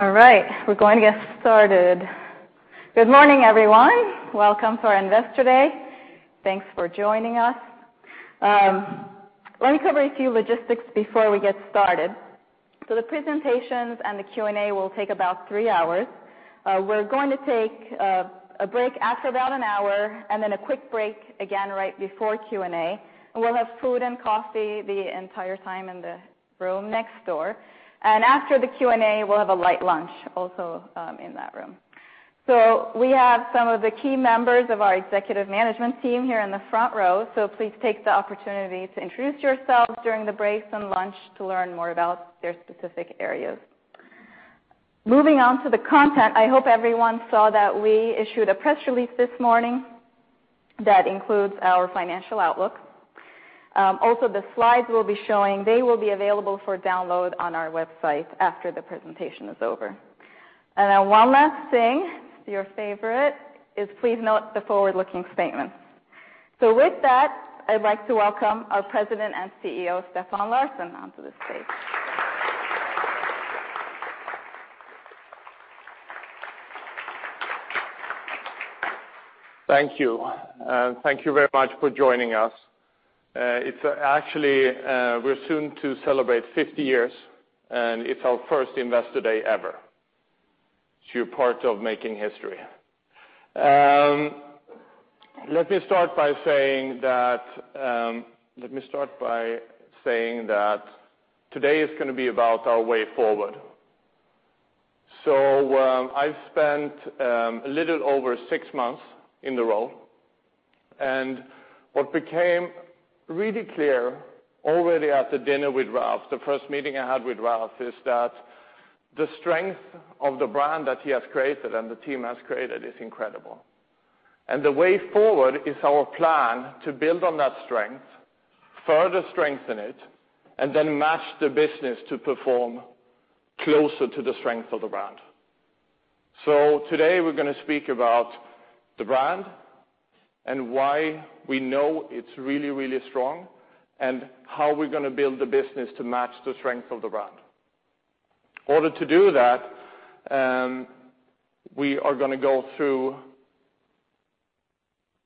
We're going to get started. Good morning, everyone. Welcome to our Investor Day. Thanks for joining us. Let me cover a few logistics before we get started. The presentations and the Q&A will take about 3 hours. We're going to take a break after about one hour, and then a quick break again right before Q&A, and we'll have food and coffee the entire time in the room next door. After the Q&A, we'll have a light lunch also in that room. We have some of the key members of our executive management team here in the front row. Please take the opportunity to introduce yourselves during the breaks and lunch to learn more about their specific areas. Moving on to the content, I hope everyone saw that we issued a press release this morning that includes our financial outlook. Also, the slides we'll be showing, they will be available for download on our website after the presentation is over. One last thing, your favorite, is please note the forward-looking statements. With that, I'd like to welcome our President and CEO, Stefan Larsson, onto the stage. Thank you. Thank you very much for joining us. Actually, we're soon to celebrate 50 years, and it's our first Investor Day ever. You're part of making history. Let me start by saying that today is going to be about our Way Forward. I've spent a little over six months in the role, and what became really clear already at the dinner with Ralph, the first meeting I had with Ralph, is that the strength of the brand that he has created and the team has created is incredible, and the Way Forward is our plan to build on that strength, further strengthen it, and then match the business to perform closer to the strength of the brand. Today, we're going to speak about the brand and why we know it's really, really strong, and how we're going to build the business to match the strength of the brand. In order to do that, we are going to go through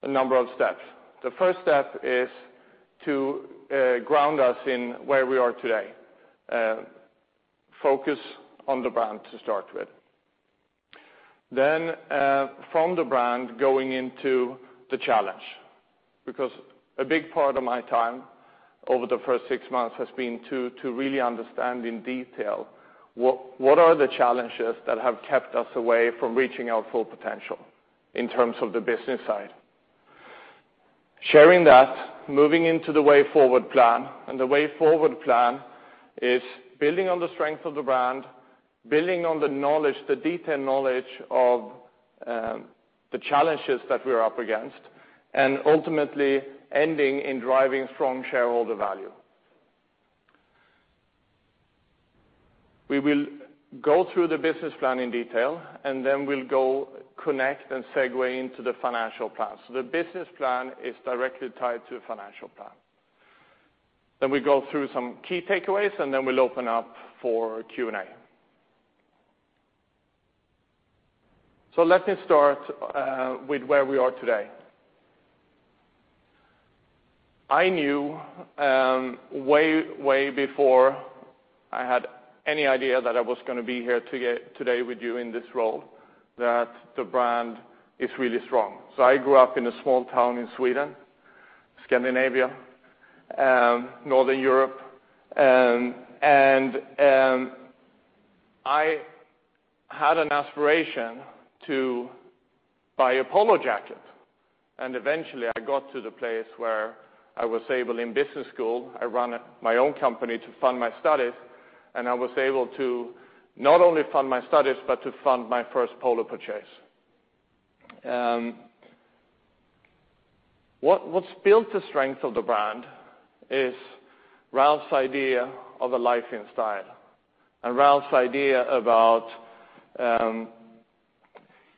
a number of steps. The first step is to ground us in where we are today. Focus on the brand to start with. From the brand, going into the challenge, because a big part of my time over the first six months has been to really understand in detail what are the challenges that have kept us away from reaching our full potential in terms of the business side. Sharing that, moving into the Way Forward plan. The Way Forward plan is building on the strength of the brand, building on the detailed knowledge of the challenges that we're up against, ultimately ending in driving strong shareholder value. We will go through the business plan in detail. Then we'll go connect and segue into the financial plan. The business plan is directly tied to the financial plan. We go through some key takeaways, then we'll open up for Q&A. Let me start with where we are today. I knew way before I had any idea that I was going to be here today with you in this role, that the brand is really strong. I grew up in a small town in Sweden, Scandinavia, Northern Europe. I had an aspiration to buy a Polo jacket. Eventually I got to the place where I was able, in business school, I ran my own company to fund my studies. I was able to not only fund my studies, but to fund my first Polo purchase. What's built the strength of the brand is Ralph's idea of a life in style and Ralph's idea about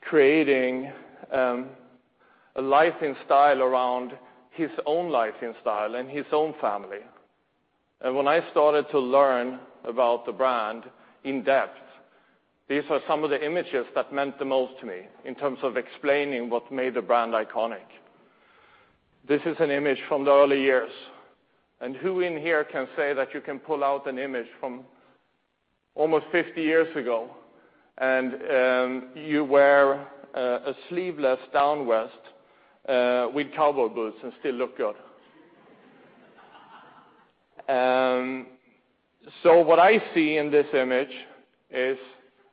creating a life in style around his own life in style and his own family. When I started to learn about the brand in depth, these are some of the images that meant the most to me in terms of explaining what made the brand iconic. This is an image from the early years. Who in here can say that you can pull out an image from almost 50 years ago, you wear a sleeveless down vest with cowboy boots and still look good? What I see in this image is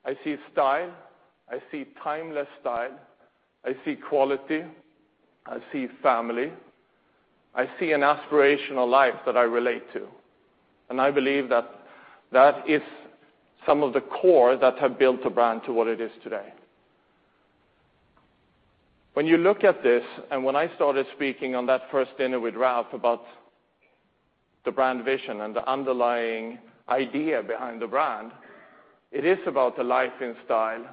I see style, I see timeless style, I see quality, I see family. I see an aspirational life that I relate to. I believe that that is some of the core that have built the brand to what it is today. When you look at this, when I started speaking on that first dinner with Ralph about the brand vision and the underlying idea behind the brand, it is about the life in style.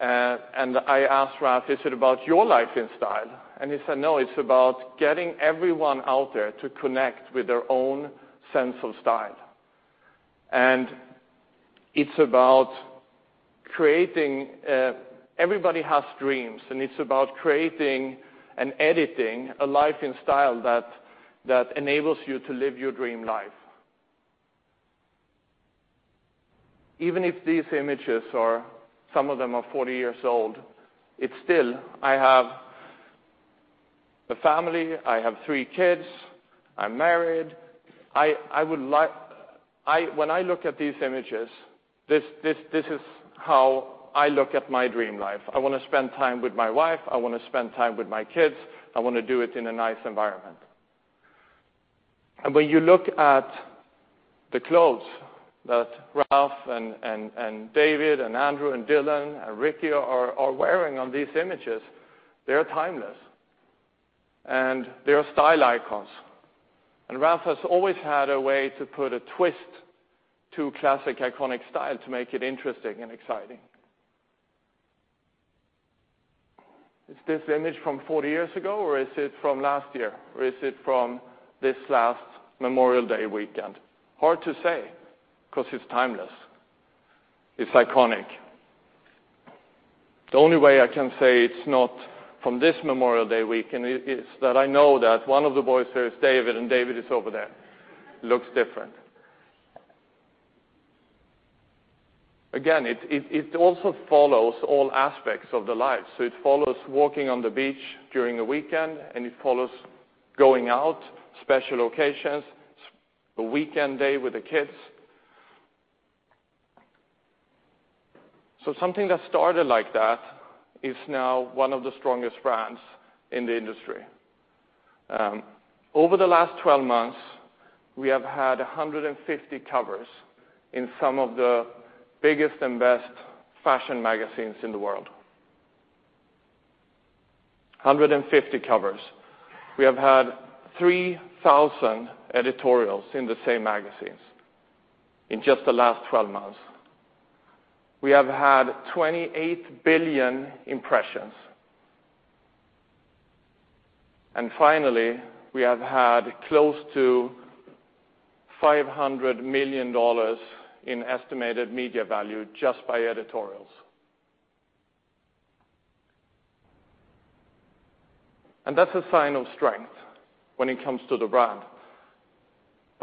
I asked Ralph, "Is it about your life in style?" He said, "No, it's about getting everyone out there to connect with their own sense of style. Everybody has dreams. It's about creating and editing a life and style that enables you to live your dream life." Even if these images are, some of them are 40 years old, it's still, I have a family. I have three kids. I'm married. When I look at these images, this is how I look at my dream life. I want to spend time with my wife, I want to spend time with my kids. I want to do it in a nice environment. When you look at the clothes that Ralph and David and Andrew and Dylan and Ricky are wearing on these images, they are timeless, and they are style icons. Ralph has always had a way to put a twist to classic iconic style to make it interesting and exciting. Is this image from 40 years ago, or is it from last year? Or is it from this last Memorial Day weekend? Hard to say, because it's timeless. It's iconic. The only way I can say it's not from this Memorial Day weekend is that I know that one of the boys there is David, and David is over there. Looks different. Again, it also follows all aspects of the life. It follows walking on the beach during a weekend, and it follows going out, special occasions, a weekend day with the kids. Something that started like that is now one of the strongest brands in the industry. Over the last 12 months, we have had 150 covers in some of the biggest and best fashion magazines in the world. 150 covers. We have had 3,000 editorials in the same magazines in just the last 12 months. We have had 28 billion impressions. Finally, we have had close to $500 million in estimated media value just by editorials. That's a sign of strength when it comes to the brand.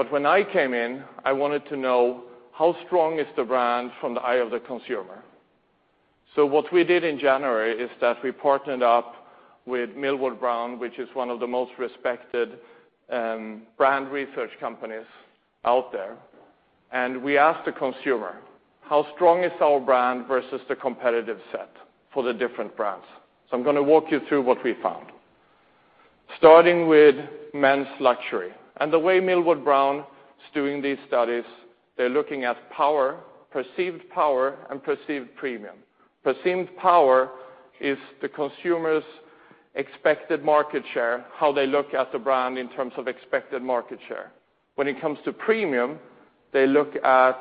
When I came in, I wanted to know how strong is the brand from the eye of the consumer. What we did in January is that we partnered up with Millward Brown, which is one of the most respected brand research companies out there. We asked the consumer, how strong is our brand versus the competitive set for the different brands? I'm going to walk you through what we found. Starting with men's luxury, the way Millward Brown is doing these studies, they're looking at power, perceived power, and perceived premium. Perceived power is the consumer's expected market share, how they look at the brand in terms of expected market share. When it comes to premium, they look at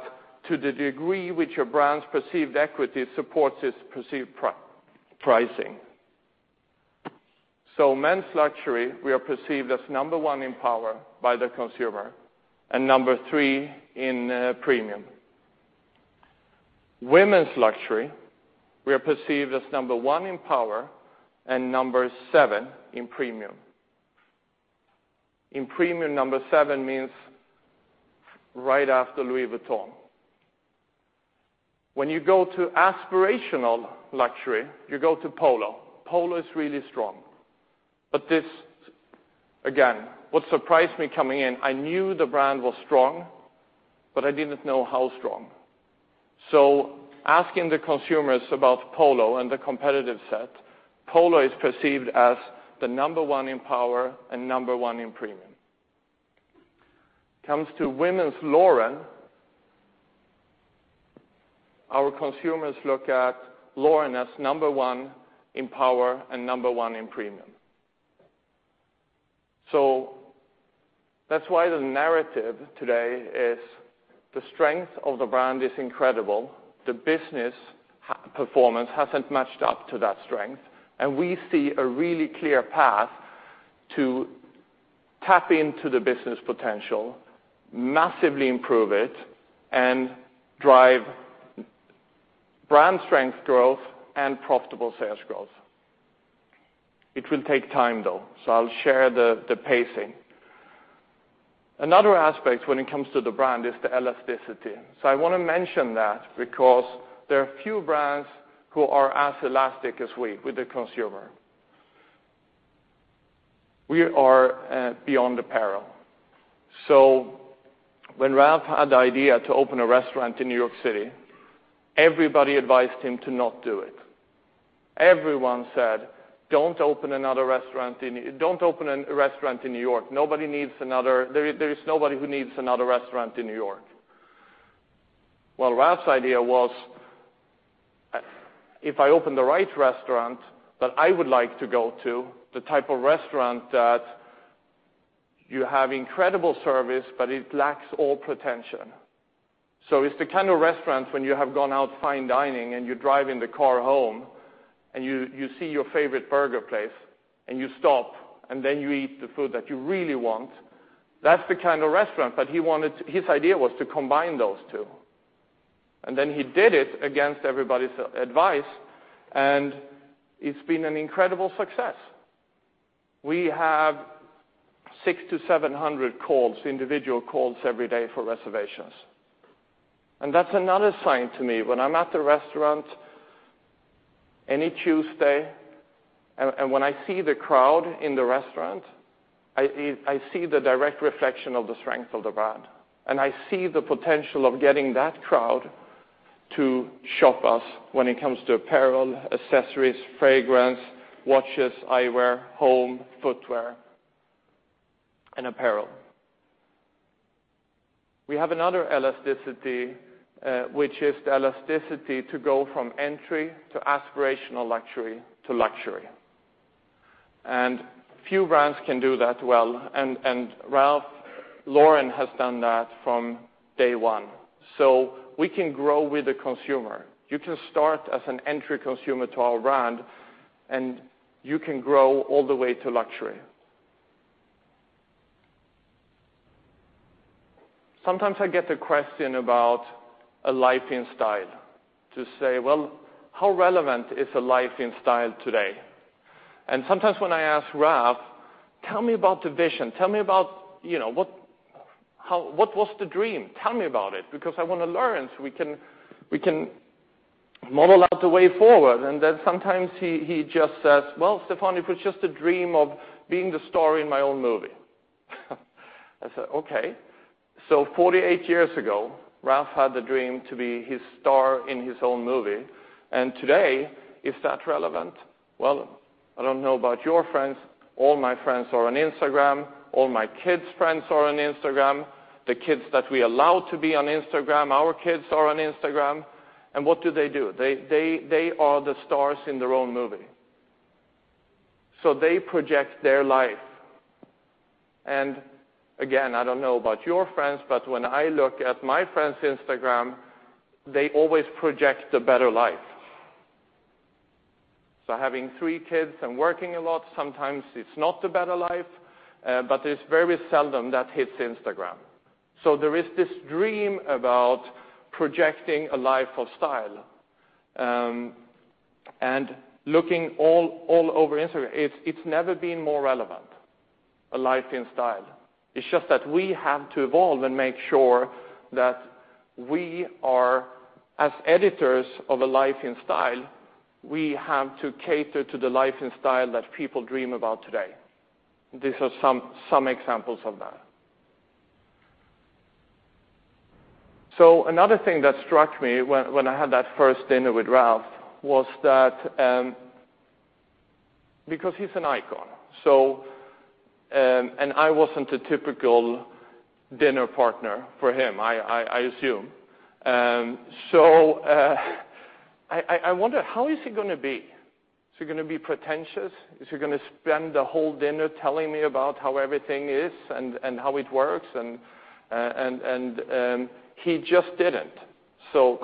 to the degree which a brand's perceived equity supports its perceived pricing. Men's luxury, we are perceived as number 1 in power by the consumer and number 3 in premium. Women's luxury, we are perceived as number 1 in power and number 7 in premium. In premium, number 7 means right after Louis Vuitton. When you go to aspirational luxury, you go to Polo. Polo is really strong. This, again, what surprised me coming in, I knew the brand was strong, but I didn't know how strong. Asking the consumers about Polo and the competitive set, Polo is perceived as the number 1 in power and number 1 in premium. Comes to women's Lauren, our consumers look at Lauren as number 1 in power and number 1 in premium. That's why the narrative today is the strength of the brand is incredible. The business performance hasn't matched up to that strength. We see a really clear path to tap into the business potential, massively improve it, and drive brand strength growth and profitable sales growth. It will take time, though. I'll share the pacing. Another aspect when it comes to the brand is the elasticity. I want to mention that because there are few brands who are as elastic as we with the consumer. We are beyond apparel. When Ralph had the idea to open a restaurant in New York City, everybody advised him to not do it. Everyone said, "Don't open a restaurant in New York. There is nobody who needs another restaurant in New York." Ralph's idea was, if I open the right restaurant that I would like to go to, the type of restaurant that You have incredible service, but it lacks all pretension. It's the kind of restaurant when you have gone out fine dining and you're driving the car home, and you see your favorite burger place, and you stop, and then you eat the food that you really want. That's the kind of restaurant that he wanted. His idea was to combine those two. Then he did it against everybody's advice, and it's been an incredible success. We have 600-700 individual calls every day for reservations. That's another sign to me. When I'm at the restaurant any Tuesday, and when I see the crowd in the restaurant, I see the direct reflection of the strength of the brand, and I see the potential of getting that crowd to shop with us when it comes to apparel, accessories, fragrance, watches, eyewear, home, footwear, and apparel. We have another elasticity, which is the elasticity to go from entry to aspirational luxury to luxury. Few brands can do that well. Ralph Lauren has done that from day one. We can grow with the consumer. You can start as an entry consumer to our brand, and you can grow all the way to luxury. Sometimes I get the question about a life in style, to say, "Well, how relevant is a life in style today?" Sometimes when I ask Ralph, "Tell me about the vision. Tell me about what was the dream. Tell me about it, because I want to learn so we can model out the Way Forward." Then sometimes he just says, "Well, Stefan, it was just a dream of being the star in my own movie." I said, "Okay." 48 years ago, Ralph had the dream to be his star in his own movie. Today, is that relevant? Well, I don't know about your friends. All my friends are on Instagram. All my kids' friends are on Instagram. The kids that we allow to be on Instagram, our kids are on Instagram. What do they do? They are the stars in their own movie. They project their life. Again, I don't know about your friends, but when I look at my friends' Instagram, they always project the better life. Having three kids and working a lot, sometimes it's not the better life, but it's very seldom that hits Instagram. There is this dream about projecting a life of style. Looking all over Instagram, it's never been more relevant, a life in style. It's just that we have to evolve and make sure that we are, as editors of a life in style, we have to cater to the life and style that people dream about today. These are some examples of that. Another thing that struck me when I had that first dinner with Ralph was that, because he's an icon, and I wasn't a typical dinner partner for him, I assume. I wonder, how is he going to be? Is he going to be pretentious? Is he going to spend the whole dinner telling me about how everything is and how it works? He just didn't.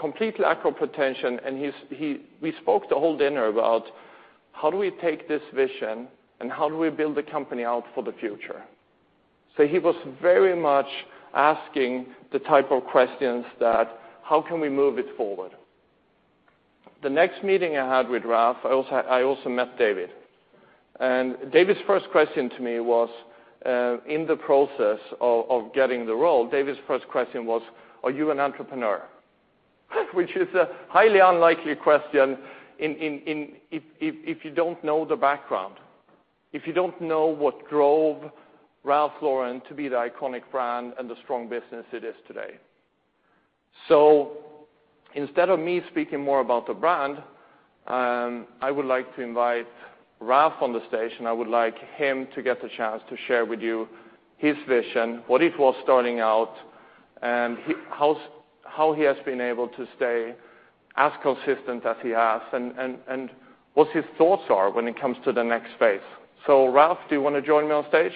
Complete lack of pretension, and we spoke the whole dinner about how do we take this vision, and how do we build the company out for the future? He was very much asking the type of questions that, how can we move it forward? The next meeting I had with Ralph, I also met David. David's first question to me was, in the process of getting the role, David's first question was, "Are you an entrepreneur?" Which is a highly unlikely question if you don't know the background, if you don't know what drove Ralph Lauren to be the iconic brand and the strong business it is today. Instead of me speaking more about the brand, I would like to invite Ralph on the stage, and I would like him to get the chance to share with you his vision, what it was starting out, and how he has been able to stay as consistent as he has, and what his thoughts are when it comes to the next phase. Ralph, do you want to join me on stage?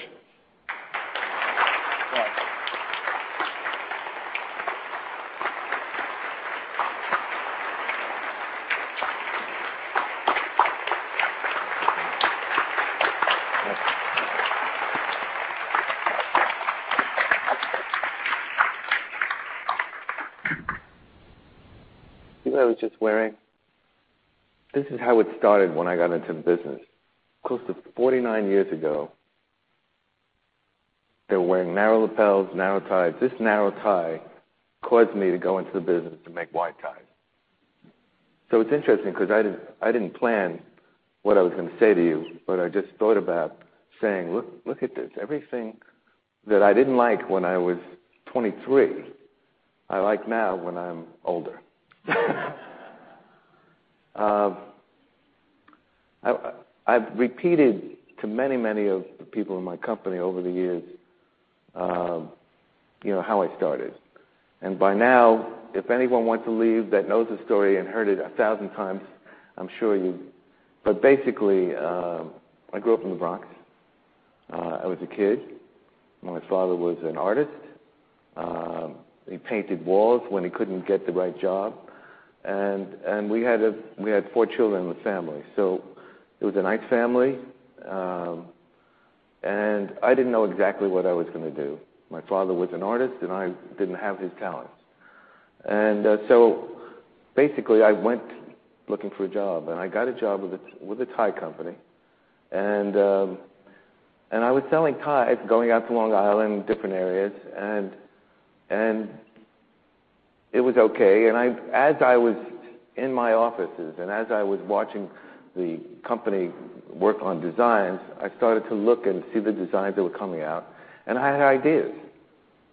See what I was just wearing? This is how it started when I got into the business, close to 49 years ago. They were wearing narrow lapels, narrow ties. This narrow tie caused me to go into the business to make wide ties. It's interesting because I didn't plan what I was going to say to you, but I just thought about saying, look at this. Everything that I didn't like when I was 23, I like now when I'm older. I've repeated to many of the people in my company over the years how I started. By now, if anyone wants to leave that knows the story and heard it a thousand times. Basically, I grew up in the Bronx. I was a kid. My father was an artist. He painted walls when he couldn't get the right job. We had four children in the family. It was a nice family. I didn't know exactly what I was going to do. My father was an artist, and I didn't have his talents. Basically, I went looking for a job, and I got a job with a tie company. I was selling ties, going out to Long Island, different areas, and it was okay. As I was in my offices, and as I was watching the company work on designs, I started to look and see the designs that were coming out, and I had ideas.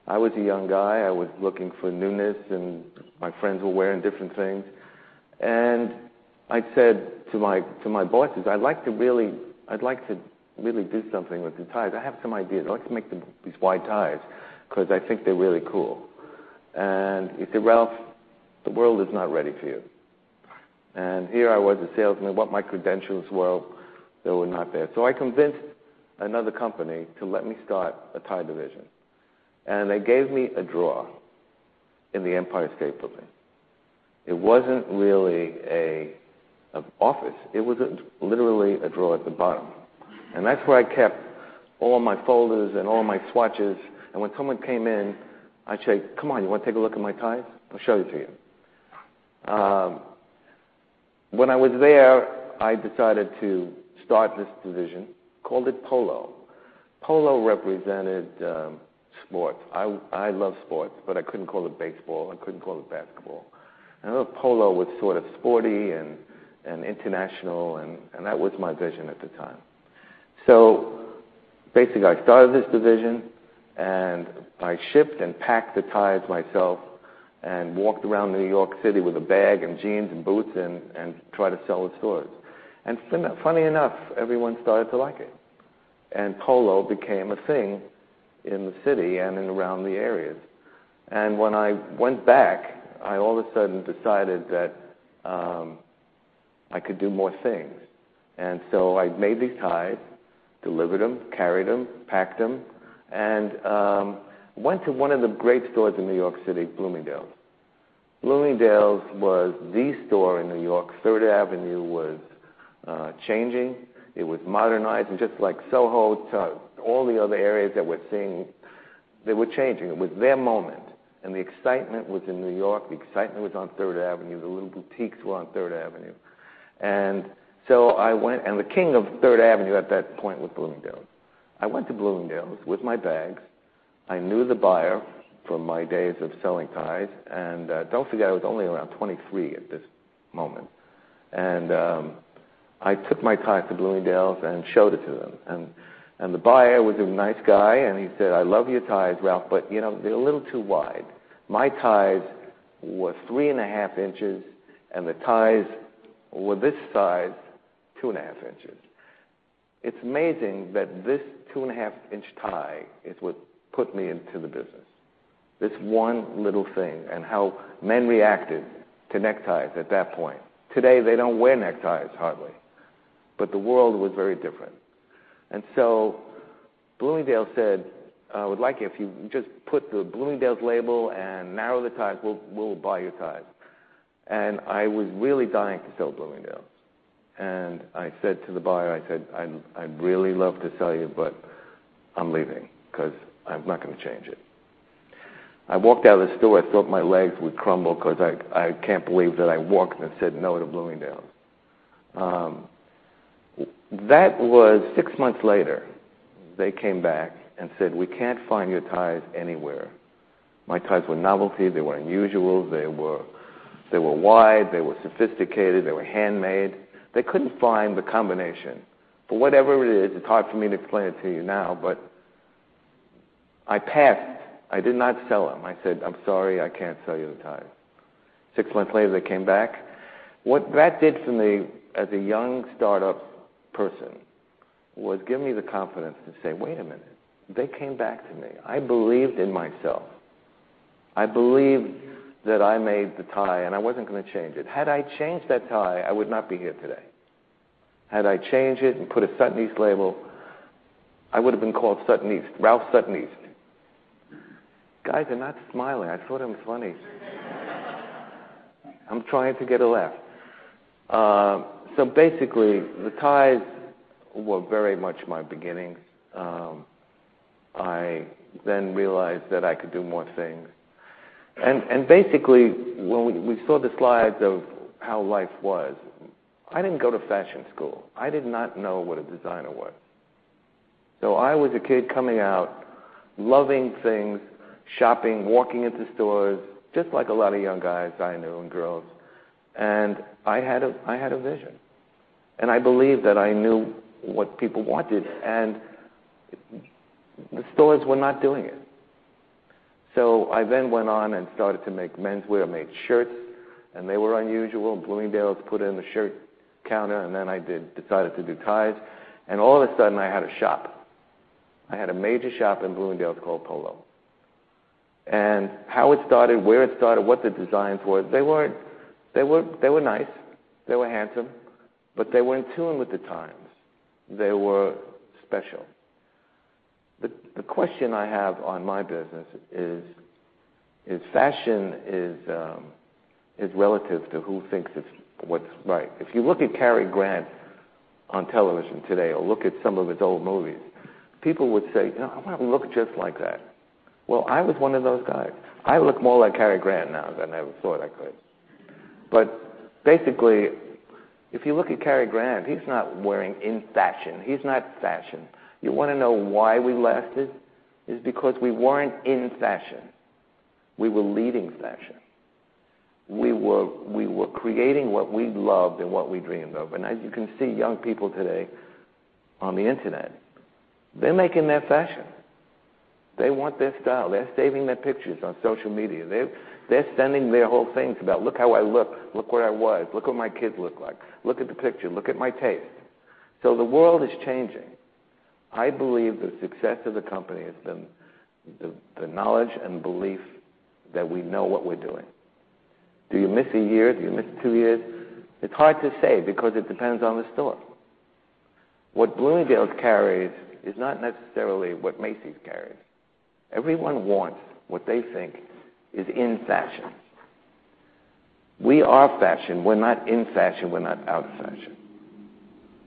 I was a young guy. I was looking for newness, and my friends were wearing different things. I said to my bosses, "I'd like to really do something with the ties. I have some ideas. I'd like to make these wide ties because I think they're really cool." He said, "Ralph, the world is not ready for you." Here I was, a salesman. What my credentials were, they were not there. I convinced another company to let me start a tie division. They gave me a drawer in the Empire State Building. It wasn't really an office. It was literally a drawer at the bottom. That's where I kept all my folders and all my swatches. When someone came in, I'd say, "Come on, you want to take a look at my ties? I'll show it to you." When I was there, I decided to start this division, called it Polo. Polo represented sports. I love sports, but I couldn't call it baseball. I couldn't call it basketball. I thought Polo was sort of sporty and international, and that was my vision at the time. Basically, I started this division, and I shipped and packed the ties myself and walked around New York City with a bag and jeans and boots and tried to sell in stores. Funny enough, everyone started to like it. Polo became a thing in the city and in around the areas. When I went back, I all of a sudden decided that I could do more things. I made these ties, delivered them, carried them, packed them, and went to one of the great stores in New York City, Bloomingdale's. Bloomingdale's was the store in New York. Third Avenue was changing. It was modernizing, just like Soho, all the other areas that we're seeing, they were changing. It was their moment. The excitement was in New York. The excitement was on Third Avenue. The little boutiques were on Third Avenue. The king of Third Avenue at that point was Bloomingdale's. I went to Bloomingdale's with my bags. I knew the buyer from my days of selling ties. Don't forget, I was only around 23 at this moment. I took my ties to Bloomingdale's and showed it to them. The buyer was a nice guy, and he said, "I love your ties, Ralph, but they're a little too wide." My ties were three and a half inches, and the ties were this size, two and a half inches. It's amazing that this two-and-a-half-inch tie is what put me into the business. This one little thing and how men reacted to neckties at that point. Today, they don't wear neckties hardly. The world was very different. Bloomingdale's said, "We'd like it if you just put the Bloomingdale's label and narrow the ties. We'll buy your ties." I was really dying to sell to Bloomingdale's. I said to the buyer, I said, "I'd really love to sell you, but I'm leaving because I'm not going to change it." I walked out of the store. I thought my legs would crumble because I can't believe that I walked and said no to Bloomingdale's. Six months later, they came back and said, "We can't find your ties anywhere." My ties were novelty. They were unusual. They were wide. They were sophisticated. They were handmade. They couldn't find the combination. Whatever it is, it's hard for me to explain it to you now, but I passed. I did not sell them. I said, "I'm sorry, I can't sell you the ties." Six months later, they came back. What that did for me as a young startup person was give me the confidence to say, "Wait a minute. They came back to me." I believed in myself. I believed that I made the tie, and I wasn't going to change it. Had I changed that tie, I would not be here today. Had I changed it and put a Sutton East label, I would've been called Sutton East, Ralph Sutton East. You guys are not smiling. I thought I was funny. I'm trying to get a laugh. Basically, the ties were very much my beginning. I realized that I could do more things. Basically, when we saw the slides of how life was, I didn't go to fashion school. I did not know what a designer was. I was a kid coming out, loving things, shopping, walking into stores, just like a lot of young guys I knew and girls. I had a vision. I believed that I knew what people wanted. The stores were not doing it. I went on and started to make menswear. I made shirts, and they were unusual. Bloomingdale's put in the shirt counter, I decided to do ties. All of a sudden, I had a shop. I had a major shop in Bloomingdale's called Polo. How it started, where it started, what the designs were, they were nice, they were handsome, they were in tune with the times. They were special. The question I have on my business is fashion is relative to who thinks it's what's right. If you look at Cary Grant on television today or look at some of his old movies, people would say, "You know, I want to look just like that." Well, I was one of those guys. I look more like Cary Grant now than I ever thought I could. Basically, if you look at Cary Grant, he's not wearing in fashion. He's not fashion. You want to know why we lasted? Is because we weren't in fashion. We were leading fashion. We were creating what we loved and what we dreamed of. As you can see young people today on the internet, they're making their fashion. They want their style. They're saving their pictures on social media. They're sending their whole things about, "Look how I look. Look where I was. Look what my kids look like. Look at the picture. Look at my taste." The world is changing. I believe the success of the company is the knowledge and belief that we know what we're doing. Do you miss a year? Do you miss two years? It's hard to say because it depends on the store. What Bloomingdale's carries is not necessarily what Macy's carries. Everyone wants what they think is in fashion. We are fashion. We're not in fashion. We're not out of fashion.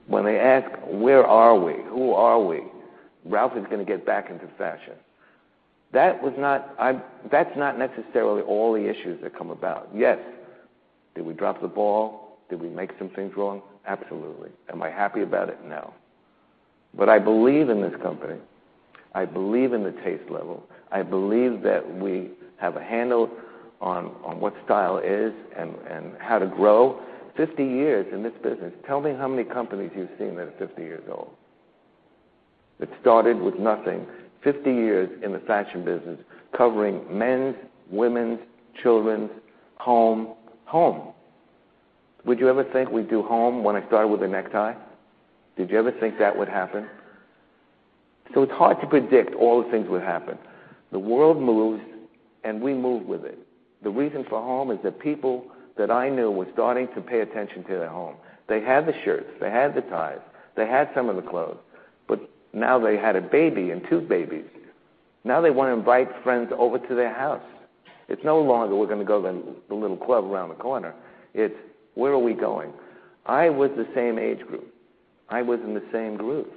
When they ask, where are we? Who are we? Ralph is going to get back into fashion. That's not necessarily all the issues that come about. Yes, did we drop the ball? Did we make some things wrong? Absolutely. Am I happy about it? No. I believe in this company. I believe in the taste level. I believe that we have a handle on what style is and how to grow. 50 years in this business, tell me how many companies you've seen that are 50 years old that started with nothing. 50 years in the fashion business covering men's, women's, children's, home. Home. Would you ever think we'd do home when I started with a necktie? Did you ever think that would happen? It's hard to predict all the things would happen. The world moves, and we move with it. The reason for home is that people that I knew were starting to pay attention to their home. They had the shirts, they had the ties, they had some of the clothes, but now they had a baby and two babies. Now they want to invite friends over to their house. It's no longer we're going to go to the little club around the corner. It's where are we going? I was the same age group. I was in the same group.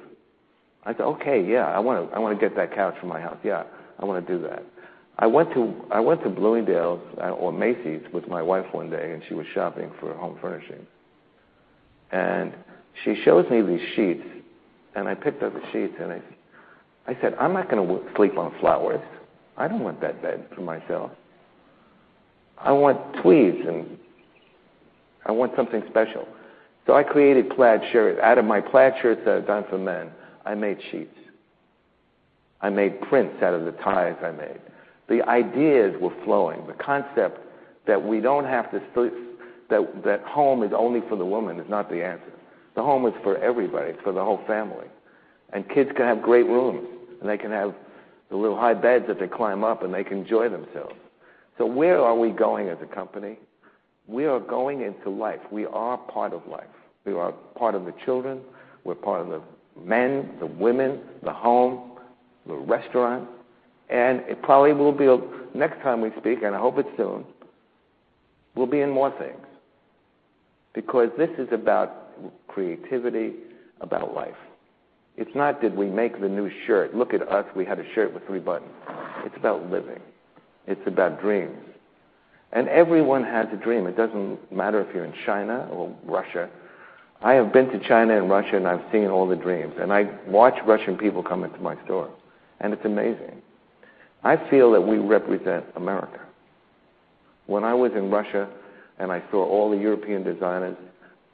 I said, "Okay. Yeah, I want to get that couch for my house. Yeah, I want to do that." I went to Bloomingdale's or Macy's with my wife one day, and she was shopping for home furnishing. She shows me these sheets, and I picked up the sheets, and I said, "I'm not going to sleep on flowers. I don't want that bed for myself. I want tweeds, and I want something special." I created plaid shirts. Out of my plaid shirts that I've done for men, I made sheets. I made prints out of the ties I made. The ideas were flowing. The concept that home is only for the woman is not the answer. The home is for everybody. It's for the whole family. Kids can have great rooms, and they can have the little high beds that they climb up, and they can enjoy themselves. Where are we going as a company? We are going into life. We are part of life. We are part of the children. We're part of the men, the women, the home, the restaurant, and it probably will be next time we speak, and I hope it's soon, we'll be in more things because this is about creativity, about life. It's not did we make the new shirt? Look at us. We had a shirt with three buttons. It's about living. It's about dreams. Everyone has a dream. It doesn't matter if you're in China or Russia. I have been to China and Russia, and I've seen all the dreams, and I watch Russian people come into my store, and it's amazing. I feel that we represent America. When I was in Russia and I saw all the European designers,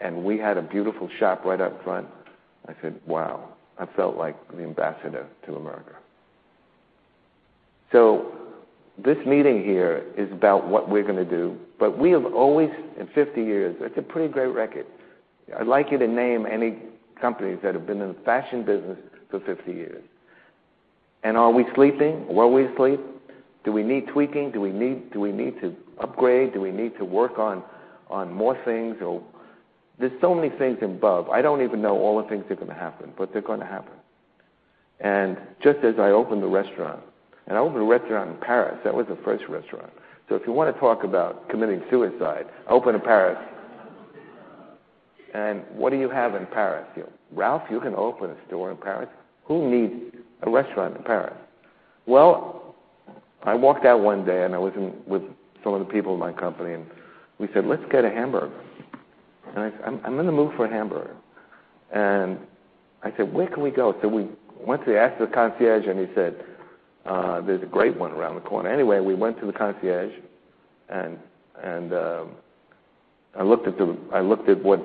and we had a beautiful shop right up front, I said, "Wow." I felt like the ambassador to America. This meeting here is about what we're going to do, but we have always, in 50 years, that's a pretty great record. I'd like you to name any companies that have been in the fashion business for 50 years. Are we sleeping? Were we asleep? Do we need tweaking? Do we need to upgrade? Do we need to work on more things? There's so many things above. I don't even know all the things that are going to happen, but they're going to happen. Just as I opened the restaurant, and I opened a restaurant in Paris, that was the first restaurant. If you want to talk about committing suicide, open in Paris. What do you have in Paris? "Ralph, you can open a store in Paris? Who needs a restaurant in Paris?" I walked out one day, I was with some of the people in my company, we said, "Let's get a hamburger." I said, "I'm in the mood for a hamburger." I said, "Where can we go?" We went to ask the concierge, he said, "There's a great one around the corner." We went to the concierge I looked at what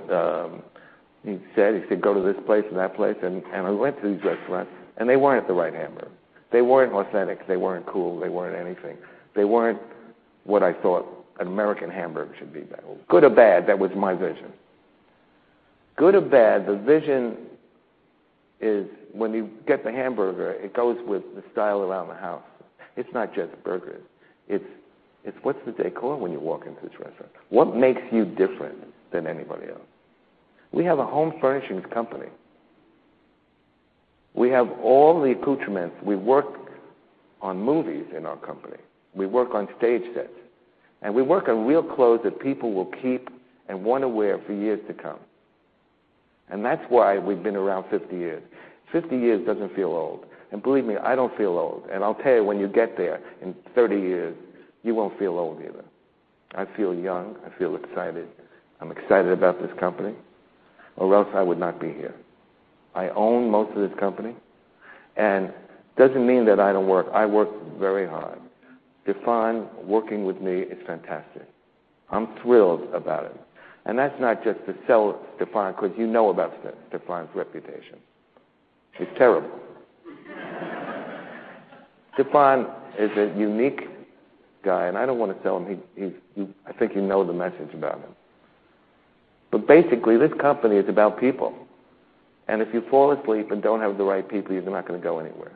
he said. He said, "Go to this place and that place." We went to these restaurants, they weren't the right hamburger. They weren't authentic. They weren't cool. They weren't anything. They weren't what I thought an American hamburger should be like. Good or bad, that was my vision. Good or bad, the vision is when you get the hamburger, it goes with the style around the house. It's not just burgers. It's what's the decor when you walk into this restaurant? What makes you different than anybody else? We have a home furnishings company. We have all the accoutrements. We work on movies in our company. We work on stage sets. We work on real clothes that people will keep and want to wear for years to come. That's why we've been around 50 years. 50 years doesn't feel old, believe me, I don't feel old. I'll tell you, when you get there in 30 years, you won't feel old either. I feel young. I feel excited. I'm excited about this company, or else I would not be here. I own most of this company, doesn't mean that I don't work. I work very hard. Stefan working with me is fantastic. I'm thrilled about it. That's not just to sell Stefan, because you know about Stefan's reputation. It's terrible. Stefan is a unique guy, I don't want to sell him. I think you know the message about him. Basically, this company is about people, if you fall asleep and don't have the right people, you're not going to go anywhere.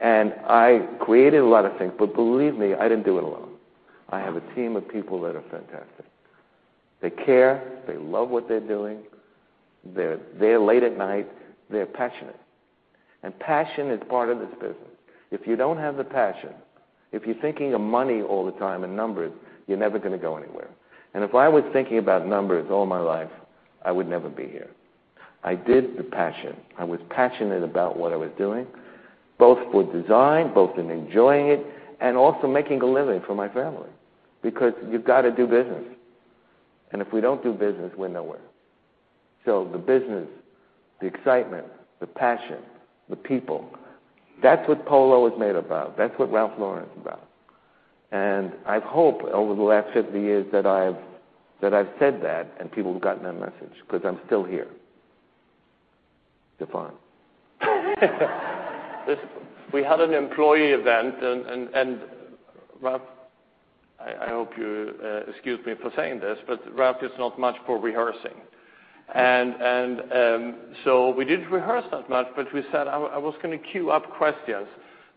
I created a lot of things, believe me, I didn't do it alone. I have a team of people that are fantastic. They care. They love what they're doing. They're late at night. They're passionate, passion is part of this business. If you don't have the passion, if you're thinking of money all the time and numbers, you're never going to go anywhere. If I was thinking about numbers all my life, I would never be here. I did the passion. I was passionate about what I was doing, both for design, both in enjoying it, also making a living for my family. You've got to do business, if we don't do business, we're nowhere. The business, the excitement, the passion, the people, that's what Polo is made about. That's what Ralph Lauren is about. I've hoped over the last 50 years that I've said that people have gotten that message, because I'm still here, Stefan. We had an employee event, Ralph, I hope you excuse me for saying this, Ralph is not much for rehearsing. We didn't rehearse that much, we said I was going to queue up questions.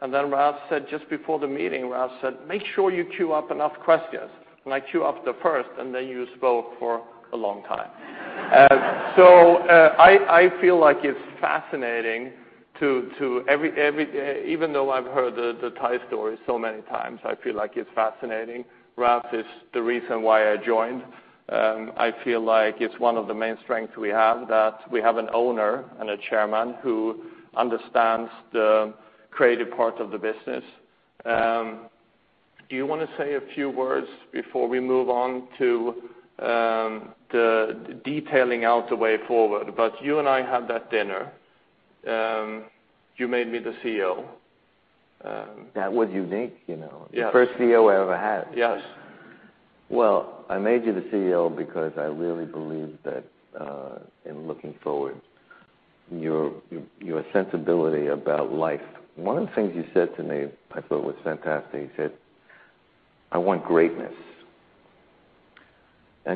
Ralph said, just before the meeting, Ralph said, "Make sure you queue up enough questions." I queue up the first, you spoke for a long time. I feel like it's fascinating to Even though I've heard the tie story so many times, I feel like it's fascinating. Ralph is the reason why I joined. I feel like it's one of the main strengths we have, that we have an owner and a chairman who understands the creative part of the business. Do you want to say a few words before we move on to the detailing out the Way Forward? You and I had that dinner. You made me the CEO. That was unique. Yes. The first CEO I ever had. Yes. I made you the CEO because I really believed that, in looking forward, your sensibility about life. One of the things you said to me, I thought, was fantastic. You said, "I want greatness."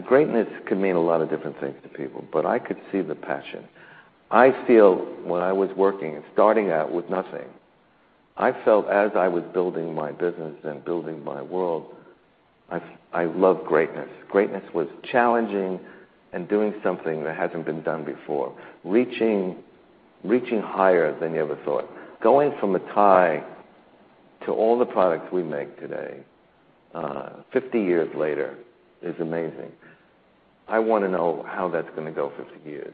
Greatness can mean a lot of different things to people, but I could see the passion. I feel when I was working and starting out with nothing, I felt as I was building my business and building my world, I loved greatness. Greatness was challenging and doing something that hasn't been done before, reaching higher than you ever thought. Going from a tie to all the products we make today, 50 years later, is amazing. I want to know how that's going to go 50 years.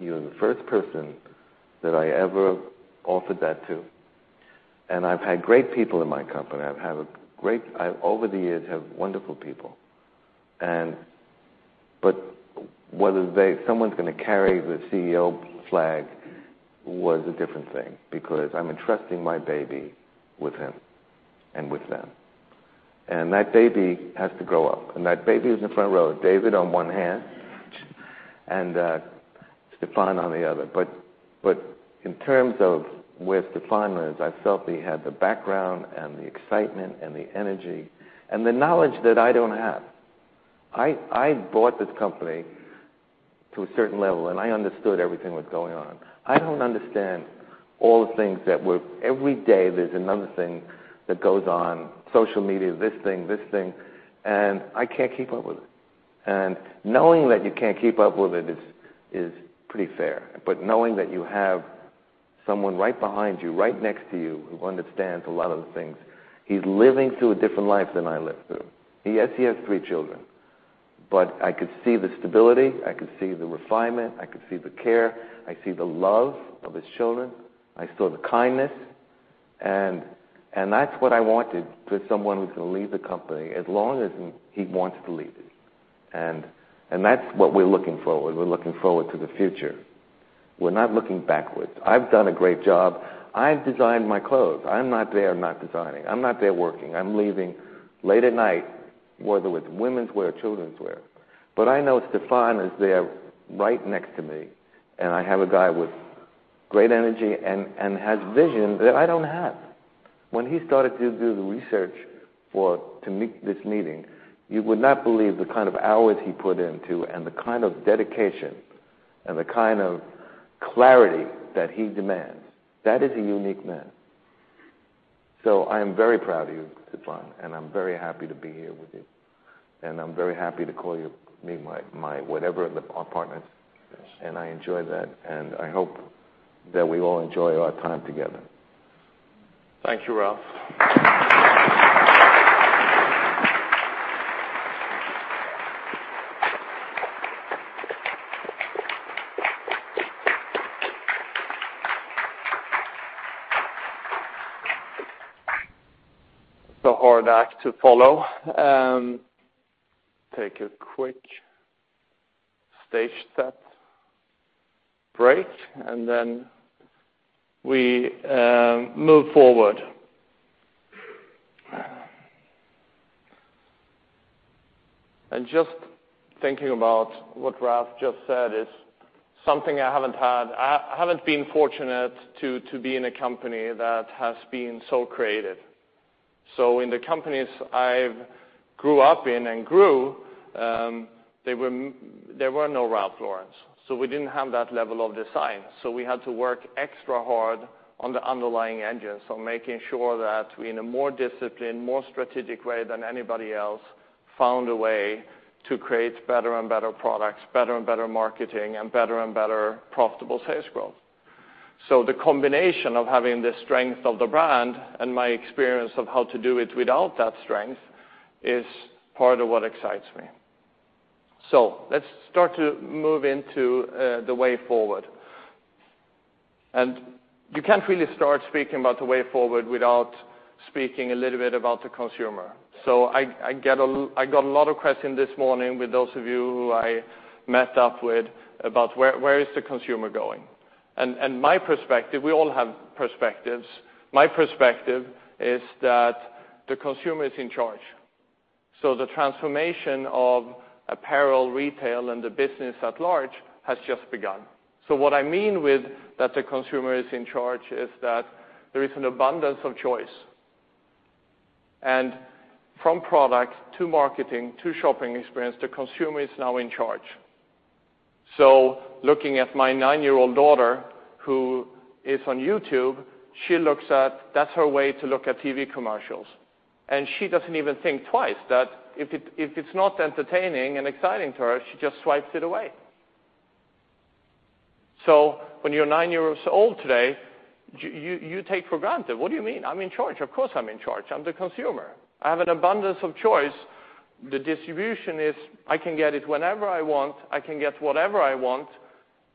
You're the first person that I ever offered that to, and I've had great people in my company. I've, over the years, had wonderful people. Whether someone's going to carry the CEO flag was a different thing because I'm entrusting my baby with him and with them. That baby has to grow up. That baby is in the front row, David on one hand and Stefan on the other. In terms of where Stefan is, I felt he had the background and the excitement and the energy and the knowledge that I don't have. I brought this company to a certain level, I understood everything that was going on. I don't understand all the things that Every day, there's another thing that goes on, social media, this thing, this thing, I can't keep up with it. Knowing that you can't keep up with it is pretty fair, but knowing that you have someone right behind you, right next to you, who understands a lot of the things. He's living through a different life than I lived through. Yes, he has three children. I could see the stability, I could see the refinement, I could see the care. I see the love of his children. I saw the kindness, and that's what I wanted for someone who's going to lead the company, as long as he wants to lead it. That's what we're looking forward. We're looking forward to the future. We're not looking backwards. I've done a great job. I've designed my clothes. I'm not there not designing. I'm not there working. I'm leaving late at night, whether it's womenswear or childrenswear. I know Stefan is there right next to me, and I have a guy with great energy and has vision that I don't have. When he started to do the research to meet this meeting, you would not believe the kind of hours he put into and the kind of dedication and the kind of clarity that he demands. That is a unique man. I am very proud of you, [Stefan], and I'm very happy to be here with you, and I'm very happy to call you my whatever the partners. Yes. I enjoy that, and I hope that we all enjoy our time together. Thank you, Ralph. It's a hard act to follow. Take a quick stage set break, then we move forward. Just thinking about what Ralph just said is something I haven't had. I haven't been fortunate to be in a company that has been so creative. In the companies I've grew up in and grew, there were no Ralph Laurens. We didn't have that level of design. We had to work extra hard on the underlying engine. Making sure that we, in a more disciplined, more strategic way than anybody else, found a way to create better and better products, better and better marketing, and better and better profitable sales growth. The combination of having the strength of the brand and my experience of how to do it without that strength is part of what excites me. Let's start to move into the Way Forward. You can't really start speaking about the Way Forward without speaking a little bit about the consumer. I got a lot of questions this morning with those of you who I met up with about where is the consumer going. My perspective, we all have perspectives. My perspective is that the consumer is in charge. The transformation of apparel, retail, and the business at large has just begun. What I mean with that the consumer is in charge is that there is an abundance of choice. From product to marketing to shopping experience, the consumer is now in charge. Looking at my 9-year-old daughter, who is on YouTube, that's her way to look at TV commercials. She doesn't even think twice that if it's not entertaining and exciting to her, she just swipes it away. When you're nine years old today, you take for granted. What do you mean I'm in charge? Of course, I'm in charge. I'm the consumer. I have an abundance of choice. The distribution is, I can get it whenever I want. I can get whatever I want.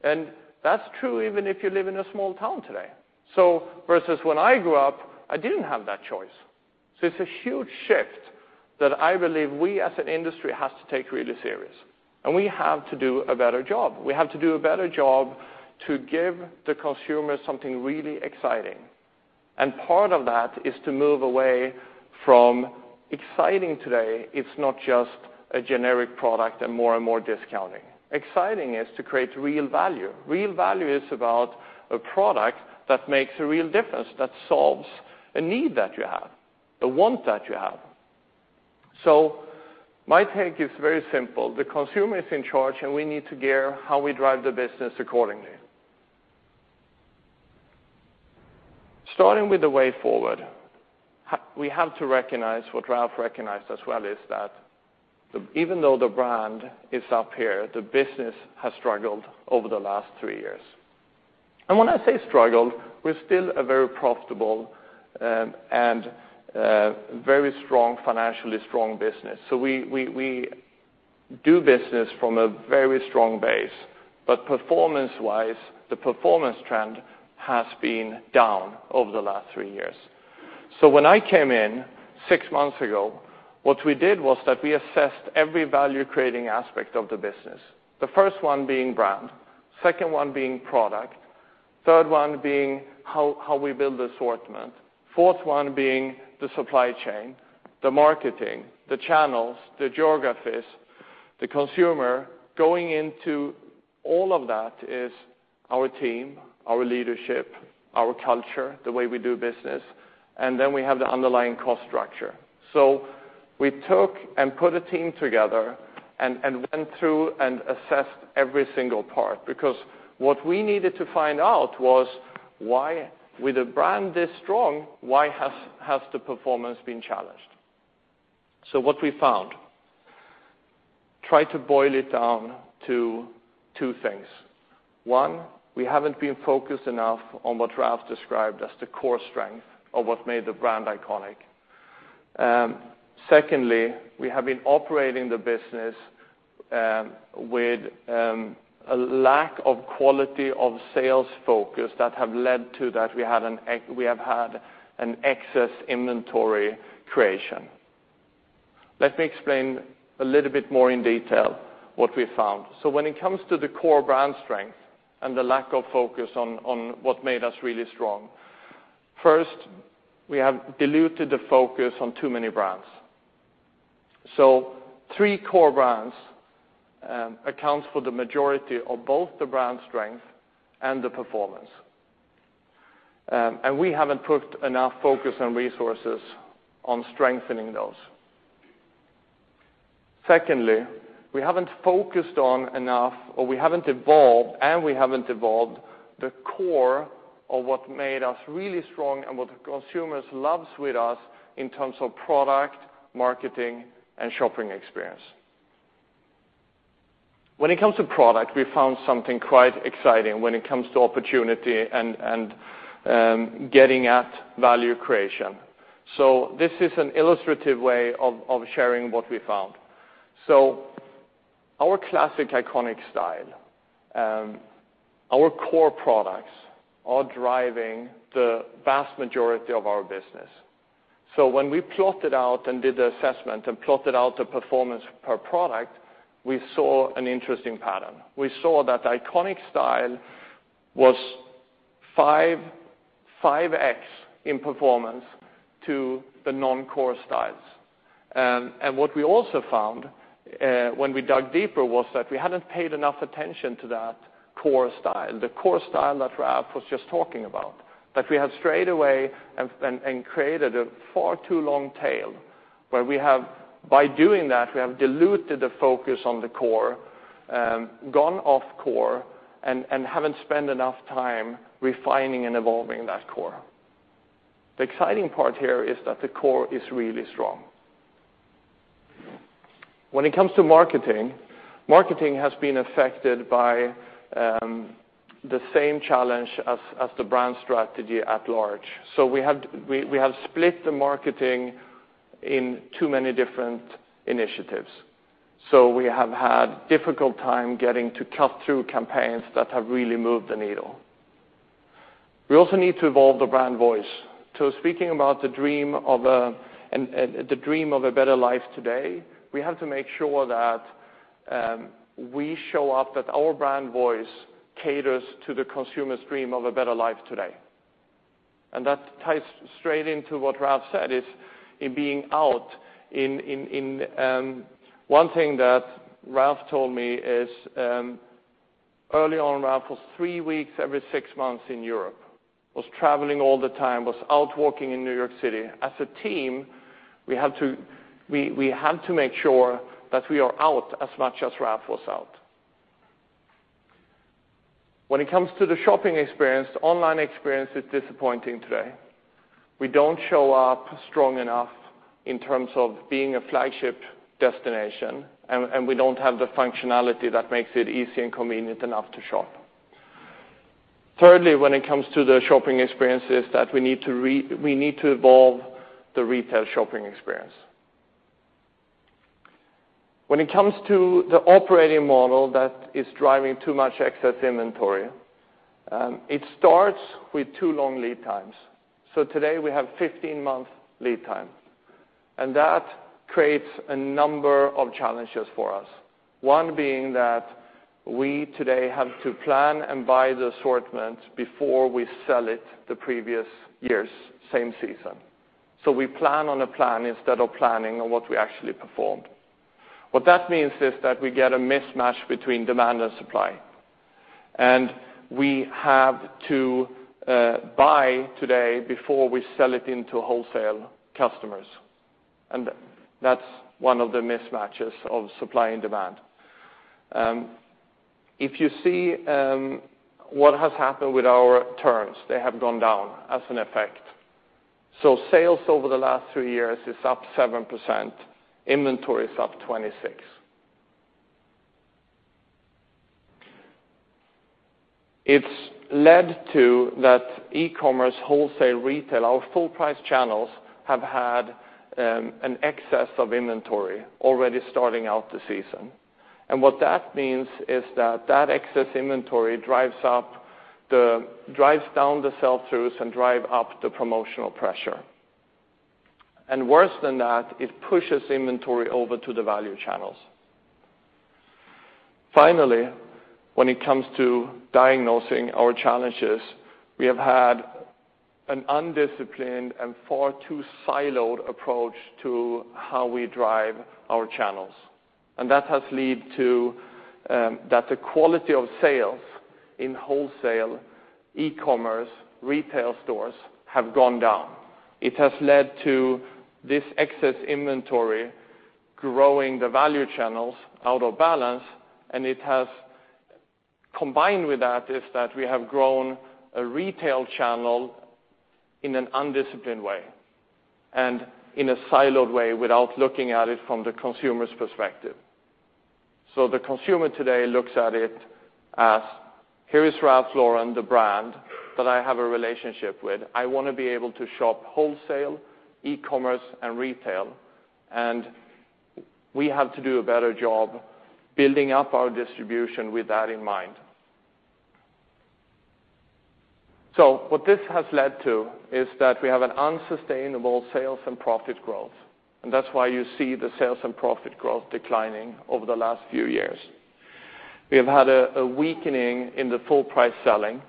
That's true even if you live in a small town today. Versus when I grew up, I didn't have that choice. It's a huge shift that I believe we, as an industry, have to take really serious. We have to do a better job. We have to do a better job to give the consumer something really exciting. Part of that is to move away from exciting today. It's not just a generic product and more and more discounting. Exciting is to create real value. Real value is about a product that makes a real difference, that solves a need that you have, a want that you have. My take is very simple. The consumer is in charge, and we need to gear how we drive the business accordingly. Starting with the Way Forward, we have to recognize what Ralph recognized as well, is that even though the brand is up here, the business has struggled over the last three years. When I say struggled, we're still a very profitable and very strong, financially strong business. We do business from a very strong base, but performance-wise, the performance trend has been down over the last three years. When I came in six months ago, what we did was that we assessed every value-creating aspect of the business, the first one being brand, the second one being product, the third one being how we build assortment, the fourth one being the supply chain, the marketing, the channels, the geographies, the consumer. Going into all of that is our team, our leadership, our culture, the way we do business, and then we have the underlying cost structure. We took and put a team together and went through and assessed every single part because what we needed to find out was why with a brand this strong, why has the performance been challenged. What we found, try to boil it down to 2 things. One, we haven't been focused enough on what Ralph described as the core strength of what made the brand iconic. Secondly, we have been operating the business with a lack of quality of sales focus that have led to that we have had an excess inventory creation. Let me explain a little bit more in detail what we found. When it comes to the core brand strength and the lack of focus on what made us really strong, first, we have diluted the focus on too many brands. 3 core brands accounts for the majority of both the brand strength and the performance. We haven't put enough focus and resources on strengthening those. Secondly, we haven't focused on enough, or we haven't evolved, and we haven't evolved the core of what made us really strong and what consumers love with us in terms of product, marketing, and shopping experience. When it comes to product, we found something quite exciting when it comes to opportunity and getting at value creation. This is an illustrative way of sharing what we found. Our classic iconic style, our core products are driving the vast majority of our business. When we plotted out and did the assessment and plotted out the performance per product, we saw an interesting pattern. We saw that iconic style was 5X in performance to the non-core styles. What we also found, when we dug deeper, was that we hadn't paid enough attention to that core style, the core style that Ralph was just talking about, that we have strayed away and created a far too long tail, where by doing that, we have diluted the focus on the core, gone off core, and haven't spent enough time refining and evolving that core. The exciting part here is that the core is really strong. When it comes to marketing has been affected by the same challenge as the brand strategy at large. We have split the marketing in too many different initiatives. We have had difficult time getting to cut through campaigns that have really moved the needle. We also need to evolve the brand voice. Speaking about the dream of a better life today, we have to make sure that we show up, that our brand voice caters to the consumer's dream of a better life today. That ties straight into what Ralph said, is in being out in. One thing that Ralph told me is, early on, Ralph was three weeks, every six months in Europe, was traveling all the time, was out walking in New York City. As a team, we have to make sure that we are out as much as Ralph was out. When it comes to the shopping experience, the online experience is disappointing today. We don't show up strong enough in terms of being a flagship destination, and we don't have the functionality that makes it easy and convenient enough to shop. Thirdly, when it comes to the shopping experience, is that we need to evolve the retail shopping experience. When it comes to the operating model that is driving too much excess inventory, it starts with too long lead times. Today, we have 15-month lead time, and that creates a number of challenges for us, one being that we today have to plan and buy the assortment before we sell it the previous year's same season. We plan on a plan instead of planning on what we actually performed. What that means is that we get a mismatch between demand and supply. We have to buy today before we sell it into wholesale customers, and that's one of the mismatches of supply and demand. If you see what has happened with our turns, they have gone down as an effect. Sales over the last three years is up 7%, inventory is up 26%. It's led to that e-commerce, wholesale, retail, our full-price channels have had an excess of inventory already starting out the season. What that means is that that excess inventory drives down the sell-throughs and drive up the promotional pressure. Worse than that, it pushes inventory over to the value channels. Finally, when it comes to diagnosing our challenges, we have had an undisciplined and far too siloed approach to how we drive our channels. That has led to that the quality of sales in wholesale, e-commerce, retail stores have gone down. It has led to this excess inventory growing the value channels out of balance. Combined with that, is that we have grown a retail channel in an undisciplined way and in a siloed way without looking at it from the consumer's perspective. The consumer today looks at it as, here is Ralph Lauren, the brand that I have a relationship with. I want to be able to shop wholesale, e-commerce, and retail. We have to do a better job building up our distribution with that in mind. What this has led to is that we have an unsustainable sales and profit growth, and that's why you see the sales and profit growth declining over the last few years. We have had a weakening in the full-price selling.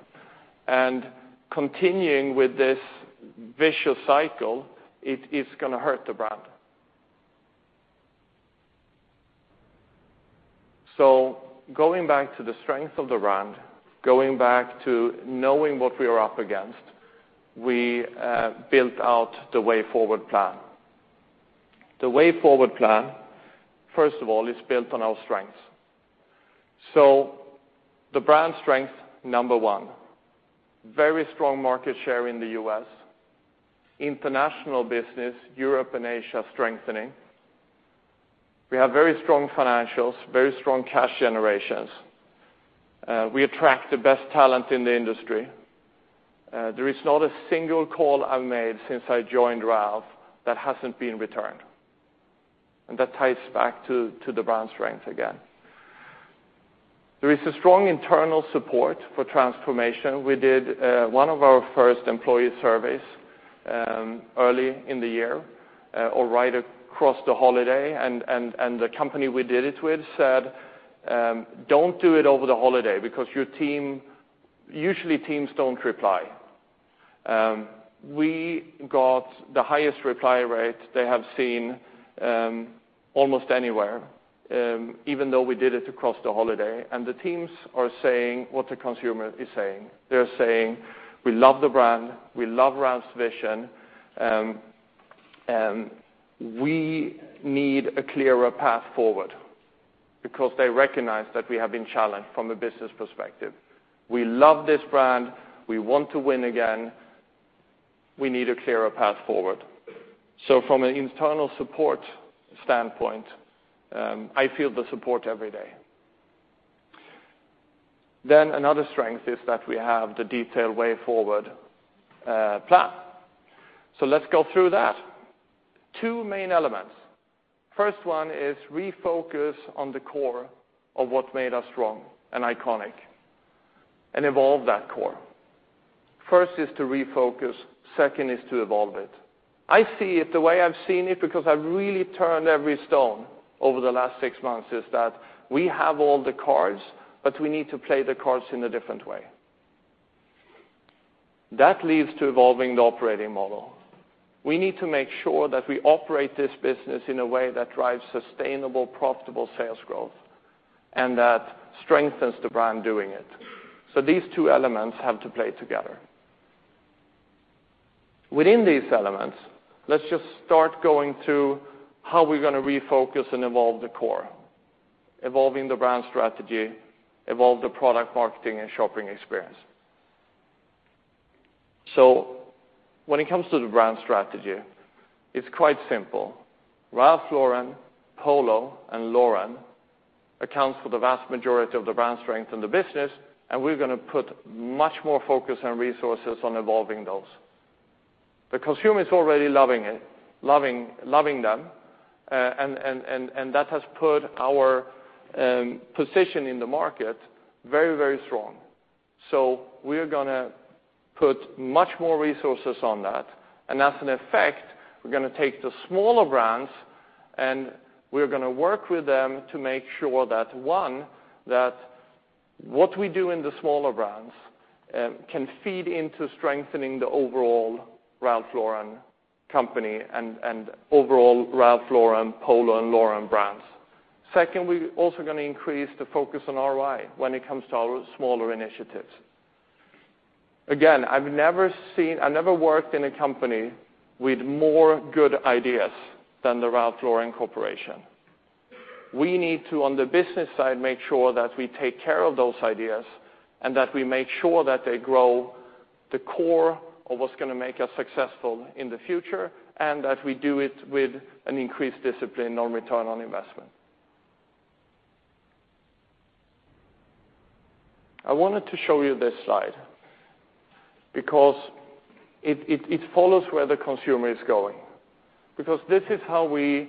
Continuing with this vicious cycle, it is going to hurt the brand. Going back to the strength of the brand, going back to knowing what we are up against, we built out the Way Forward plan. The Way Forward plan, first of all, is built on our strengths. The brand strength, number one, very strong market share in the U.S. International business, Europe and Asia, strengthening. We have very strong financials, very strong cash generations. We attract the best talent in the industry. There is not a single call I've made since I joined Ralph that hasn't been returned, and that ties back to the brand strength again. There is a strong internal support for transformation. We did one of our first employee surveys early in the year or right across the holiday. The company we did it with said, "Don't do it over the holiday because usually teams don't reply." We got the highest reply rate they have seen almost anywhere, even though we did it across the holiday. The teams are saying what the consumer is saying. They're saying, "We love the brand. We love Ralph's vision. We need a clearer path forward," because they recognize that we have been challenged from a business perspective. We love this brand. We want to win again. We need a clearer path forward. From an internal support standpoint, I feel the support every day. Another strength is that we have the detailed Way Forward plan. Let's go through that. Two main elements. First one is refocus on the core of what made us strong and iconic and evolve that core. First is to refocus, second is to evolve it. I see it the way I've seen it because I've really turned every stone over the last six months, is that we have all the cards, but we need to play the cards in a different way. That leads to evolving the operating model. We need to make sure that we operate this business in a way that drives sustainable, profitable sales growth and that strengthens the brand doing it. These two elements have to play together. Within these elements, let's just start going to how we're going to refocus and evolve the core, evolving the brand strategy, evolve the product marketing and shopping experience. When it comes to the brand strategy, it's quite simple. Ralph Lauren, Polo, and Lauren account for the vast majority of the brand strength in the business, and we're going to put much more focus and resources on evolving those. The consumer is already loving them, and that has put our position in the market very strong. We are going to put much more resources on that, and as an effect, we're going to take the smaller brands, and we're going to work with them to make sure that, one, that what we do in the smaller brands can feed into strengthening the overall Ralph Lauren company and overall Ralph Lauren, Polo, and Lauren brands. Second, we also going to increase the focus on ROI when it comes to our smaller initiatives. Again, I've never worked in a company with more good ideas than the Ralph Lauren Corporation. We need to, on the business side, make sure that we take care of those ideas and that we make sure that they grow the core of what's going to make us successful in the future and that we do it with an increased discipline on return on investment. I wanted to show you this slide because it follows where the consumer is going. Because this is how we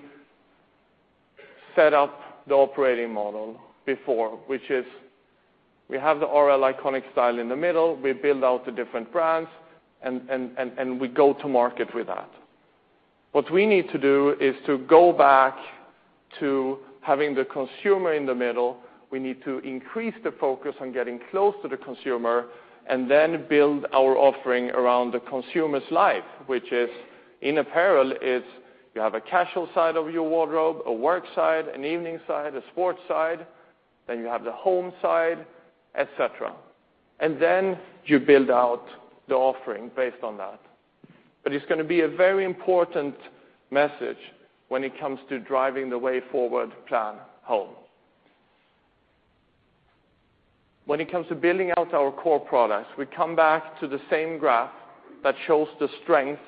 set up the operating model before, which is we have the RL iconic style in the middle, we build out the different brands, we go to market with that. What we need to do is to go back to having the consumer in the middle. We need to increase the focus on getting close to the consumer and then build our offering around the consumer's life, which is, in apparel, it's you have a casual side of your wardrobe, a work side, an evening side, a sports side, then you have the home side, et cetera. Then you build out the offering based on that. It's going to be a very important message when it comes to driving the Way Forward plan home. When it comes to building out our core products, we come back to the same graph that shows the strength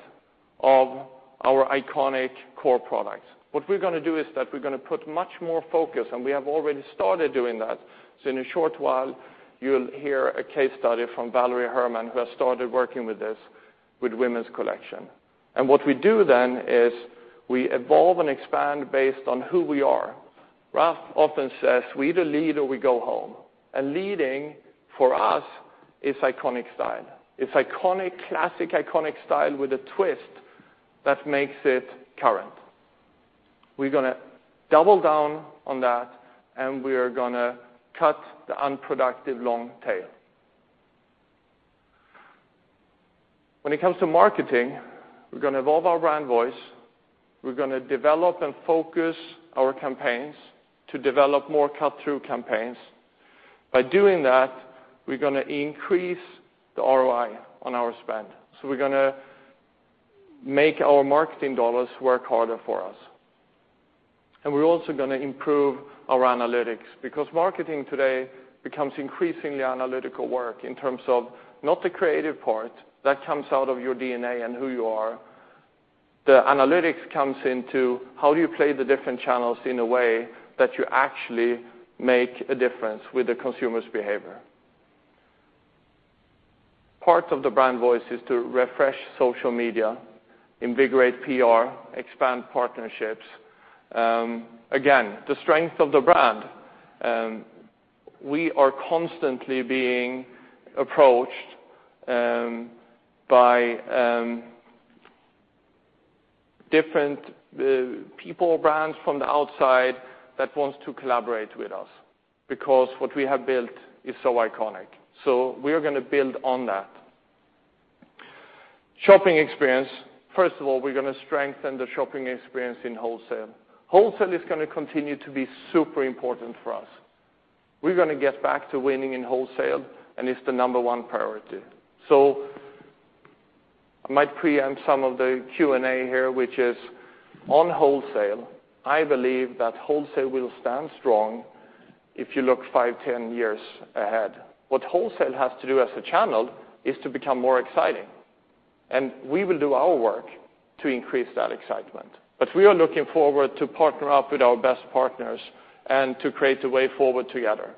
of our iconic core products. What we're going to do is that we're going to put much more focus, and we have already started doing that. So in a short while, you'll hear a case study from Valérie Hermann, who has started working with this with Collection. What we do then is we evolve and expand based on who we are. Ralph often says, "We either lead, or we go home." Leading, for us, is iconic style. It's classic, iconic style with a twist that makes it current. We're going to double down on that, and we are going to cut the unproductive long tail. When it comes to marketing, we're going to evolve our brand voice. We're going to develop and focus our campaigns to develop more cut-through campaigns. By doing that, we're going to increase the ROI on our spend. We're going to make our marketing dollars work harder for us. We're also going to improve our analytics because marketing today becomes increasingly analytical work in terms of, not the creative part, that comes out of your DNA and who you are. The analytics comes into how do you play the different channels in a way that you actually make a difference with the consumer's behavior. Part of the brand voice is to refresh social media, invigorate PR, expand partnerships. Again, the strength of the brand. We are constantly being approached by different people, brands from the outside that want to collaborate with us because what we have built is so iconic. We are going to build on that. Shopping experience. First of all, we're going to strengthen the shopping experience in wholesale. Wholesale is going to continue to be super important for us. We're going to get back to winning in wholesale, it's the number one priority. I might preempt some of the Q&A here, which is on wholesale. I believe that wholesale will stand strong if you look five, 10 years ahead. What wholesale has to do as a channel is to become more exciting, and we will do our work to increase that excitement. We are looking forward to partner up with our best partners and to create a Way Forward together.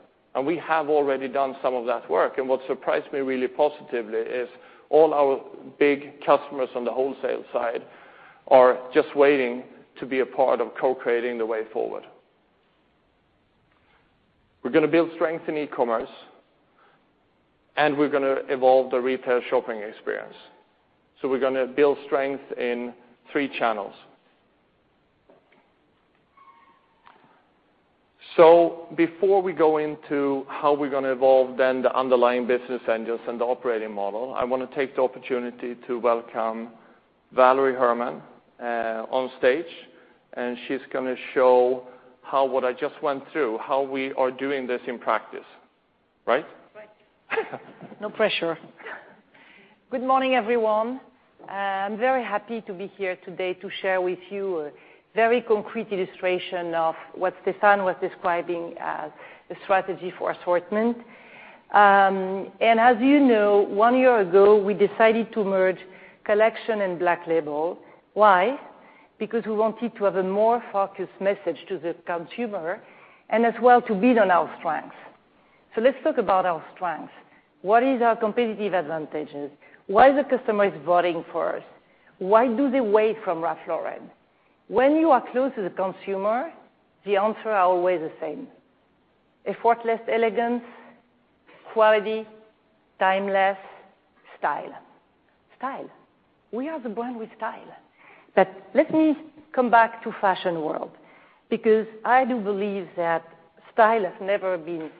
We have already done some of that work, and what surprised me really positively is all our big customers on the wholesale side are just waiting to be a part of co-creating the Way Forward. We're going to build strength in e-commerce, and we're going to evolve the retail shopping experience. We're going to build strength in three channels. Before we go into how we're going to evolve then the underlying business engines and the operating model, I want to take the opportunity to welcome Valérie Hermann onstage, and she's going to show how what I just went through, how we are doing this in practice. Right? Right. No pressure. Good morning, everyone. I'm very happy to be here today to share with you a very concrete illustration of what Stefan was describing as the strategy for assortment. As you know, one year ago, we decided to merge Collection and Black Label. Why? Because we wanted to have a more focused message to the consumer and as well to build on our strengths. Let's talk about our strengths. What is our competitive advantages? Why the customer is voting for us? Why do they wait from Ralph Lauren? When you are close to the consumer, the answer are always the same. Effortless elegance, quality, timeless, style. Style. We are the brand with style. Let me come back to fashion world because I do believe that style has never been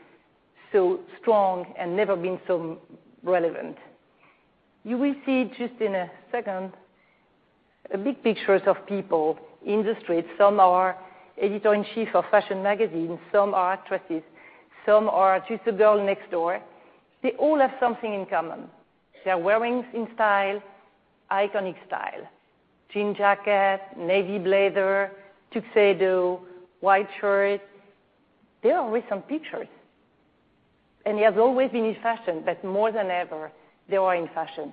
so strong and never been so relevant. You will see just in a second, big pictures of people in the street. Some are editor-in-chief of fashion magazines, some are actresses, some are just the girl next door. They all have something in common. They are wearing in style, iconic style. Jean jacket, navy blazer, tuxedo, white shirt. They are recent pictures, and it has always been in fashion, but more than ever, they are in fashion.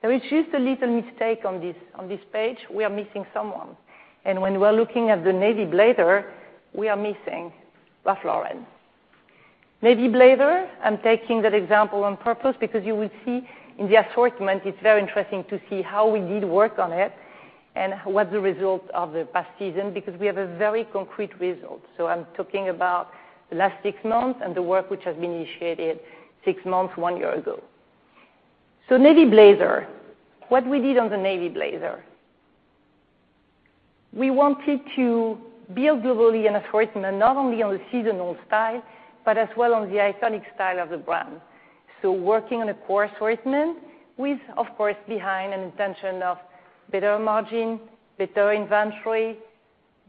There is just a little mistake on this page, we are missing someone. When we are looking at the navy blazer, we are missing Ralph Lauren. Navy blazer, I'm taking that example on purpose because you will see in the assortment, it's very interesting to see how we did work on it and what the result of the past season, because we have a very concrete result. I'm talking about the last 6 months and the work which has been initiated 6 months, 1 year ago. Navy blazer. What we did on the navy blazer. We wanted to build globally an assortment not only on the seasonal style, but as well on the iconic style of the brand. Working on a core assortment with, of course, behind an intention of better margin, better inventory,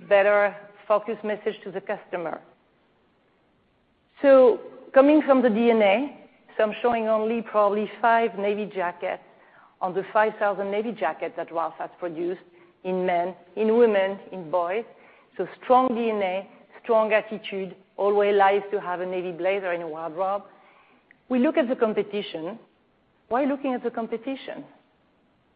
better focused message to the customer. Coming from the DNA, I'm showing only probably 5 navy jackets on the 5,000 navy jackets that Ralph has produced in men, in women, in boys. Strong DNA, strong attitude, always likes to have a navy blazer in a wardrobe. We look at the competition. Why looking at the competition?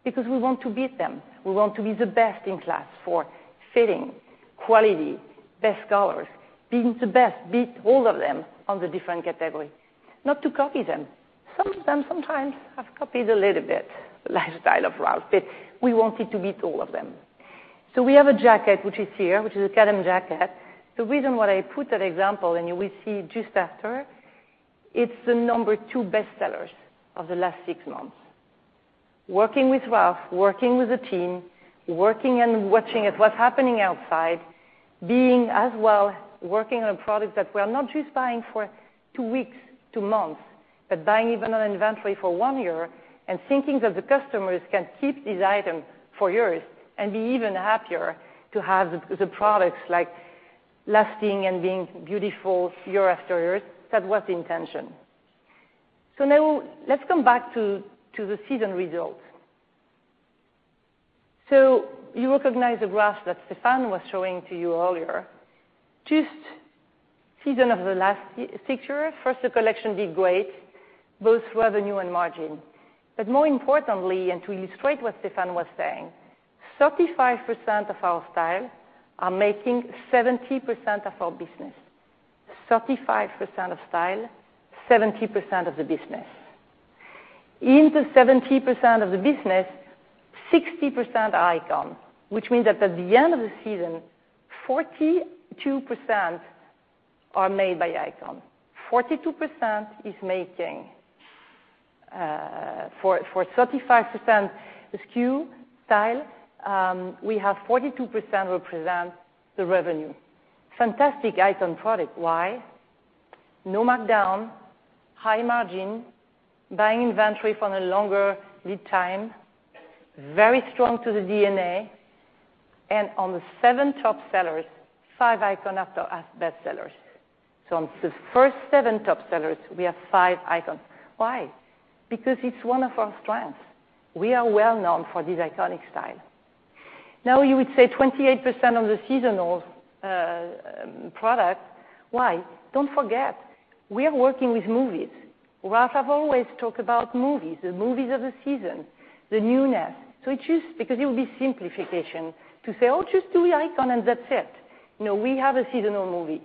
Because we want to beat them. We want to be the best in class for fitting, quality, best colors, being the best, beat all of them on the different category. Not to copy them. Some of them sometimes have copied a little bit the lifestyle of Ralph, but we wanted to beat all of them. We have a jacket, which is here, which is a Camden jacket. The reason why I put that example, and you will see just after, it's the number 2 bestsellers of the last 6 months. Working with Ralph, working with the team, working and watching at what's happening outside, being as well working on a product that we're not just buying for 2 weeks, 2 months, but buying even an inventory for 1 year, and thinking that the customers can keep this item for years and be even happier to have the products lasting and being beautiful year after year. That was the intention. Now, let's come back to the season results. You recognize the graph that Stefan was showing to you earlier. Just season of the last 6 years, first the Collection did great, both revenue and margin. More importantly, and to illustrate what Stefan was saying, 35% of our style are making 70% of our business. 35% of style, 70% of the business. In the 70% of the business, 60% icon, which means that at the end of the season, 42% are made by icon. 42% is making for 35% SKU style, we have 42% represent the revenue. Fantastic icon product. Why? No markdown, high margin, buying inventory for a longer lead time, very strong to the DNA, and on the 7 top sellers, 5 icon are bestsellers. On the first 7 top sellers, we have 5 icons. Why? Because it's one of our strengths. We are well-known for this iconic style. Now, you would say 28% of the seasonal product. Why? Don't forget, we are working with movies. Ralph have always talked about movies, the movies of the season, the newness. It is because it will be simplification to say, "Oh, just do the icon and that's it." No, we have a seasonal movie.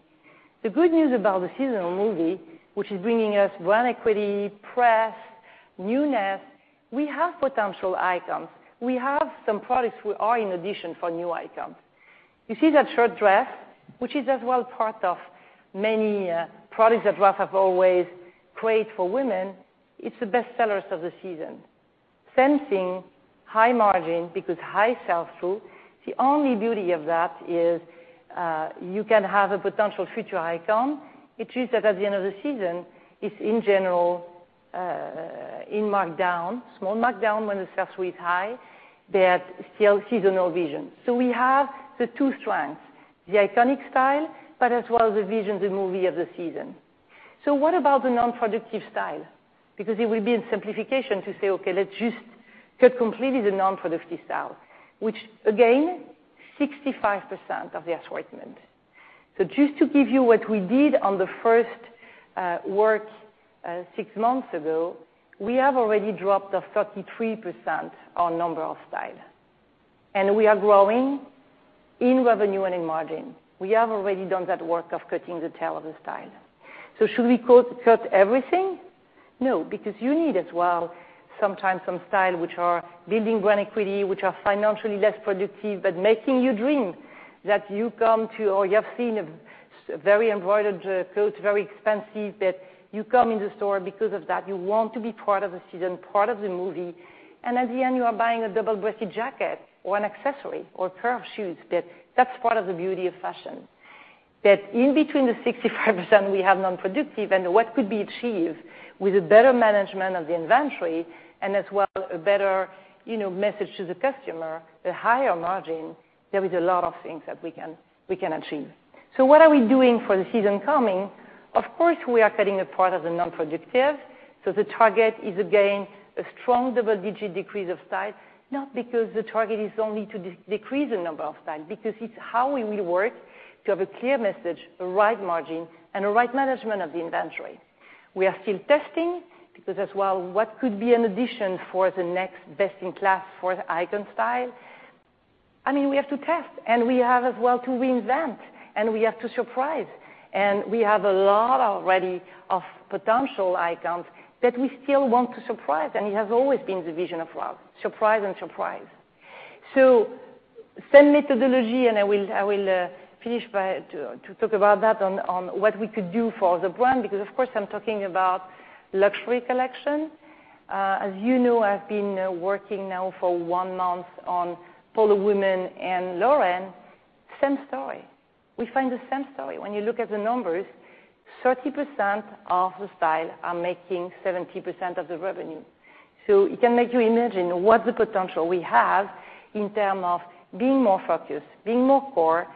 The good news about the seasonal movie, which is bringing us brand equity, press, newness, we have potential icons. We have some products who are in addition for new icons. You see that short dress, which is as well part of many products that Ralph have always created for women, it's the bestsellers of the season. Sensing high margin because high sell-through, the only beauty of that is, you can have a potential future icon. It's just that at the end of the season, it's in general in markdown, small markdown when the sell-through is high, but still seasonal vision. We have the two strengths, the iconic style, but as well the vision, the movie of the season. What about the non-productive style? Because it will be a simplification to say, "Okay, let's just cut completely the non-productive style," which again, 65% of the assortment. Just to give you what we did on the first work six months ago, we have already dropped off 33% on number of style. We are growing in revenue and in margin. We have already done that work of cutting the tail of the style. Should we cut everything? No, because you need as well, sometimes some style which are building brand equity, which are financially less productive, but making you dream that you come to or you have seen a very embroidered coat, very expensive, that you come in the store because of that. You want to be part of the season, part of the movie, and at the end, you are buying a double-breasted jacket or an accessory or a pair of shoes. That's part of the beauty of fashion. That in between the 65% we have non-productive and what could be achieved with a better management of the inventory and as well, a better message to the customer, the higher margin, there is a lot of things that we can achieve. What are we doing for the season coming? Of course, we are cutting a part of the non-productive. The target is, again, a strong double-digit decrease of style, not because the target is only to decrease the number of style, because it's how we will work to have a clear message, a right margin, and a right management of the inventory. We are still testing, because as well, what could be an addition for the next best-in-class for icon style? We have to test, and we have as well to reinvent, and we have to surprise. We have a lot already of potential icons that we still want to surprise, and it has always been the vision of Ralph, surprise and surprise. Same methodology, and I will finish to talk about that on what we could do for the brand, because, of course, I'm talking about luxury collection. As you know, I've been working now for one month on Polo Women and Lauren. Same story. We find the same story. When you look at the numbers, 30% of the style are making 70% of the revenue. It can make you imagine what the potential we have in term of being more focused, being more core,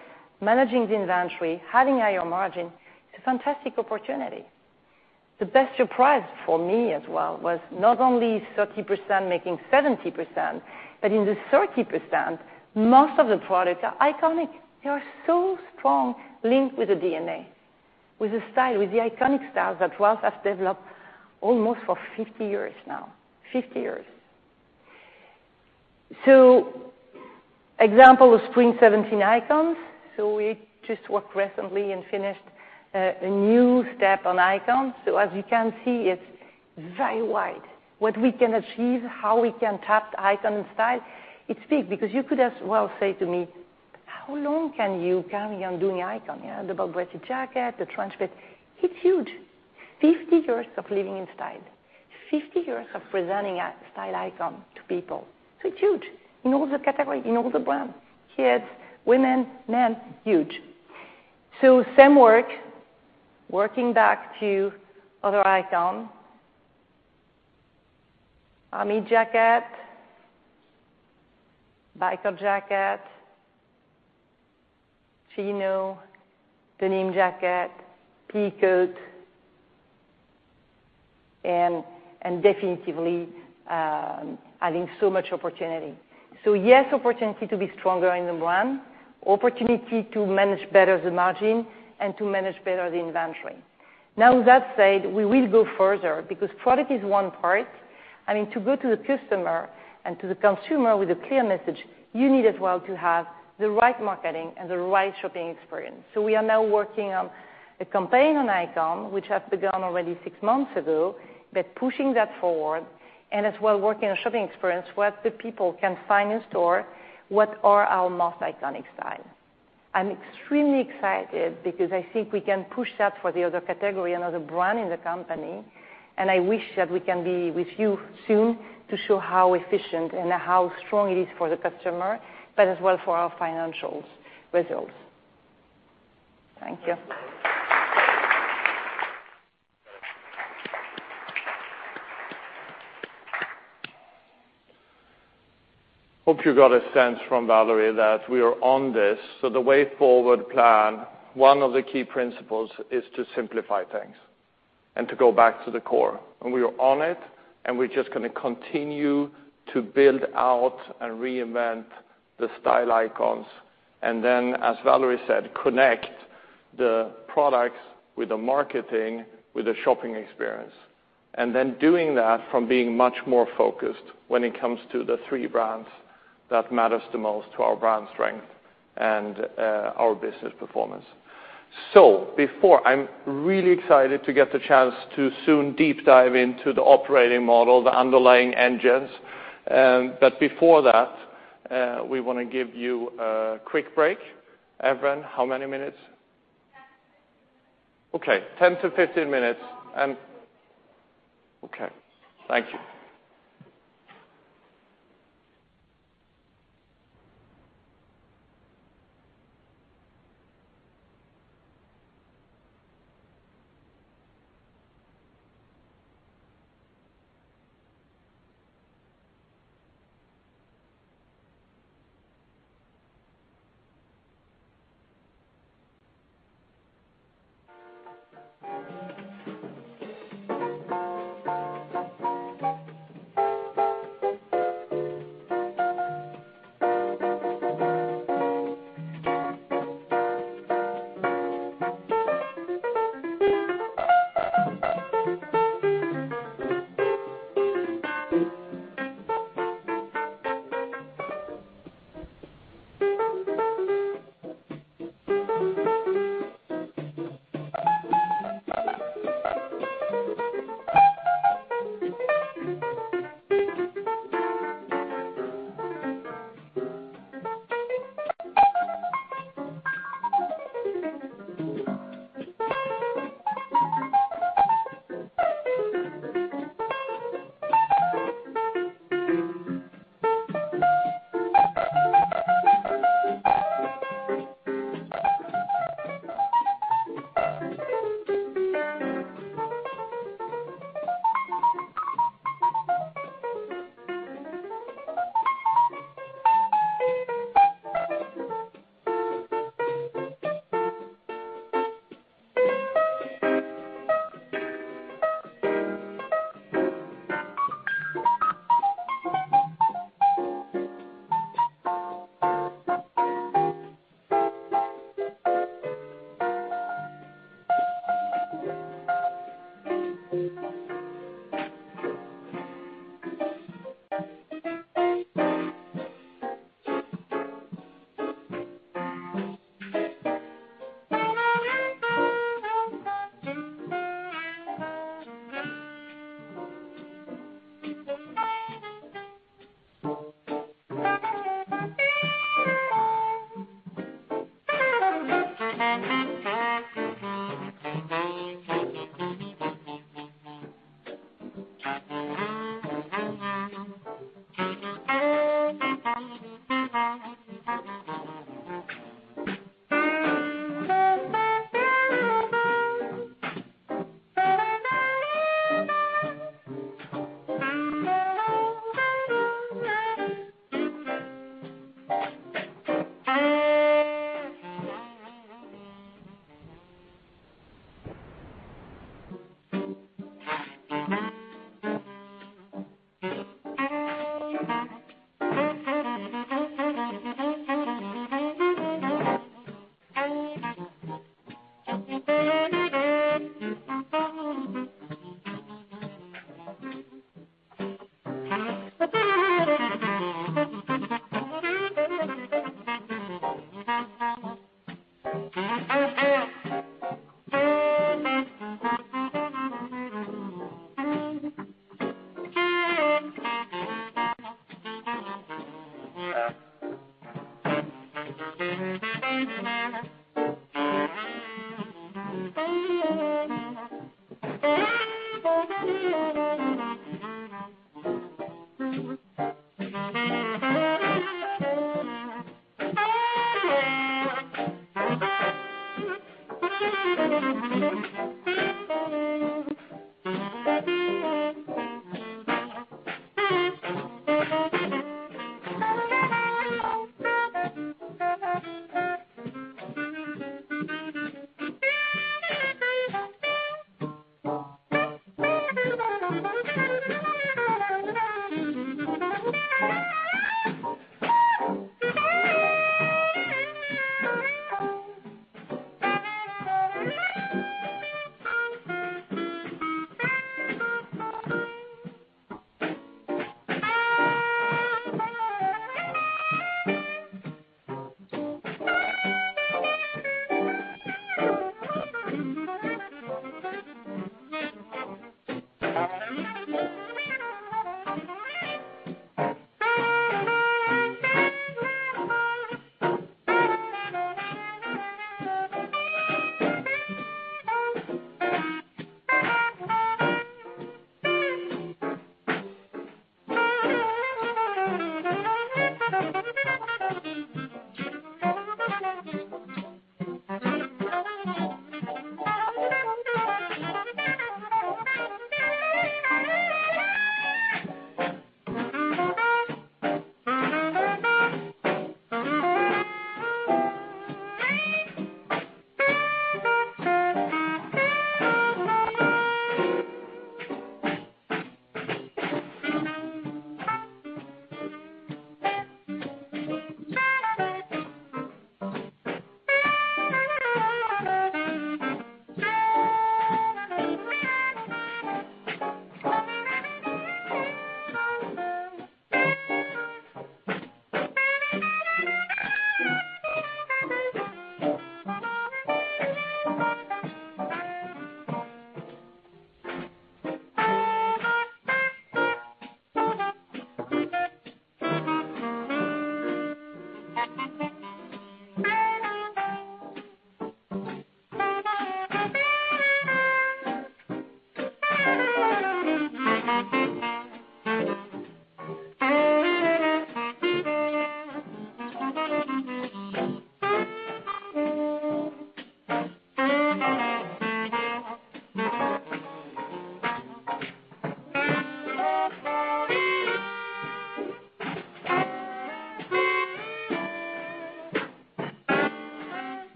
managing the inventory, having higher margin. It's a fantastic opportunity. The best surprise for me as well was not only 30% making 70%, but in the 30%, most of the products are iconic. They are so strong link with the DNA, with the style, with the iconic styles that Ralph has developed almost for 50 years now. 50 years. Example of spring 2017 icons. We just worked recently and finished a new step on icons. As you can see, it's very wide. What we can achieve, how we can tap the icon and style, it's big because you could as well say to me, "How long can you carry on doing icon?" The double-breasted jacket, the trench coat. It's huge. 50 years of living in style, 50 years of presenting a style icon to people. It's huge. In all the categories, in all the brands, kids, women, men, huge. Same work, working back to other icon, army jacket, biker jacket, chino, denim jacket, peacoat, and definitively, adding so much opportunity. Yes, opportunity to be stronger in the brand, opportunity to manage better the margin, and to manage better the inventory. Now, with that said, we will go further because product is one part. To go to the customer and to the consumer with a clear message, you need as well to have the right marketing and the right shopping experience. We are now working on a campaign on icon, which has begun already six months ago, but pushing that forward and as well working on shopping experience, what the people can find in store, what are our most iconic style. I'm extremely excited because I think we can push that for the other category and other brand in the company, and I wish that we can be with you soon to show how efficient and how strong it is for the customer, but as well for our financials results. Thank you. Hope you got a sense from Valérie that we are on this. The Way Forward Plan, one of the key principles is to simplify things and to go back to the core. We are on it, and we're just going to continue to build out and reinvent the style icons, and then, as Valérie said, connect the products with the marketing, with the shopping experience. Doing that from being much more focused when it comes to the three brands that matters the most to our brand strength and our business performance. I'm really excited to get the chance to soon deep dive into the operating model, the underlying engines. Before that, we want to give you a quick break. Evren, how many minutes? 10 to 15 minutes. Okay, 10 to 15 minutes. Okay. Thank you.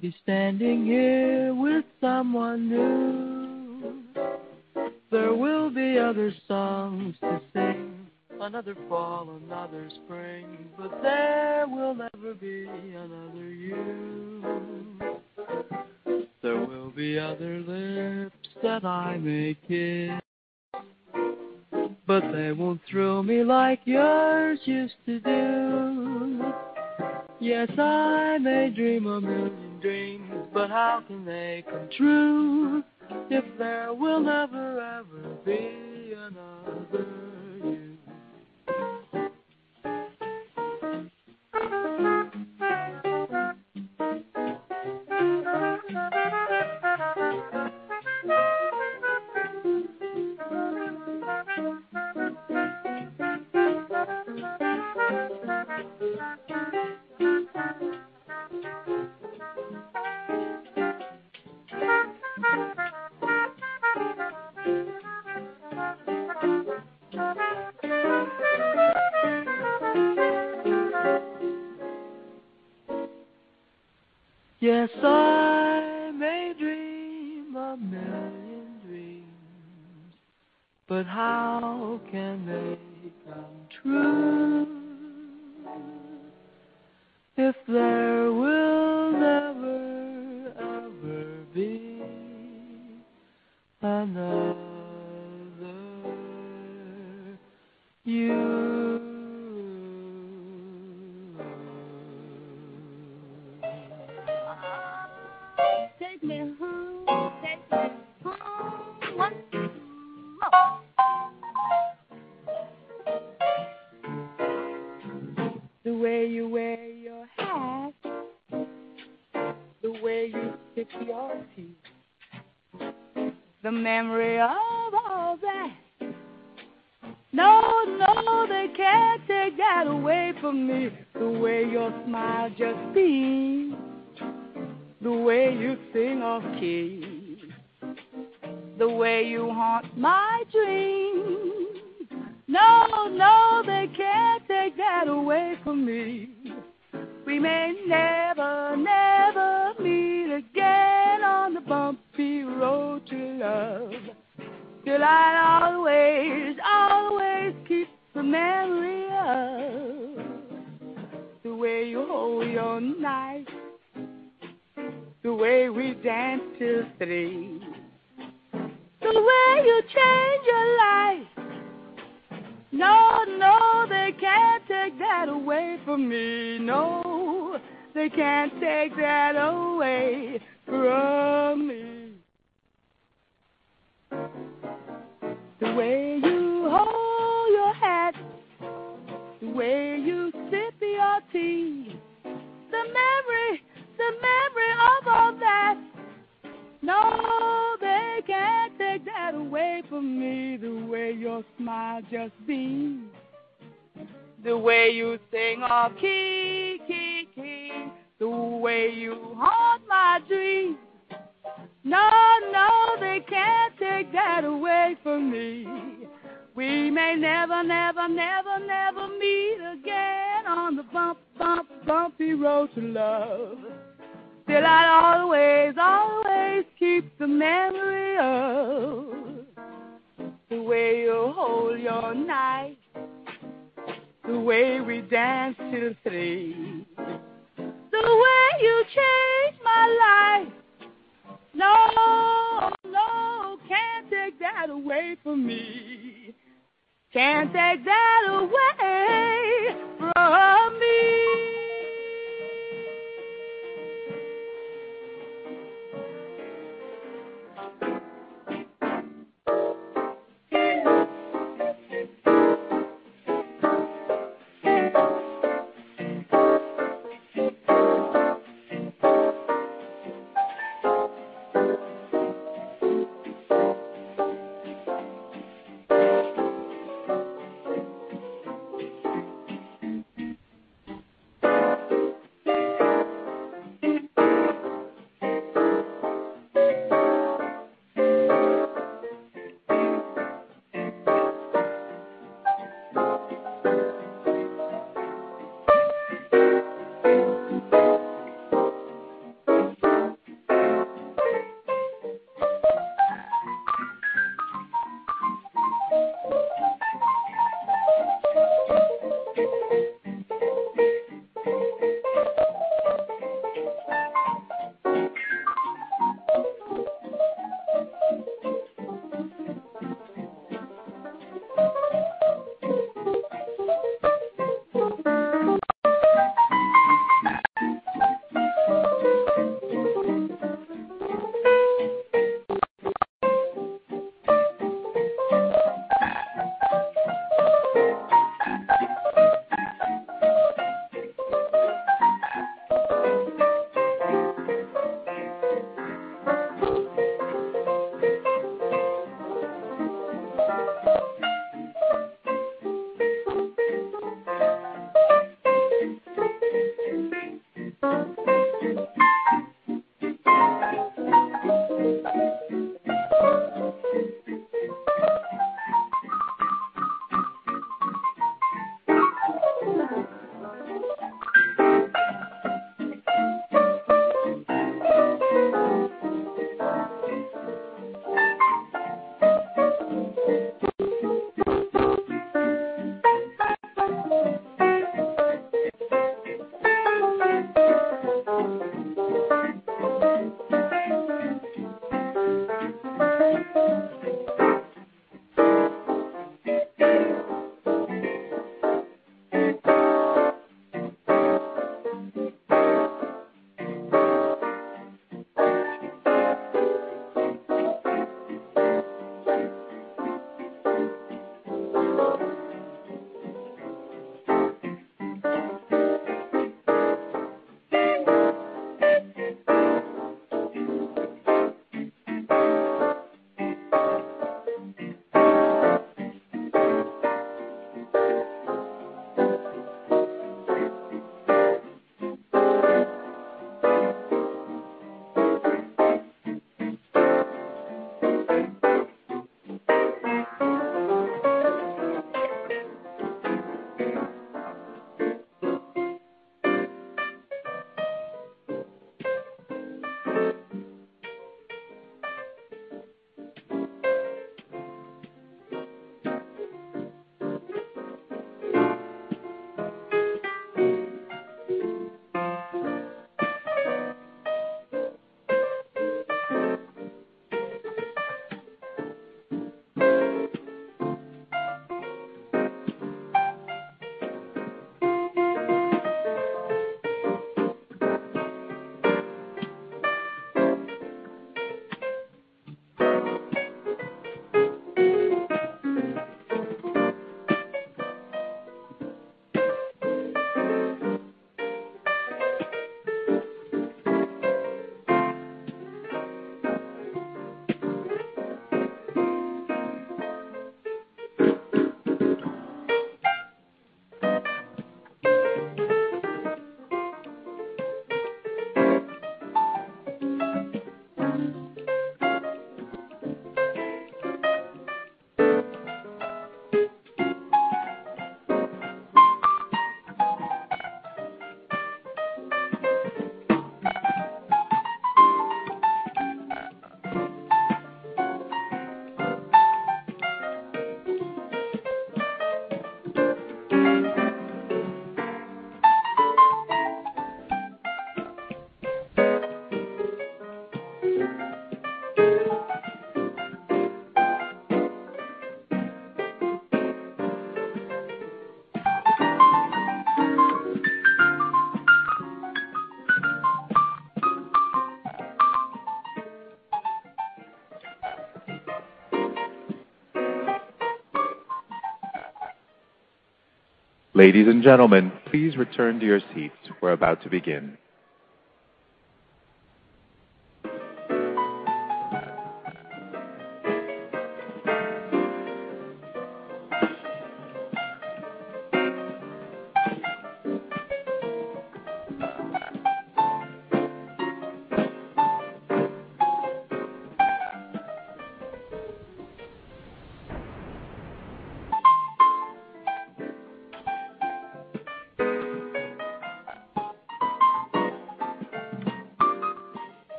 There will be many other nights like this, and I'll be standing here with someone new. There will be other songs to sing. Another fall, another spring. There will never be another you. There will be other lips that I may kiss. They won't thrill me like yours used to do. Yes, I may dream a million dreams, but how can they come true if there will never, ever be another you? Yes, I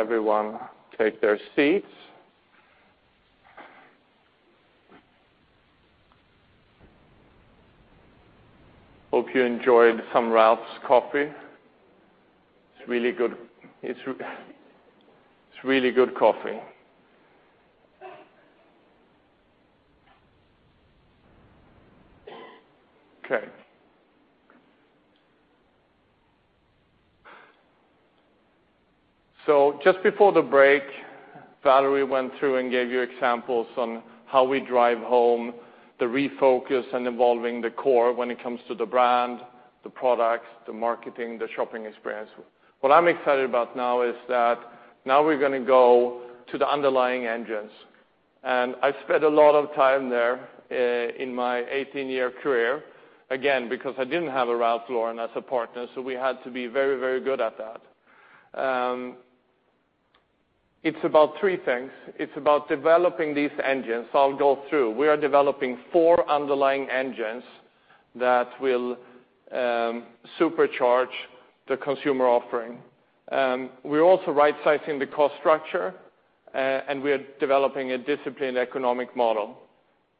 Let's see. I'll let everyone take their seats. Hope you enjoyed some Ralph's Coffee. It's really good coffee. Okay. Just before the break, Valerie went through and gave you examples on how we drive home the refocus and evolving the core when it comes to the brand, the products, the marketing, the shopping experience. What I'm excited about now is that now we're going to go to the underlying engines. I've spent a lot of time there in my 18-year career, again, because I didn't have a Ralph Lauren as a partner, so we had to be very good at that. It's about three things. It's about developing these engines. I'll go through. We are developing four underlying engines that will supercharge the consumer offering. We're also rightsizing the cost structure, and we are developing a disciplined economic model.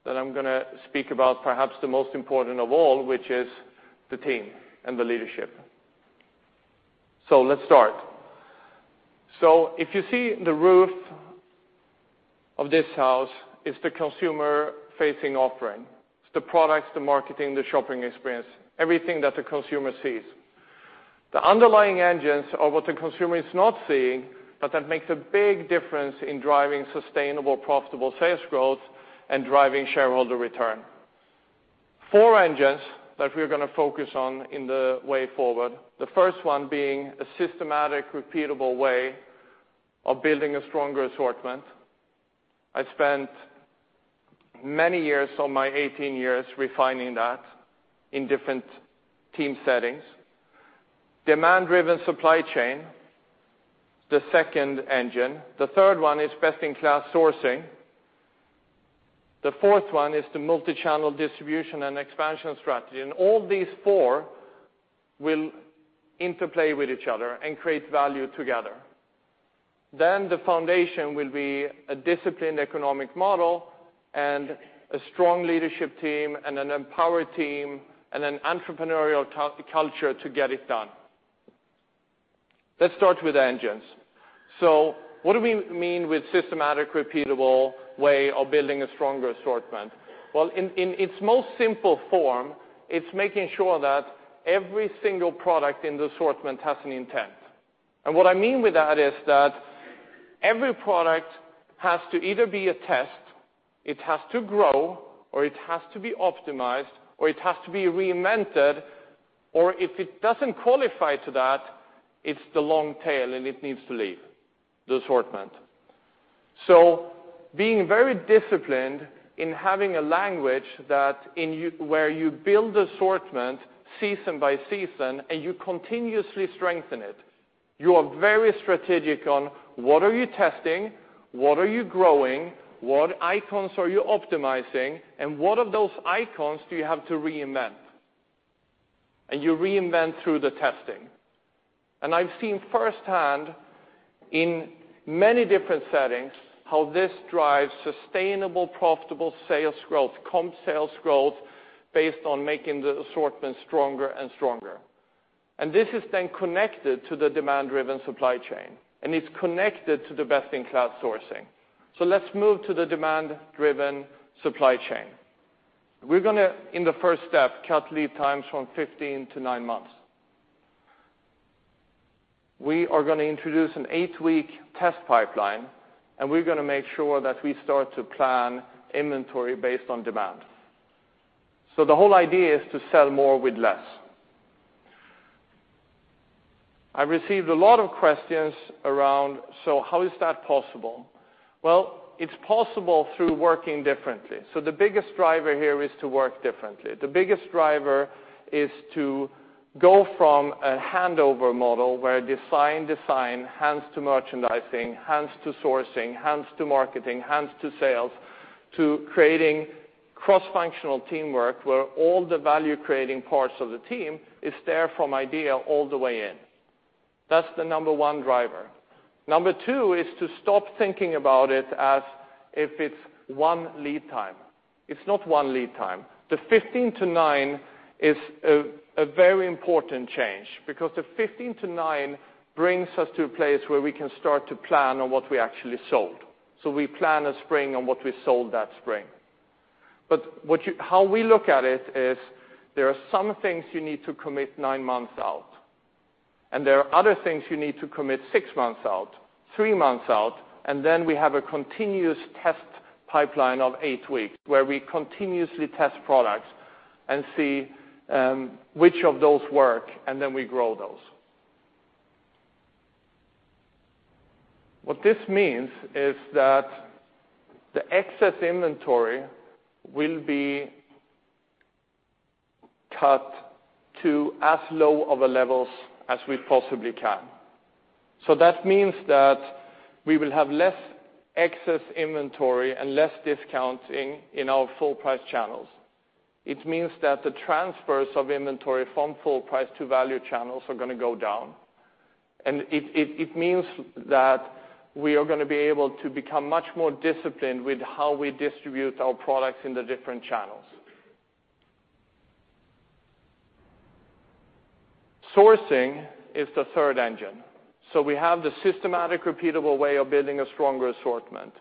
I'm going to speak about perhaps the most important of all, which is the team and the leadership. Let's start. If you see the roof of this house, it's the consumer-facing offering. It's the products, the marketing, the shopping experience, everything that the consumer sees. The underlying engines are what the consumer is not seeing, but that makes a big difference in driving sustainable, profitable sales growth and driving shareholder return. Four engines that we're going to focus on in the Way Forward, the first one being a systematic, repeatable way of building a stronger assortment. I spent many years of my 18 years refining that in different team settings. Demand-driven supply chain, the second engine. The third one is best-in-class sourcing. The fourth one is the multi-channel distribution and expansion strategy. All these four will interplay with each other and create value together. The foundation will be a disciplined economic model and a strong leadership team, and an empowered team and an entrepreneurial culture to get it done. Let's start with the engines. What do we mean with systematic, repeatable way of building a stronger assortment? Well, in its most simple form, it's making sure that every single product in the assortment has an intent. What I mean with that is that every product has to either be a test, it has to grow, or it has to be optimized, or it has to be reinvented, or if it doesn't qualify to that, it's the long tail and it needs to leave the assortment. Being very disciplined in having a language where you build assortment season by season, and you continuously strengthen it. You are very strategic on what are you testing, what are you growing, what icons are you optimizing, and what of those icons do you have to reinvent? You reinvent through the testing. I've seen firsthand in many different settings how this drives sustainable, profitable sales growth, comp sales growth based on making the assortment stronger and stronger. This is then connected to the demand-driven supply chain, and it's connected to the best-in-class sourcing. Let's move to the demand-driven supply chain. We're going to, in the first step, cut lead times from 15 to nine months. We are going to introduce an eight-week test pipeline, and we're going to make sure that we start to plan inventory based on demand. The whole idea is to sell more with less. I received a lot of questions around, How is that possible? It's possible through working differently. The biggest driver here is to work differently. The biggest driver is to go from a handover model where design hands to merchandising, hands to sourcing, hands to marketing, hands to sales, to creating cross-functional teamwork where all the value-creating parts of the team is there from idea all the way in. That's the number 1 driver. Number 2 is to stop thinking about it as if it's one lead time. It's not one lead time. The 15 to nine is a very important change because the 15 to nine brings us to a place where we can start to plan on what we actually sold. We plan a spring on what we sold that spring. How we look at it is there are some things you need to commit nine months out, and there are other things you need to commit six months out, three months out, and then we have a continuous test pipeline of eight weeks where we continuously test products and see which of those work, and then we grow those. What this means is that the excess inventory will be cut to as low of a levels as we possibly can. That means that we will have less excess inventory and less discounting in our full price channels. It means that the transfers of inventory from full price to value channels are going to go down. It means that we are going to be able to become much more disciplined with how we distribute our products in the different channels. Sourcing is the third engine. We have the systematic, repeatable way of building a stronger assortment.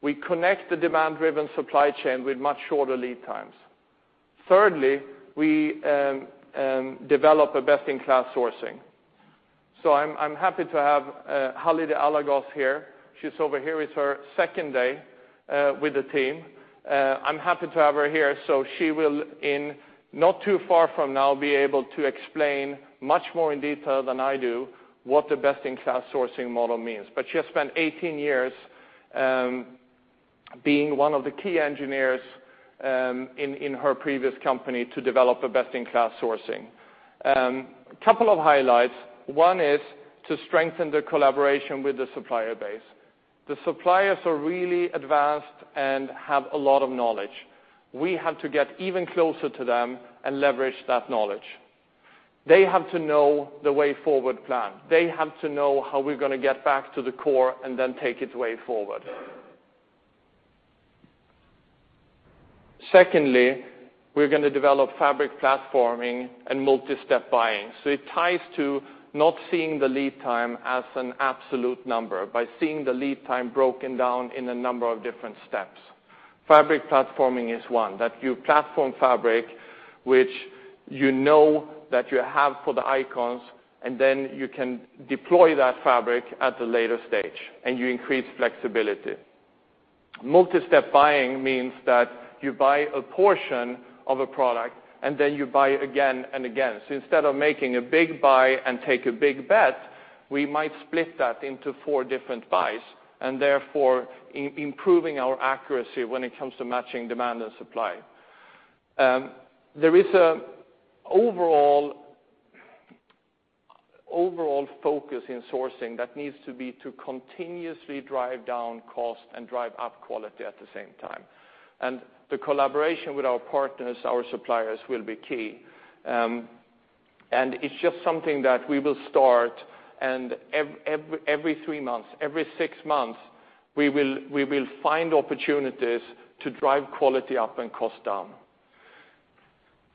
We connect the demand-driven supply chain with much shorter lead times. Thirdly, we develop a best-in-class sourcing. I'm happy to have Halide Alagöz here. She's over here. It's her second day with the team. I'm happy to have her here. She will, in not too far from now, be able to explain much more in detail than I do what the best-in-class sourcing model means. She has spent 18 years being one of the key engineers in her previous company to develop a best-in-class sourcing. Couple of highlights. One is to strengthen the collaboration with the supplier base. The suppliers are really advanced and have a lot of knowledge. We have to get even closer to them and leverage that knowledge. They have to know the Way Forward plan. They have to know how we're going to get back to the core and then take its Way Forward. Secondly, we're going to develop fabric platforming and multistep buying. It ties to not seeing the lead time as an absolute number, by seeing the lead time broken down in a number of different steps. Fabric platforming is one, that you platform fabric, which you know that you have for the icons, and then you can deploy that fabric at a later stage, and you increase flexibility. Multistep buying means that you buy a portion of a product and then you buy again and again. Instead of making a big buy and take a big bet, we might split that into four different buys and therefore improving our accuracy when it comes to matching demand and supply. There is an overall focus in sourcing that needs to be to continuously drive down cost and drive up quality at the same time. The collaboration with our partners, our suppliers, will be key. It's just something that we will start, and every three months, every six months, we will find opportunities to drive quality up and cost down.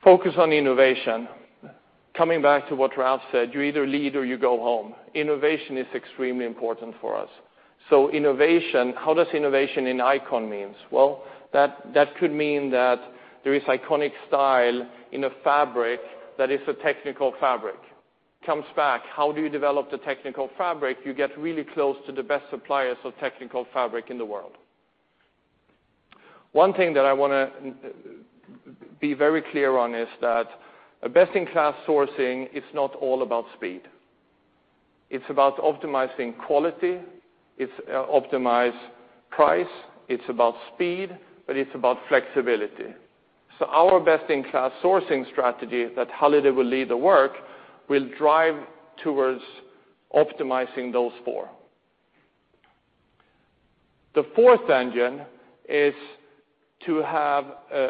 Focus on innovation. Coming back to what Ralph said, you either lead or you go home. Innovation is extremely important for us. Innovation, how does innovation in Icon means? Well, that could mean that there is iconic style in a fabric that is a technical fabric. Comes back, how do you develop the technical fabric? You get really close to the best suppliers of technical fabric in the world. One thing that I want to be very clear on is that a best-in-class sourcing is not all about speed. It's about optimizing quality. It's optimize price. It's about speed, but it's about flexibility. Our best-in-class sourcing strategy that Halide will lead the work will drive towards optimizing those four. The fourth engine is to have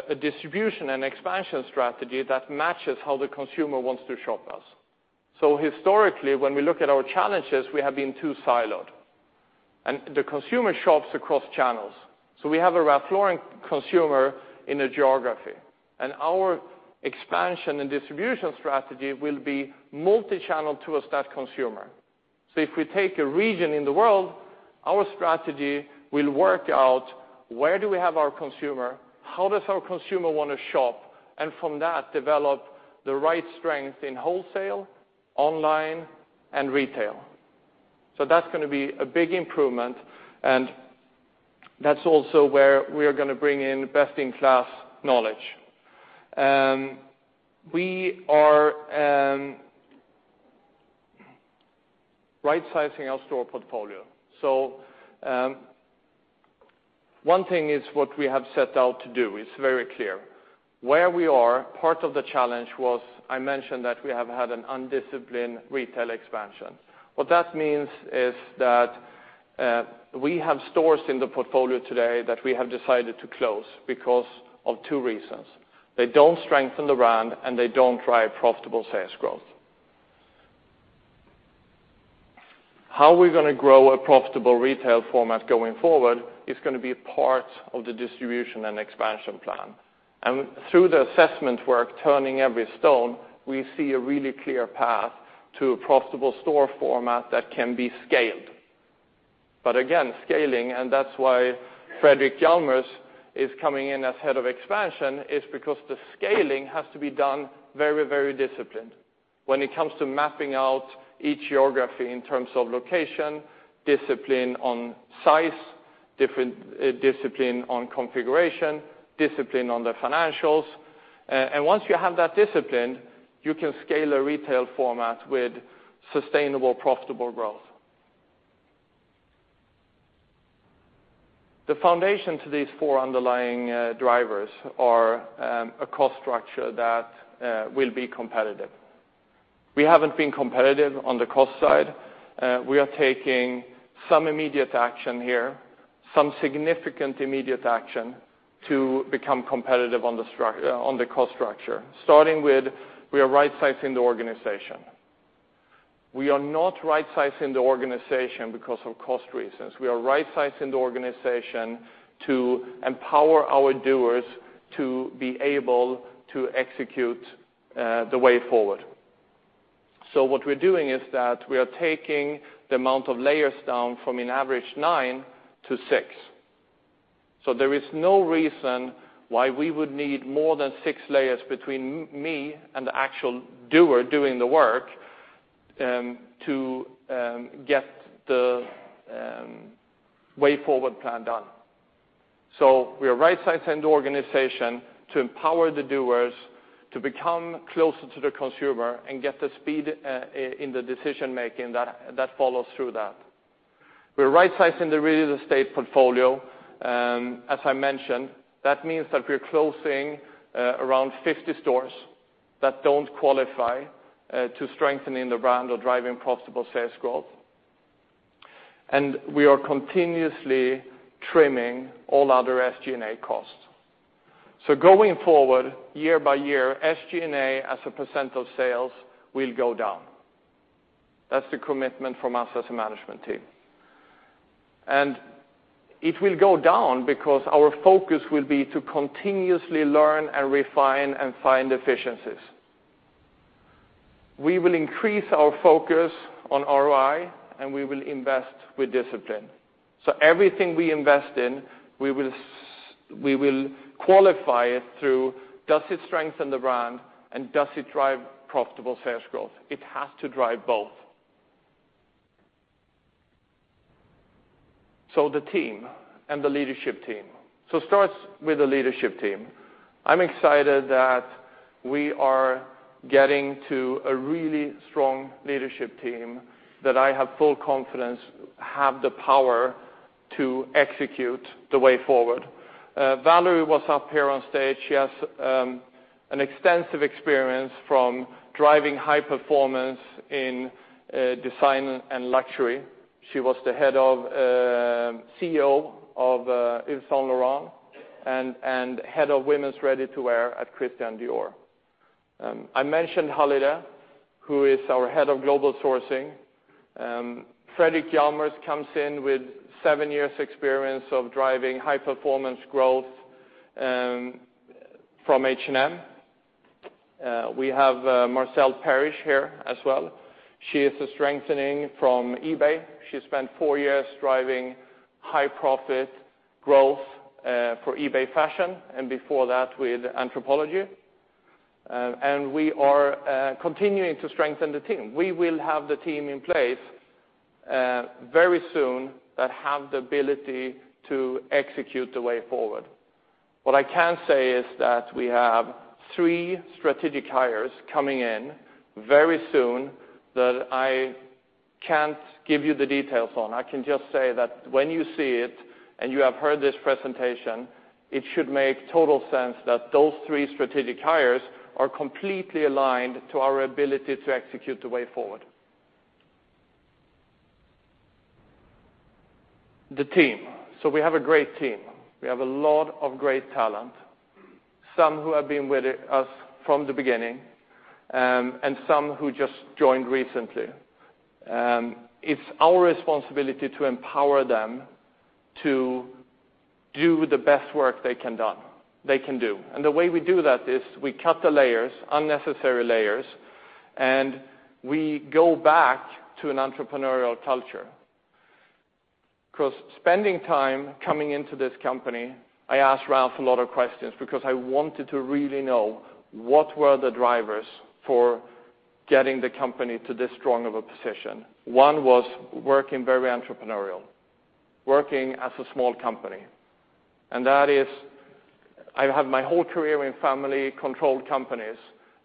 a distribution and expansion strategy that matches how the consumer wants to shop us. Historically, when we look at our challenges, we have been too siloed. The consumer shops across channels. We have a Ralph Lauren consumer in a geography, and our expansion and distribution strategy will be multichannel towards that consumer. If we take a region in the world, our strategy will work out where do we have our consumer? How does our consumer want to shop? From that, develop the right strength in wholesale, online, and retail. That's going to be a big improvement, and that's also where we are going to bring in best-in-class knowledge. We are right-sizing our store portfolio. One thing is what we have set out to do. It's very clear. Where we are, part of the challenge was, I mentioned that we have had an undisciplined retail expansion. What that means is that we have stores in the portfolio today that we have decided to close because of two reasons. They don't strengthen the brand, and they don't drive profitable sales growth. How we're going to grow a profitable retail format going forward is going to be a part of the distribution and expansion plan. Through the assessment work, turning every stone, we see a really clear path to a profitable store format that can be scaled. Again, scaling, and that's why Fredrik Hjalmers is coming in as head of expansion, is because the scaling has to be done very disciplined when it comes to mapping out each geography in terms of location, discipline on size, discipline on configuration, discipline on the financials. Once you have that discipline, you can scale a retail format with sustainable, profitable growth. The foundation to these four underlying drivers are a cost structure that will be competitive. We haven't been competitive on the cost side. We are taking some immediate action here, some significant immediate action to become competitive on the cost structure, starting with we are right-sizing the organization. We are not right-sizing the organization because of cost reasons. We are right-sizing the organization to empower our doers to be able to execute the Way Forward. What we're doing is that we are taking the amount of layers down from an average 9 to 6. There is no reason why we would need more than 6 layers between me and the actual doer doing the work to get the Way Forward plan done. We are right-sizing the organization to empower the doers to become closer to the consumer and get the speed in the decision-making that follows through that. We're right-sizing the real estate portfolio, as I mentioned. That means that we're closing around 50 stores that don't qualify to strengthening the brand or driving profitable sales growth. We are continuously trimming all other SG&A costs. Going forward, year by year, SG&A as a % of sales will go down. That's the commitment from us as a management team. It will go down because our focus will be to continuously learn and refine and find efficiencies. We will increase our focus on ROI, and we will invest with discipline. Everything we invest in, we will qualify it through, does it strengthen the brand and does it drive profitable sales growth? It has to drive both. The team and the leadership team. It starts with the leadership team. I'm excited that we are getting to a really strong leadership team that I have full confidence have the power to execute the Way Forward. Valérie was up here on stage. She has extensive experience from driving high performance in design and luxury. She was the CEO of Yves Saint Laurent and head of women's ready-to-wear at Christian Dior. I mentioned Halide, who is our head of global sourcing. Fredrik Hjalmers comes in with seven years experience of driving high-performance growth from H&M. We have Marcelle Parrish here as well. She is a strengthening from eBay. She spent four years driving high profit growth for eBay Fashion, and before that, with Anthropologie. We are continuing to strengthen the team. We will have the team in place very soon that have the ability to execute the Way Forward. What I can say is that we have three strategic hires coming in very soon that I can't give you the details on. I can just say that when you see it, and you have heard this presentation, it should make total sense that those three strategic hires are completely aligned to our ability to execute the Way Forward. The team. We have a great team. We have a lot of great talent, some who have been with us from the beginning, and some who just joined recently. It's our responsibility to empower them to do the best work they can do. The way we do that is we cut the layers, unnecessary layers, and we go back to an entrepreneurial culture. Because spending time coming into this company, I asked Ralph a lot of questions because I wanted to really know what were the drivers for getting the company to this strong of a position. One was working very entrepreneurial, working as a small company. I have my whole career in family-controlled companies,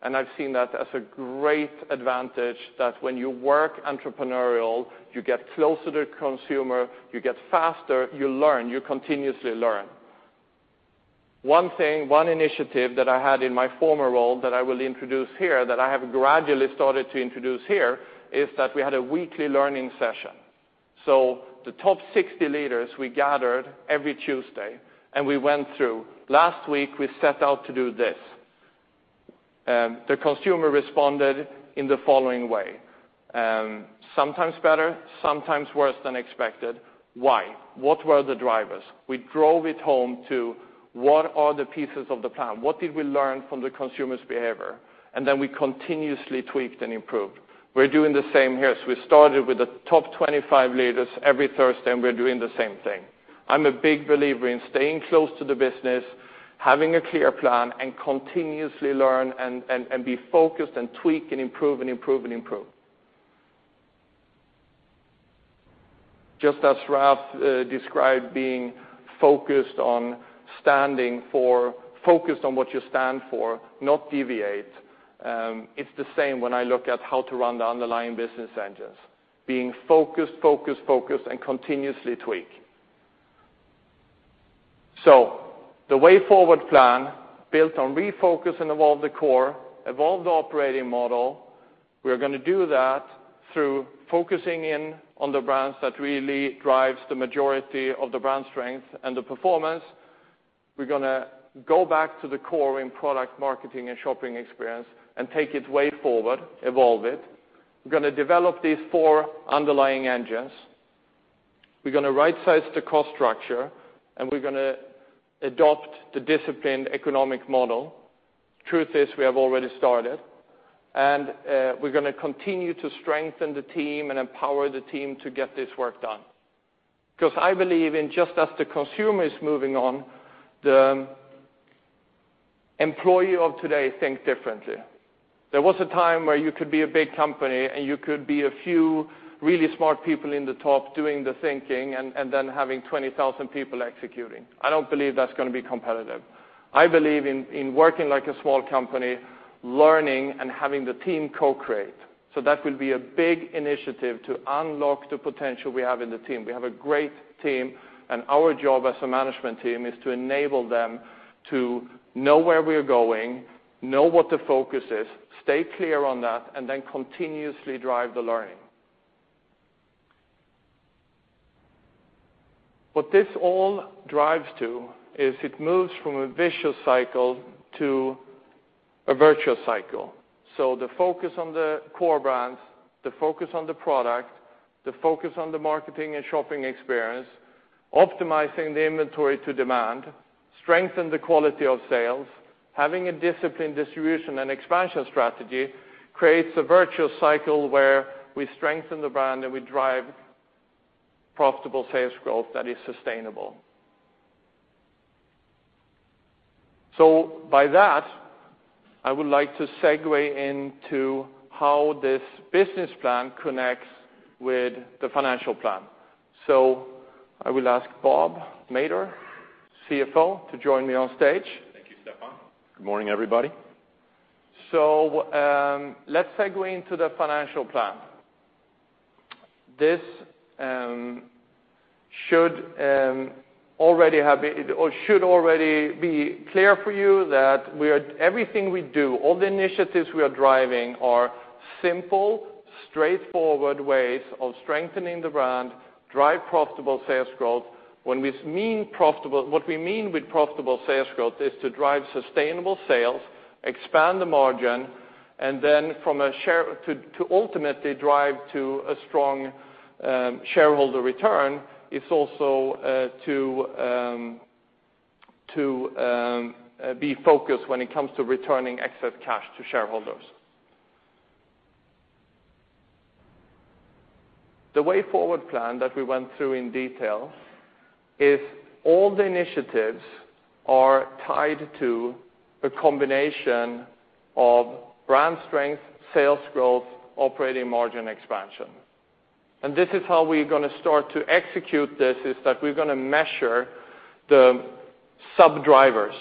and I've seen that as a great advantage, that when you work entrepreneurial, you get closer to the consumer, you get faster, you learn, you continuously learn. One thing, one initiative that I had in my former role that I will introduce here, that I have gradually started to introduce here, is that we had a weekly learning session. The top 60 leaders, we gathered every Tuesday, and we went through, last week, we set out to do this. The consumer responded in the following way. Sometimes better, sometimes worse than expected. Why? What were the drivers? We drove it home to, what are the pieces of the plan? What did we learn from the consumer's behavior? Then we continuously tweaked and improved. We're doing the same here. We started with the top 25 leaders every Thursday, and we're doing the same thing. I'm a big believer in staying close to the business, having a clear plan, and continuously learn and be focused and tweak and improve and improve and improve. Just as Ralph described, being focused on what you stand for, not deviate, it's the same when I look at how to run the underlying business engines, being focused, focused, and continuously tweaking. The Way Forward plan built on refocus and evolve the core, evolve the operating model. We are going to do that through focusing in on the brands that really drive the majority of the brand strength and the performance. We're going to go back to the core in product marketing and shopping experience and take it way forward, evolve it. We're going to develop these four underlying engines. We're going to right-size the cost structure, and we're going to adopt the disciplined economic model Truth is, we have already started, and we're going to continue to strengthen the team and empower the team to get this work done. I believe in just as the consumer is moving on, the employee of today thinks differently. There was a time where you could be a big company, and you could be a few really smart people in the top doing the thinking and then having 20,000 people executing. I don't believe that's going to be competitive. I believe in working like a small company, learning, and having the team co-create. That will be a big initiative to unlock the potential we have in the team. We have a great team, and our job as a management team is to enable them to know where we're going, know what the focus is, stay clear on that, and then continuously drive the learning. What this all drives to is it moves from a vicious cycle to a virtual cycle. The focus on the core brands, the focus on the product, the focus on the marketing and shopping experience, optimizing the inventory to demand, strengthen the quality of sales, having a disciplined distribution and expansion strategy creates a virtual cycle where we strengthen the brand, and we drive profitable sales growth that is sustainable. By that, I would like to segue into how this business plan connects with the financial plan. I will ask Bob Madore, CFO, to join me on stage. Thank you, Stefan. Good morning, everybody. Let's segue into the financial plan. This should already be clear for you that everything we do, all the initiatives we are driving are simple, straightforward ways of strengthening the brand, drive profitable sales growth. What we mean with profitable sales growth is to drive sustainable sales, expand the margin, and then to ultimately drive to a strong shareholder return is also to be focused when it comes to returning excess cash to shareholders. The Way Forward plan that we went through in detail is all the initiatives are tied to a combination of brand strength, sales growth, operating margin expansion. This is how we're going to start to execute this, is that we're going to measure the sub-drivers,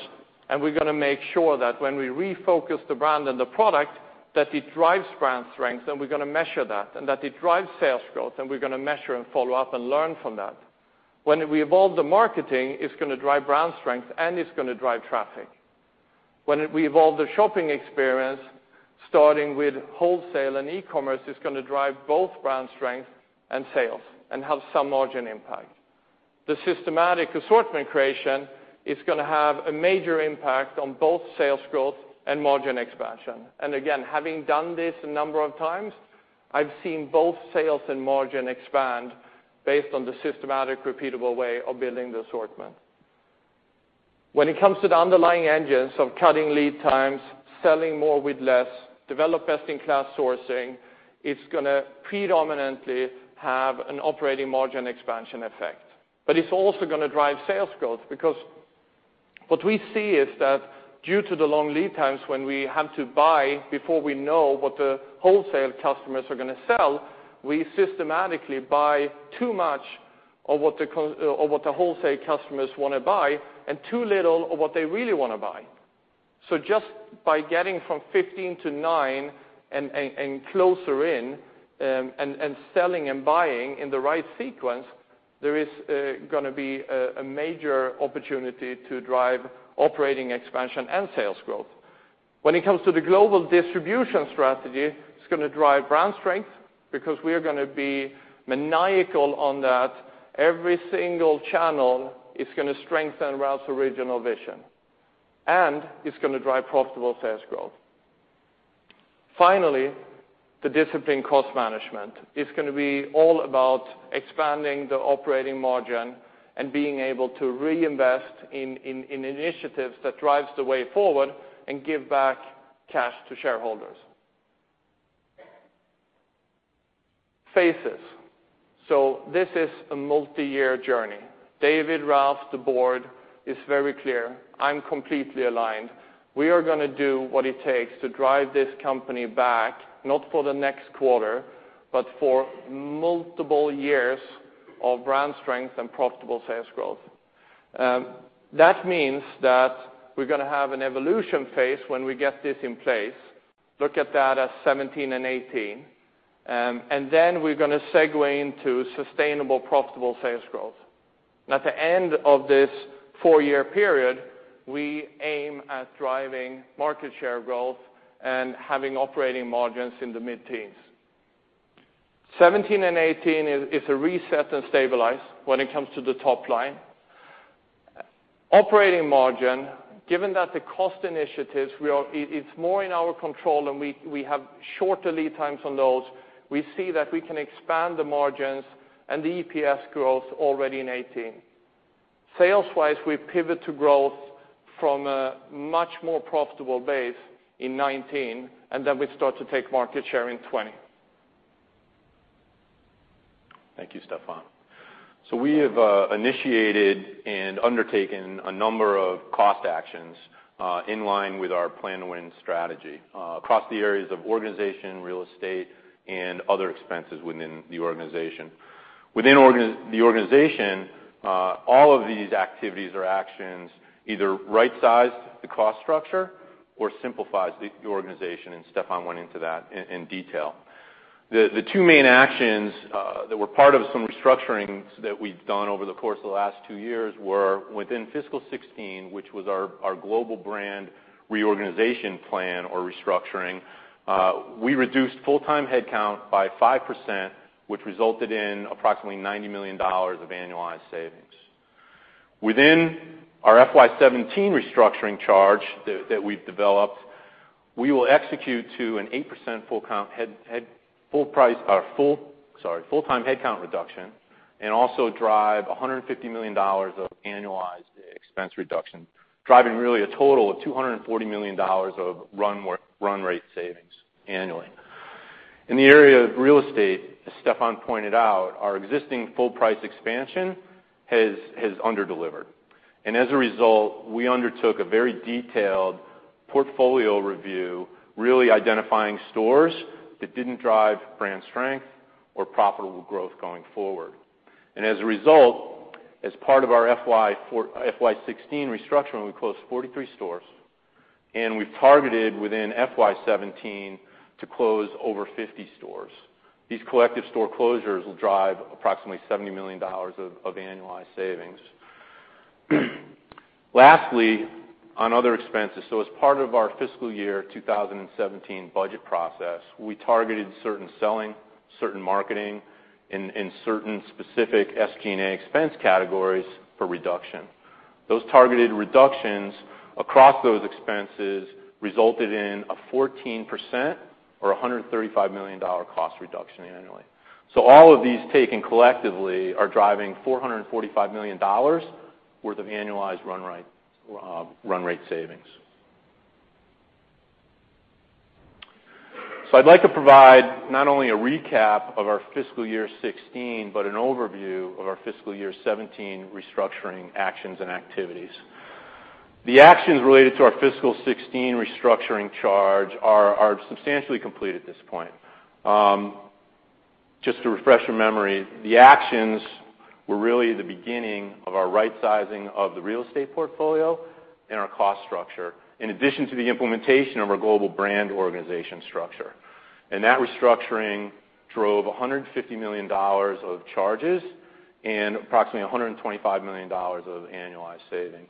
and we're going to make sure that when we refocus the brand and the product, that it drives brand strength, and we're going to measure that, and that it drives sales growth, and we're going to measure and follow up and learn from that. When we evolve the marketing, it's going to drive brand strength, and it's going to drive traffic. When we evolve the shopping experience, starting with wholesale and e-commerce, it's going to drive both brand strength and sales and have some margin impact. The systematic assortment creation is going to have a major impact on both sales growth and margin expansion. Again, having done this a number of times, I've seen both sales and margin expand based on the systematic, repeatable way of building the assortment. When it comes to the underlying engines of cutting lead times, selling more with less, develop best-in-class sourcing, it's going to predominantly have an operating margin expansion effect. It's also going to drive sales growth because what we see is that due to the long lead times, when we have to buy before we know what the wholesale customers are going to sell, we systematically buy too much of what the wholesale customers want to buy and too little of what they really want to buy. Just by getting from 15 to nine and closer in, and selling and buying in the right sequence, there is going to be a major opportunity to drive operating expansion and sales growth. When it comes to the global distribution strategy, it's going to drive brand strength because we are going to be maniacal on that. Every single channel is going to strengthen Ralph's original vision, and it's going to drive profitable sales growth. Finally, the disciplined cost management is going to be all about expanding the operating margin and being able to reinvest in initiatives that drives the Way Forward and give back cash to shareholders. Phases. This is a multi-year journey. David, Ralph, the board is very clear. I'm completely aligned. We are going to do what it takes to drive this company back, not for the next quarter, but for multiple years of brand strength and profitable sales growth. That means that we're going to have an evolution phase when we get this in place. Look at that as 2017 and 2018. Then we're going to segue into sustainable, profitable sales growth. At the end of this four-year period, we aim at driving market share growth and having operating margins in the mid-teens. 2017 and 2018 is a reset and stabilize when it comes to the top line. Operating margin, given that the cost initiatives, it's more in our control, and we have shorter lead times on those. We see that we can expand the margins and the EPS growth already in 2018. Sales-wise, we pivot to growth from a much more profitable base in 2019. Then we start to take market share in 2020. Thank you, Stefan. We have initiated and undertaken a number of cost actions inline with our Plan to Win strategy across the areas of organization, real estate, and other expenses within the organization. Within the organization, all of these activities or actions either right-size the cost structure or simplifies the organization, and Stefan went into that in detail. The two main actions that were part of some restructurings that we've done over the course of the last two years were within fiscal 2016, which was our global brand reorganization plan or restructuring. We reduced full-time headcount by 5%, which resulted in approximately $90 million of annualized savings. Within our FY 2017 restructuring charge that we've developed, we will execute to an 8% full-time headcount reduction and also drive $150 million of annualized expense reduction, driving really a total of $240 million of run rate savings annually. In the area of real estate, as Stefan pointed out, our existing full price expansion has under-delivered. As a result, we undertook a very detailed portfolio review, really identifying stores that didn't drive brand strength or profitable growth going forward. As a result, as part of our FY 2016 restructuring, we closed 43 stores, and we've targeted within FY 2017 to close over 50 stores. These collective store closures will drive approximately $70 million of annualized savings. Lastly, on other expenses. As part of our fiscal year 2017 budget process, we targeted certain selling, certain marketing, and certain specific SG&A expense categories for reduction. Those targeted reductions across those expenses resulted in a 14% or $135 million cost reduction annually. All of these taken collectively are driving $445 million worth of annualized run rate savings. I'd like to provide not only a recap of our fiscal year 2016, but an overview of our fiscal year 2017 restructuring actions and activities. The actions related to our fiscal 2016 restructuring charge are substantially complete at this point. Just to refresh your memory, the actions were really the beginning of our right-sizing of the real estate portfolio and our cost structure, in addition to the implementation of our global brand organization structure. That restructuring drove $150 million of charges and approximately $125 million of annualized savings.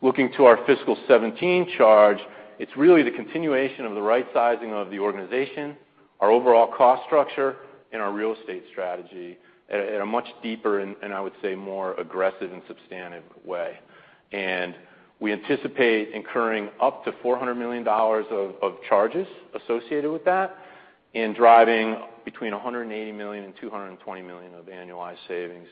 Looking to our fiscal 2017 charge, it's really the continuation of the right-sizing of the organization, our overall cost structure, and our real estate strategy at a much deeper and, I would say, more aggressive and substantive way. And we anticipate incurring up to $400 million of charges associated with that and driving between $180 million and $220 million of annualized savings.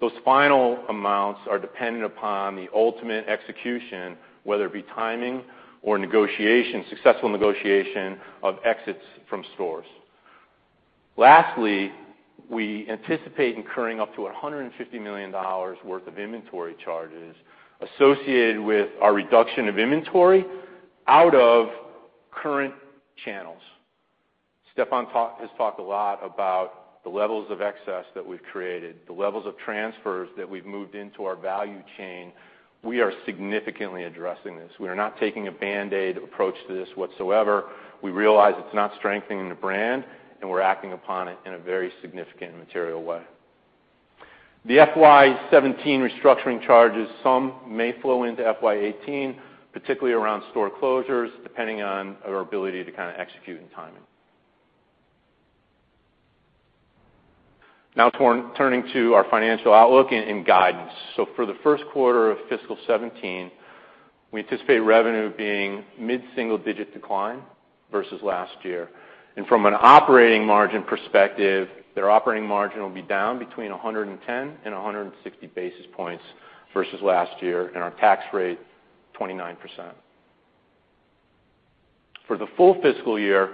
Those final amounts are dependent upon the ultimate execution, whether it be timing or successful negotiation of exits from stores. Lastly, we anticipate incurring up to $150 million worth of inventory charges associated with our reduction of inventory out of current channels. Stefan has talked a lot about the levels of excess that we've created, the levels of transfers that we've moved into our value chain. We are significantly addressing this. We are not taking a Band-Aid approach to this whatsoever. We realize it's not strengthening the brand, and we're acting upon it in a very significant and material way. The FY 2017 restructuring charges, some may flow into FY 2018, particularly around store closures, depending on our ability to kind of execute and timing. Turning to our financial outlook and guidance. For the first quarter of fiscal 2017, we anticipate revenue being mid-single-digit decline versus last year. From an operating margin perspective, their operating margin will be down between 110 and 160 basis points versus last year, and our tax rate, 29%. For the full fiscal year,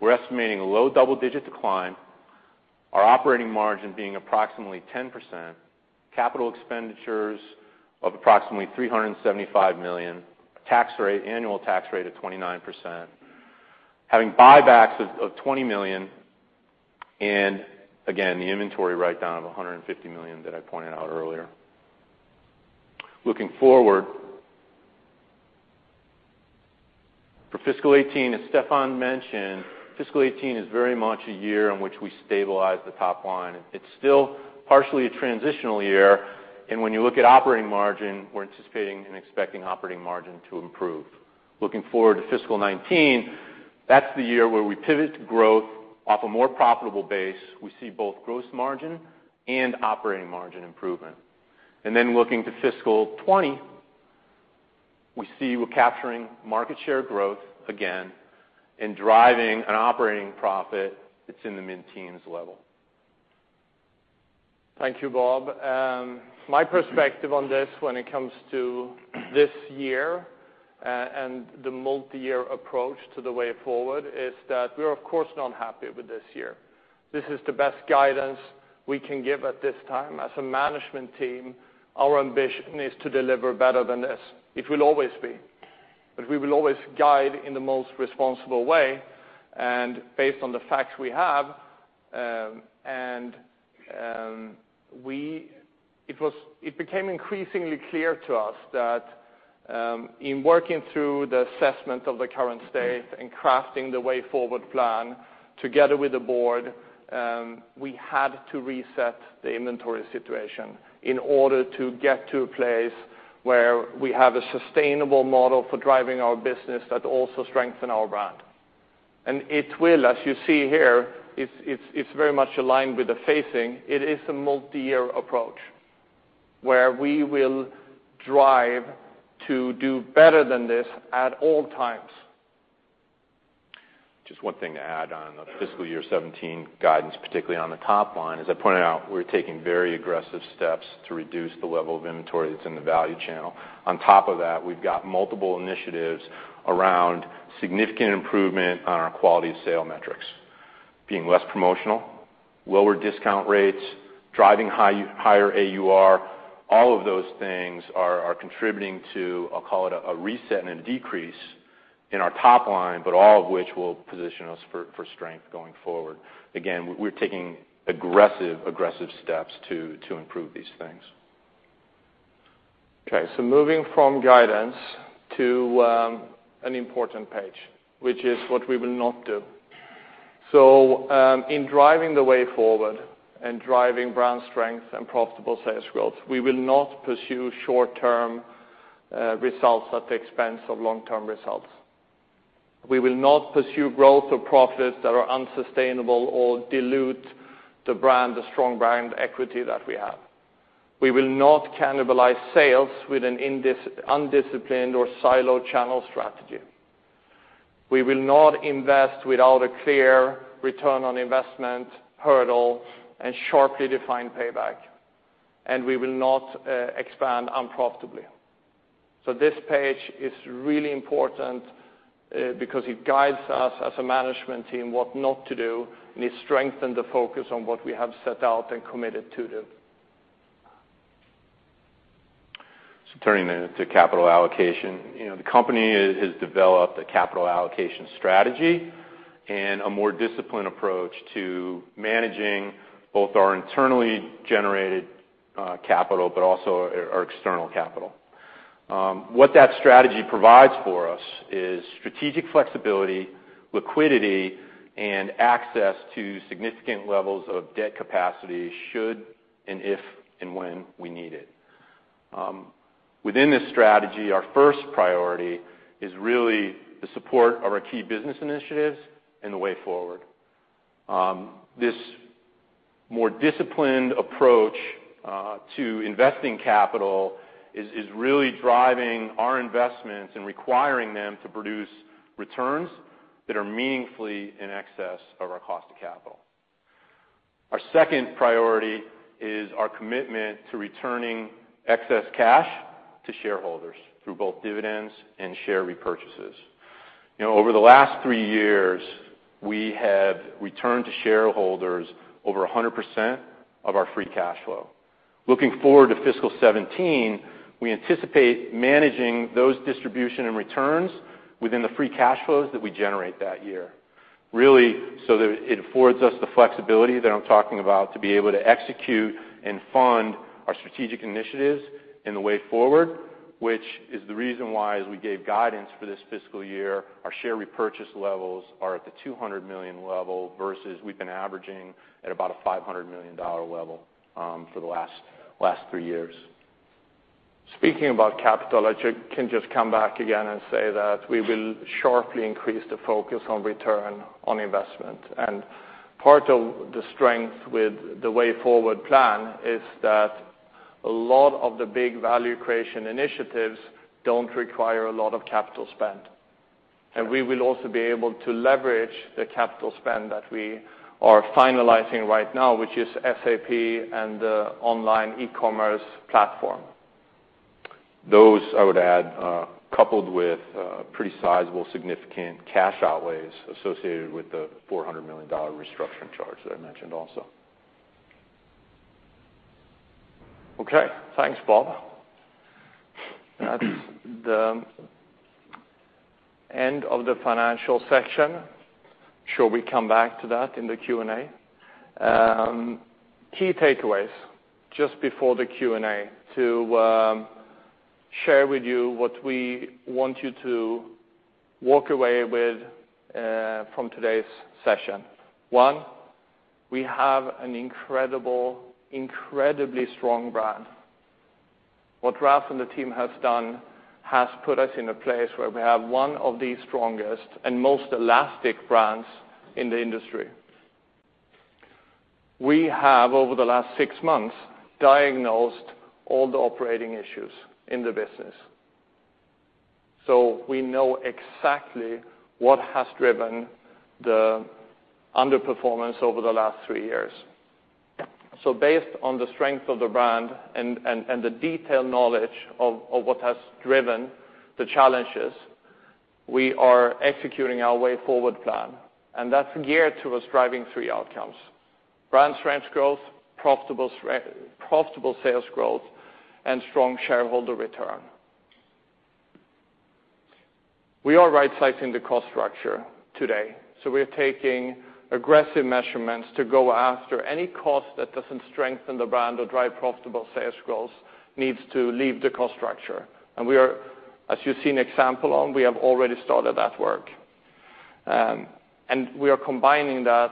we're estimating a low double-digit decline, our operating margin being approximately 10%, capital expenditures of approximately $375 million, annual tax rate of 29%, having buybacks of $200 million, and again, the inventory write-down of $150 million that I pointed out earlier. Looking forward, for fiscal 2018, as Stefan mentioned, fiscal 2018 is very much a year in which we stabilize the top line. It's still partially a transitional year, and when you look at operating margin, we're anticipating and expecting operating margin to improve. Looking forward to FY 2019, that's the year where we pivot to growth off a more profitable base. We see both gross margin and operating margin improvement. Looking to FY 2020 we see we're capturing market share growth again and driving an operating profit that's in the mid-teens level. Thank you, Bob. My perspective on this when it comes to this year and the multi-year approach to the Way Forward is that we're of course not happy with this year. This is the best guidance we can give at this time. As a management team, our ambition is to deliver better than this. It will always be. We will always guide in the most responsible way and based on the facts we have. It became increasingly clear to us that in working through the assessment of the current state and crafting the Way Forward plan together with the board, we had to reset the inventory situation in order to get to a place where we have a sustainable model for driving our business that also strengthen our brand. It will, as you see here, it's very much aligned with the phasing. It is a multi-year approach where we will drive to do better than this at all times. Just one thing to add on the FY 2017 guidance, particularly on the top line. As I pointed out, we're taking very aggressive steps to reduce the level of inventory that's in the value channel. On top of that, we've got multiple initiatives around significant improvement on our quality of sale metrics. Being less promotional, lower discount rates, driving higher AUR. All of those things are contributing to, I'll call it a reset and a decrease in our top line, all of which will position us for strength going forward. Again, we're taking aggressive steps to improve these things. Moving from guidance to an important page, which is what we will not do. In driving The Way Forward and driving brand strength and profitable sales growth, we will not pursue short-term results at the expense of long-term results. We will not pursue growth or profits that are unsustainable or dilute the strong brand equity that we have. We will not cannibalize sales with an undisciplined or siloed channel strategy. We will not invest without a clear return on investment hurdle and sharply defined payback, and we will not expand unprofitably. This page is really important because it guides us as a management team what not to do, and it strengthen the focus on what we have set out and committed to do. Turning to capital allocation. The company has developed a capital allocation strategy and a more disciplined approach to managing both our internally generated capital, but also our external capital. What that strategy provides for us is strategic flexibility, liquidity, and access to significant levels of debt capacity should and if and when we need it. Within this strategy, our first priority is really the support of our key business initiatives and The Way Forward. This more disciplined approach to investing capital is really driving our investments and requiring them to produce returns that are meaningfully in excess of our cost of capital. Our second priority is our commitment to returning excess cash to shareholders through both dividends and share repurchases. Over the last three years, we have returned to shareholders over 100% of our free cash flow. Looking forward to fiscal 2017, we anticipate managing those distribution and returns within the free cash flows that we generate that year. Really, that it affords us the flexibility that I'm talking about to be able to execute and fund our strategic initiatives in The Way Forward, which is the reason why, as we gave guidance for this fiscal year, our share repurchase levels are at the $200 million level versus we've been averaging at about a $500 million level for the last three years. Speaking about capital, I can just come back again and say that we will sharply increase the focus on return on investment. Part of the strength with The Way Forward plan is that a lot of the big value creation initiatives don't require a lot of capital spend. We will also be able to leverage the capital spend that we are finalizing right now, which is SAP and the online e-commerce platform. Those, I would add, coupled with pretty sizable, significant cash outlays associated with the $400 million restructuring charge that I mentioned also. Okay. Thanks, Bob. That's the end of the financial section. Shall we come back to that in the Q&A? Key takeaways, just before the Q&A, to share with you what we want you to walk away with from today's session. One, we have an incredibly strong brand. What Ralph and the team has done has put us in a place where we have one of the strongest and most elastic brands in the industry. We have, over the last six months, diagnosed all the operating issues in the business. We know exactly what has driven the underperformance over the last three years. Based on the strength of the brand and the detailed knowledge of what has driven the challenges, we are executing our Way Forward plan, and that's geared towards driving three outcomes: brand strength growth, profitable sales growth, and strong shareholder return. We are rightsizing the cost structure today. We're taking aggressive measurements to go after any cost that doesn't strengthen the brand or drive profitable sales growth, needs to leave the cost structure. As you've seen example on, we have already started that work. We are combining that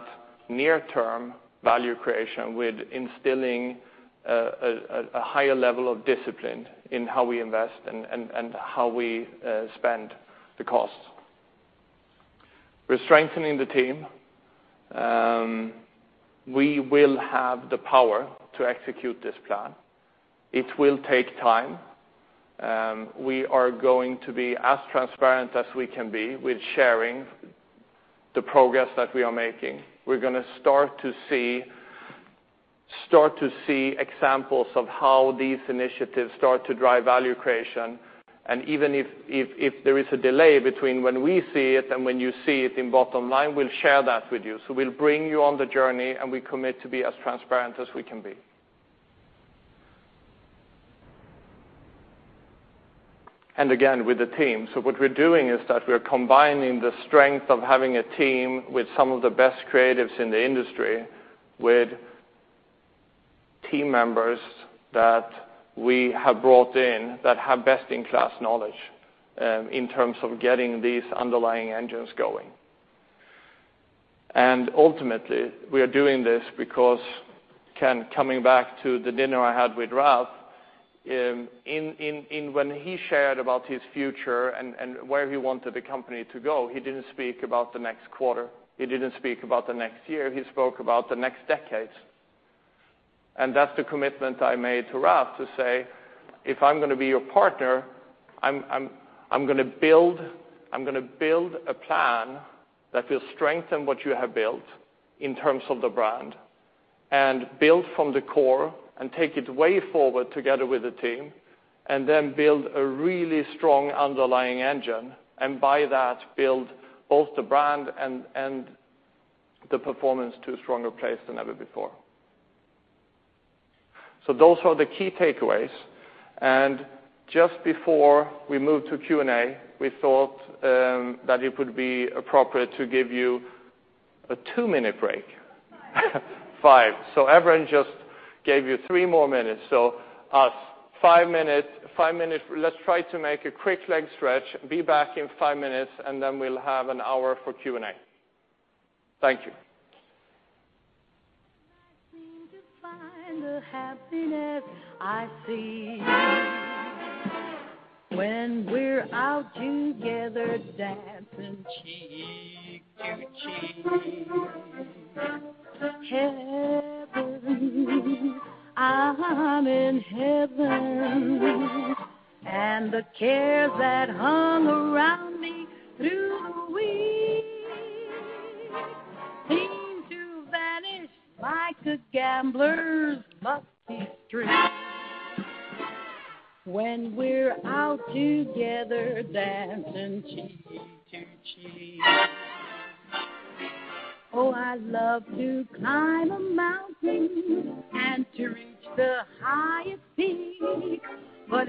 near-term value creation with instilling a higher level of discipline in how we invest and how we spend the costs. We're strengthening the team. We will have the power to execute this plan. It will take time. We are going to be as transparent as we can be with sharing the progress that we are making. We're going to start to see examples of how these initiatives start to drive value creation. Even if there is a delay between when we see it and when you see it in bottom line, we'll share that with you. We'll bring you on the journey, and we commit to be as transparent as we can be. Again, with the team. What we're doing is that we're combining the strength of having a team with some of the best creatives in the industry with team members that we have brought in that have best-in-class knowledge in terms of getting these underlying engines going. Ultimately, we are doing this because, coming back to the dinner I had with Ralph, when he shared about his future and where he wanted the company to go, he didn't speak about the next quarter. He didn't speak about the next year. He spoke about the next decades. That's the commitment I made to Ralph to say, "If I'm going to be your partner, I'm going to build a plan that will strengthen what you have built in terms of the brand, build from the core, and take it Way Forward together with the team, and then build a really strong underlying engine. By that, build both the brand and the performance to a stronger place than ever before." Those are the key takeaways. Just before we move to Q&A, we thought that it would be appropriate to give you a two-minute break. Five. Five. Evren just gave you three more minutes. Five minutes. Let's try to make a quick leg stretch. Be back in five minutes, we'll have an hour for Q&A. Thank you. I seem to find the happiness I seek. When we're out together dancing cheek to cheek. Heaven. I'm in heaven. The cares that hung around me through the week. Seem to vanish like a gambler's lucky streak. When we're out together dancing cheek to cheek. I love to climb a mountain and to reach the highest peak.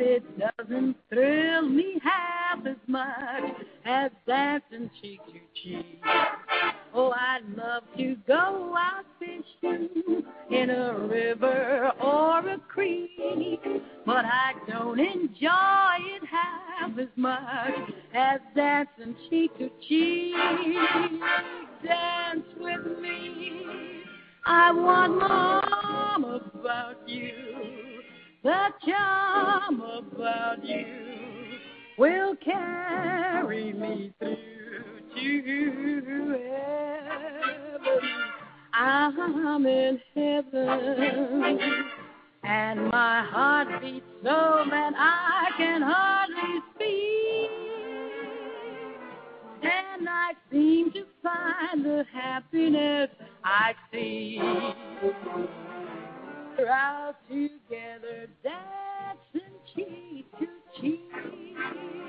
It doesn't thrill me half as much as dancing cheek to cheek. I love to go out fishing in a river or a creek. I don't enjoy it half as much as dancing cheek to cheek. Dance with me. I want my arm about you. The charm about you will carry me through to heaven. I'm in heaven. My heart beats so that I can hardly speak. I seem to find the happiness I seek. We're out together dancing cheek to cheek.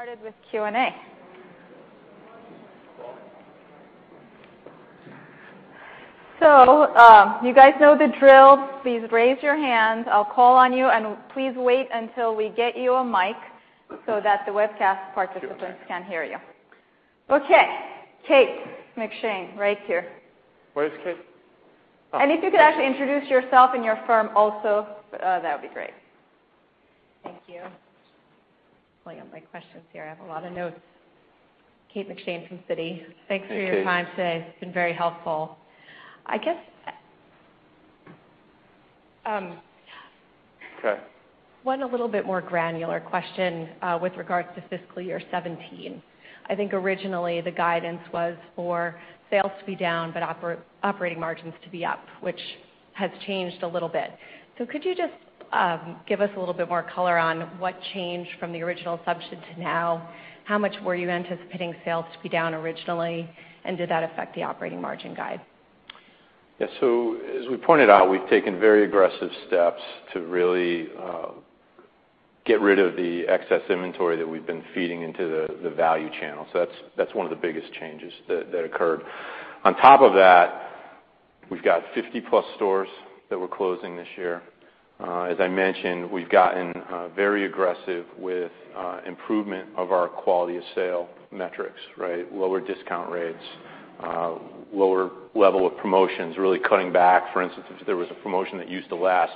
Started with Q&A. Cool. You guys know the drill. Please raise your hands. I'll call on you, and please wait until we get you a mic so that the webcast participants can hear you. Okay. Kate McShane, right here. Where's Kate? Oh. If you could actually introduce yourself and your firm also, that would be great. Thank you. Pulling up my questions here. I have a lot of notes. Kate McShane from Citi. Hi, Kate. Thanks for your time today. It's been very helpful. Okay. One a little bit more granular question, with regards to fiscal year 2017. I think originally, the guidance was for sales to be down but operating margins to be up, which has changed a little bit. Could you just give us a little bit more color on what changed from the original assumption to now? How much were you anticipating sales to be down originally, and did that affect the operating margin guide? Yeah. As we pointed out, we've taken very aggressive steps to really get rid of the excess inventory that we've been feeding into the value channel. That's one of the biggest changes that occurred. On top of that, we've got 50-plus stores that we're closing this year. As I mentioned, we've gotten very aggressive with improvement of our quality of sale metrics. Lower discount rates, lower level of promotions, really cutting back. For instance, if there was a promotion that used to last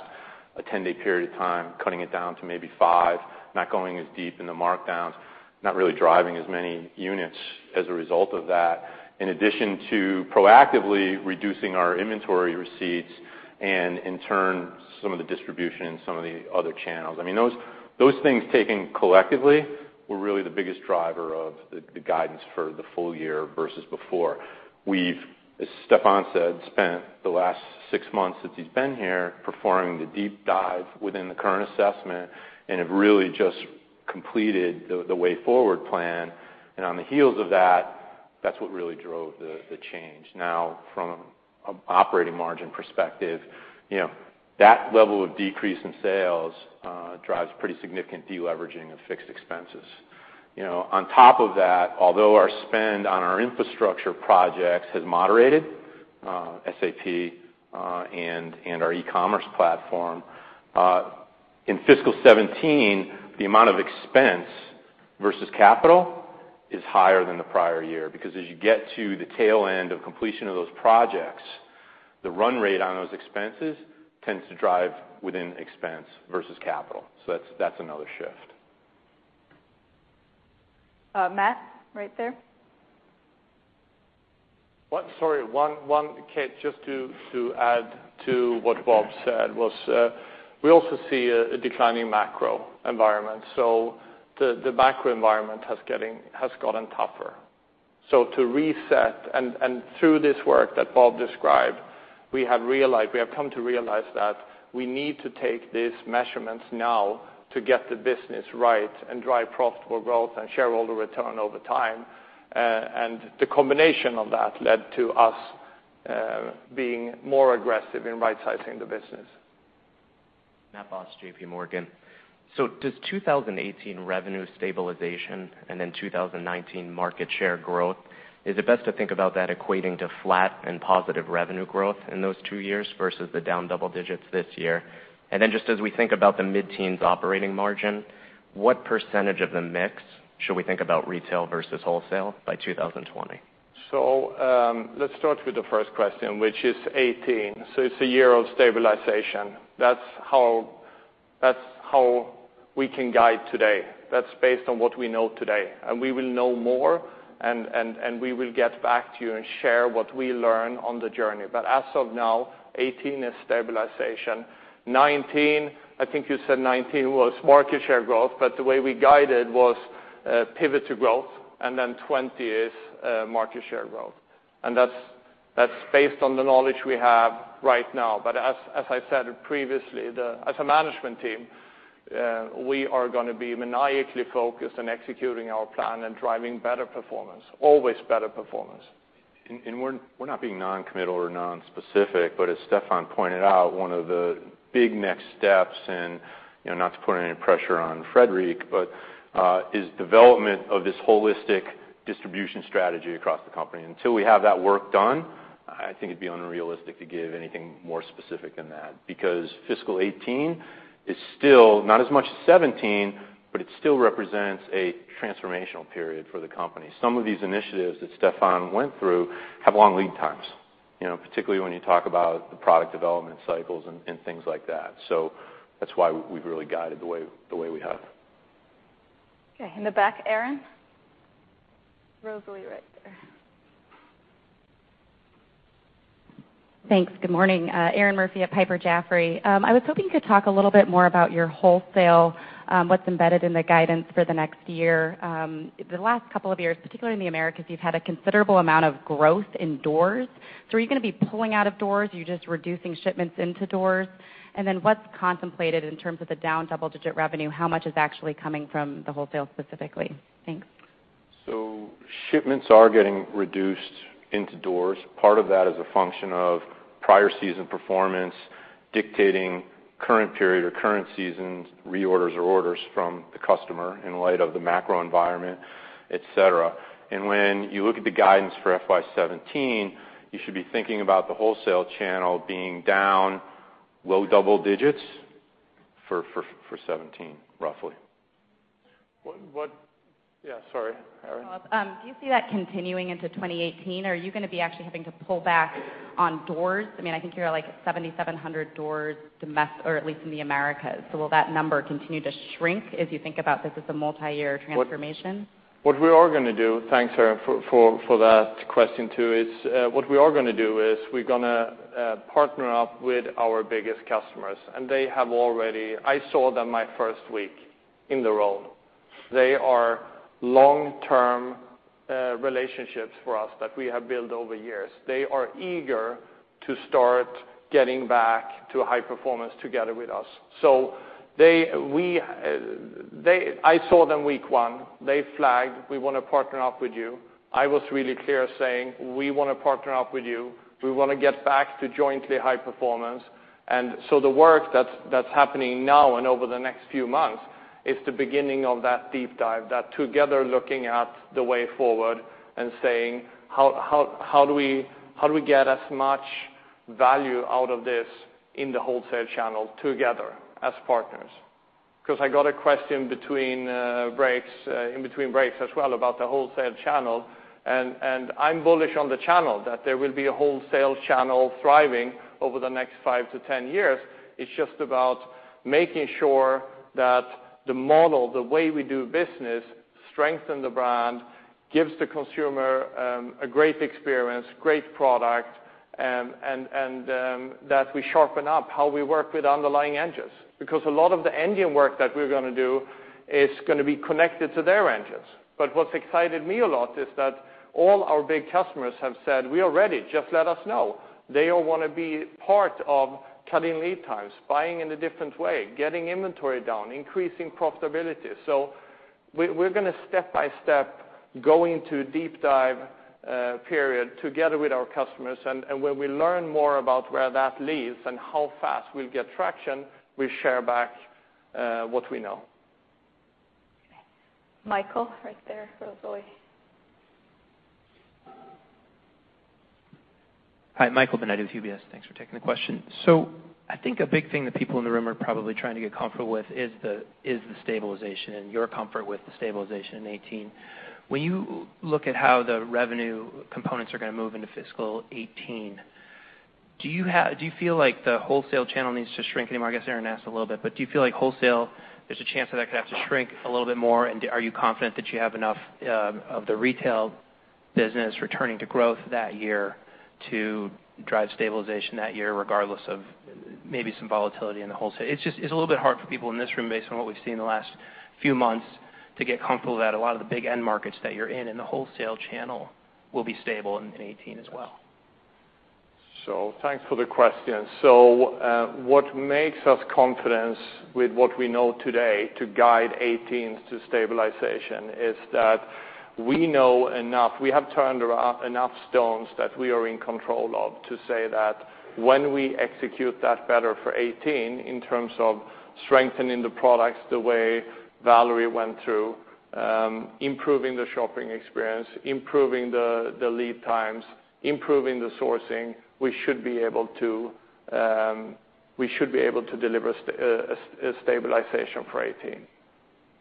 a 10-day period of time, cutting it down to maybe five, not going as deep in the markdowns, not really driving as many units as a result of that. In addition to proactively reducing our inventory receipts and in turn, some of the distribution and some of the other channels. Those things taken collectively were really the biggest driver of the guidance for the full year versus before. We've, as Stefan said, spent the last six months since he's been here performing the deep dive within the current assessment and have really just completed the Way Forward plan. On the heels of that's what really drove the change. Now, from an operating margin perspective, that level of decrease in sales drives pretty significant de-leveraging of fixed expenses. On top of that, although our spend on our infrastructure projects has moderated, SAP and our e-commerce platform, in fiscal 2017, the amount of expense versus capital is higher than the prior year because as you get to the tail end of completion of those projects, the run rate on those expenses tends to drive within expense versus capital. That's another shift. Matt, right there. Sorry, Kate, just to add to what Bob said was, we also see a declining macro environment. The macro environment has gotten tougher. To reset and through this work that Bob described, we have come to realize that we need to take these measurements now to get the business right and drive profitable growth and shareholder return over time. The combination of that led to us being more aggressive in right-sizing the business. Matt Boss, JPMorgan. Does 2018 revenue stabilization and then 2019 market share growth, is it best to think about that equating to flat and positive revenue growth in those two years versus the down double digits this year? Then just as we think about the mid-teens operating margin, what % of the mix should we think about retail versus wholesale by 2020? Let's start with the first question, which is 2018. It's a year of stabilization. That's how we can guide today. That's based on what we know today, and we will know more, and we will get back to you and share what we learn on the journey. As of now, 2018 is stabilization. I think you said 2019 was market share growth, but the way we guided was pivot to growth, and then 2020 is market share growth. That's based on the knowledge we have right now. As I said previously, as a management team, we are going to be maniacally focused on executing our plan and driving better performance, always better performance. We're not being non-committal or non-specific, but as Stefan pointed out, one of the big next steps, and not to put any pressure on Fredrik, but is development of this holistic distribution strategy across the company. Until we have that work done, I think it'd be unrealistic to give anything more specific than that, because FY 2018 is still not as much as FY 2017, but it still represents a transformational period for the company. Some of these initiatives that Stefan went through have long lead times, particularly when you talk about the product development cycles and things like that. That's why we've really guided the way we have. Okay, in the back, Erinn. Rosalie, right there. Thanks. Good morning. Erinn Murphy at Piper Jaffray. I was hoping you could talk a little bit more about your wholesale, what's embedded in the guidance for the next year. The last couple of years, particularly in the Americas, you've had a considerable amount of growth in doors. Are you going to be pulling out of doors? Are you just reducing shipments into doors? Then what's contemplated in terms of the down double-digit revenue? How much is actually coming from the wholesale specifically? Thanks. Shipments are getting reduced into doors. Part of that is a function of prior season performance dictating current period or current seasons reorders or orders from the customer in light of the macro environment, et cetera. When you look at the guidance for FY 2017, you should be thinking about the wholesale channel being down low double digits for 2017, roughly. Yeah, sorry, Erinn. Follow-up. Do you see that continuing into 2018? Are you going to be actually having to pull back on doors? I think you're at, like, 7,700 doors domestic, or at least in the Americas. Will that number continue to shrink as you think about this as a multi-year transformation? Thanks, Erinn, for that question, too. What we are going to do is we're going to partner up with our biggest customers. I saw them my first week in the role. They are long-term relationships for us that we have built over years. They are eager to start getting back to high performance together with us. I saw them week one. They flagged, "We want to partner up with you." I was really clear saying, "We want to partner up with you. We want to get back to jointly high performance. The work that's happening now and over the next few months is the beginning of that deep dive, that together looking at the Way Forward and saying, "How do we get as much value out of this in the wholesale channel together as partners?" I got a question in between breaks as well about the wholesale channel, and I'm bullish on the channel that there will be a wholesale channel thriving over the next 5 to 10 years. It's just about making sure that the model, the way we do business, strengthen the brand, gives the consumer a great experience, great product, and that we sharpen up how we work with underlying engines. A lot of the engine work that we're going to do is going to be connected to their engines. What's excited me a lot is that all our big customers have said, "We are ready. Just let us know." They all want to be part of cutting lead times, buying in a different way, getting inventory down, increasing profitability. We're going to step by step go into a deep dive period together with our customers, and when we learn more about where that leads and how fast we'll get traction, we'll share back what we know. Michael, right there, Rosalie. Hi, Michael Binetti with UBS. Thanks for taking the question. I think a big thing that people in the room are probably trying to get comfortable with is the stabilization and your comfort with the stabilization in 2018. When you look at how the revenue components are going to move into fiscal 2018, do you feel like the wholesale channel needs to shrink anymore? I guess Erinn asked a little bit, do you feel like wholesale, there's a chance that that could have to shrink a little bit more? Are you confident that you have enough of the retail business returning to growth that year to drive stabilization that year, regardless of maybe some volatility in the wholesale? It's a little bit hard for people in this room, based on what we've seen in the last few months, to get comfortable that a lot of the big end markets that you're in the wholesale channel will be stable in 2018 as well. Thanks for the question. What makes us confidence with what we know today to guide FY 2018 to stabilization is that we know enough. We have turned around enough stones that we are in control of to say that when we execute that better for FY 2018, in terms of strengthening the products the way Valérie went through, improving the shopping experience, improving the lead times, improving the sourcing, we should be able to deliver a stabilization for FY 2018.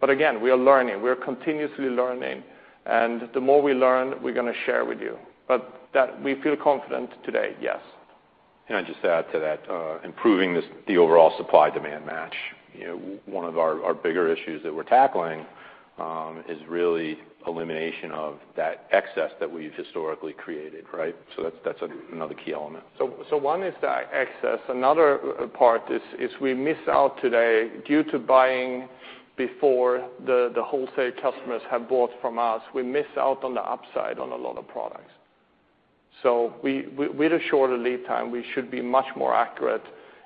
Again, we are learning. We are continuously learning, and the more we learn, we're going to share with you. We feel confident today, yes. Can I just add to that, improving the overall supply-demand match. One of our bigger issues that we're tackling is really elimination of that excess that we've historically created. That's another key element. One is the excess. Another part is we miss out today due to buying before the wholesale customers have bought from us. We miss out on the upside on a lot of products. With a shorter lead time, we should be much more accurate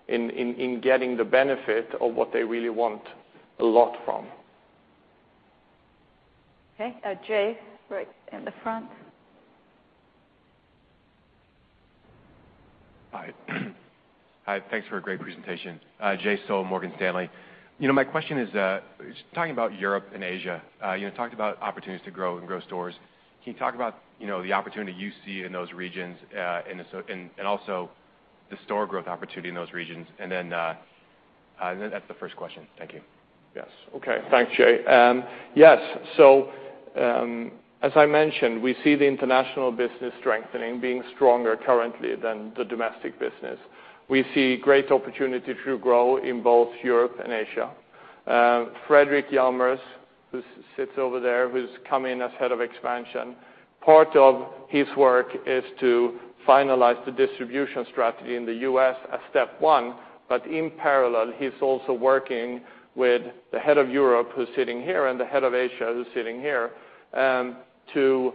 in getting the benefit of what they really want a lot from. Okay. Jay, right in the front. Hi. Thanks for a great presentation. Jay Sole, Morgan Stanley. My question is talking about Europe and Asia, you talked about opportunities to grow and grow stores. Can you talk about the opportunity you see in those regions, and also the store growth opportunity in those regions? That is the first question. Thank you. Yes. Okay. Thanks, Jay. Yes. As I mentioned, we see the international business strengthening, being stronger currently than the domestic business. We see great opportunity to grow in both Europe and Asia. Fredrik Hjalmers, who sits over there, who has come in as Head of Expansion, part of his work is to finalize the distribution strategy in the U.S. as step one. In parallel, he is also working with the Head of Europe, who is sitting here, and the Head of Asia, who is sitting here, to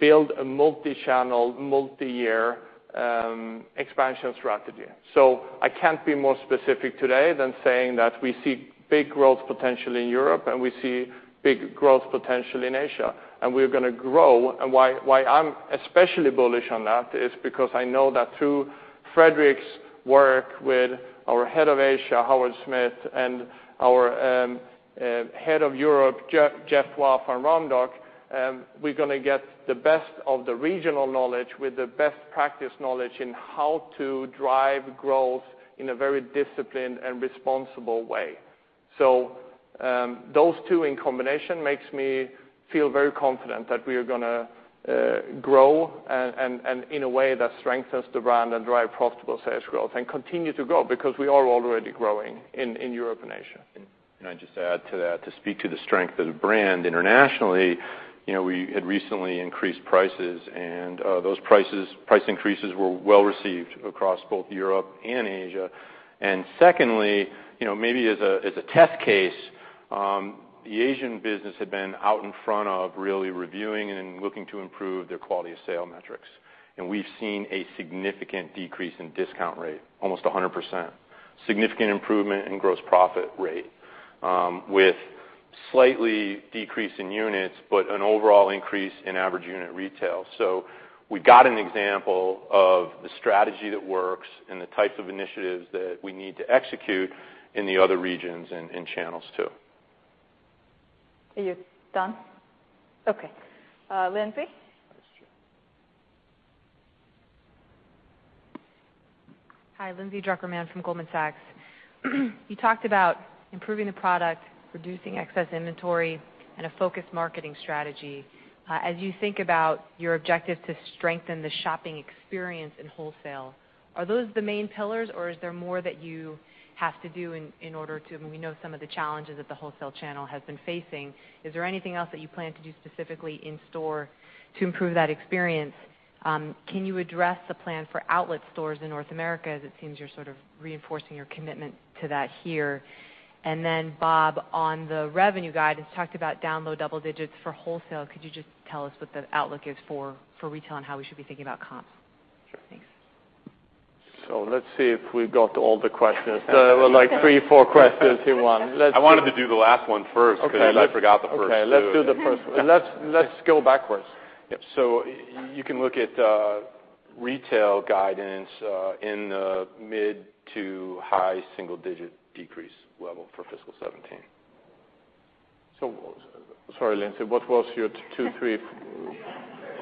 build a multi-channel, multi-year expansion strategy. I cannot be more specific today than saying that we see big growth potential in Europe, and we see big growth potential in Asia, and we are going to grow. Why I am especially bullish on that is because I know that through Fredrik's work with our Head of Asia, Howard Smith, and our Head of Europe, [Geoff Waugh from Randox], we are going to get the best of the regional knowledge with the best practice knowledge in how to drive growth in a very disciplined and responsible way. Those two in combination makes me feel very confident that we are going to grow, and in a way that strengthens the brand and drive profitable sales growth and continue to grow because we are already growing in Europe and Asia. Can I just add to that, to speak to the strength of the brand internationally, we had recently increased prices, and those price increases were well received across both Europe and Asia. Secondly, maybe as a test case, the Asian business had been out in front of really reviewing and looking to improve their quality of sale metrics. We have seen a significant decrease in discount rate, almost 100%. Significant improvement in gross profit rate, with slightly decrease in units, but an overall increase in average unit retail. We got an example of the strategy that works and the types of initiatives that we need to execute in the other regions and channels, too. Are you done? Okay. Lindsay? Hi, Lindsay Drucker Mann from Goldman Sachs. You talked about improving the product, reducing excess inventory, and a focused marketing strategy. As you think about your objective to strengthen the shopping experience in wholesale, are those the main pillars, or is there more that you have to do? We know some of the challenges that the wholesale channel has been facing. Is there anything else that you plan to do specifically in store to improve that experience? Can you address the plan for outlet stores in North America, as it seems you're sort of reinforcing your commitment to that here? Bob, on the revenue guide, it's talked about down low double digits for wholesale. Could you just tell us what the outlook is for retail and how we should be thinking about comps? Sure. Thanks. Let's see if we've got all the questions. Like three, four questions in one. I wanted to do the last one first because I forgot the first two. Okay, let's do the first one. Let's go backwards. Yep. You can look at retail guidance in the mid to high single-digit decrease level for FY 2017. Sorry, Lindsay, what was your two, three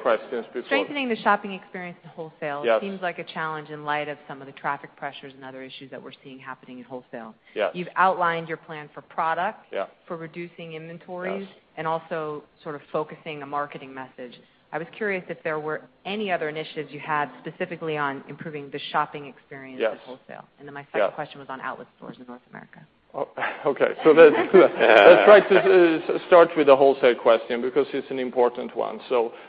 questions before? Strengthening the shopping experience in wholesale Yes seems like a challenge in light of some of the traffic pressures and other issues that we're seeing happening in wholesale. Yes. You've outlined your plan for product- Yep for reducing inventories- Yes Also sort of focusing the marketing message. I was curious if there were any other initiatives you had specifically on improving the shopping experience- Yes in wholesale. Then my second question was on outlet stores in North America. Oh, okay. Let's try to start with the wholesale question because it's an important one.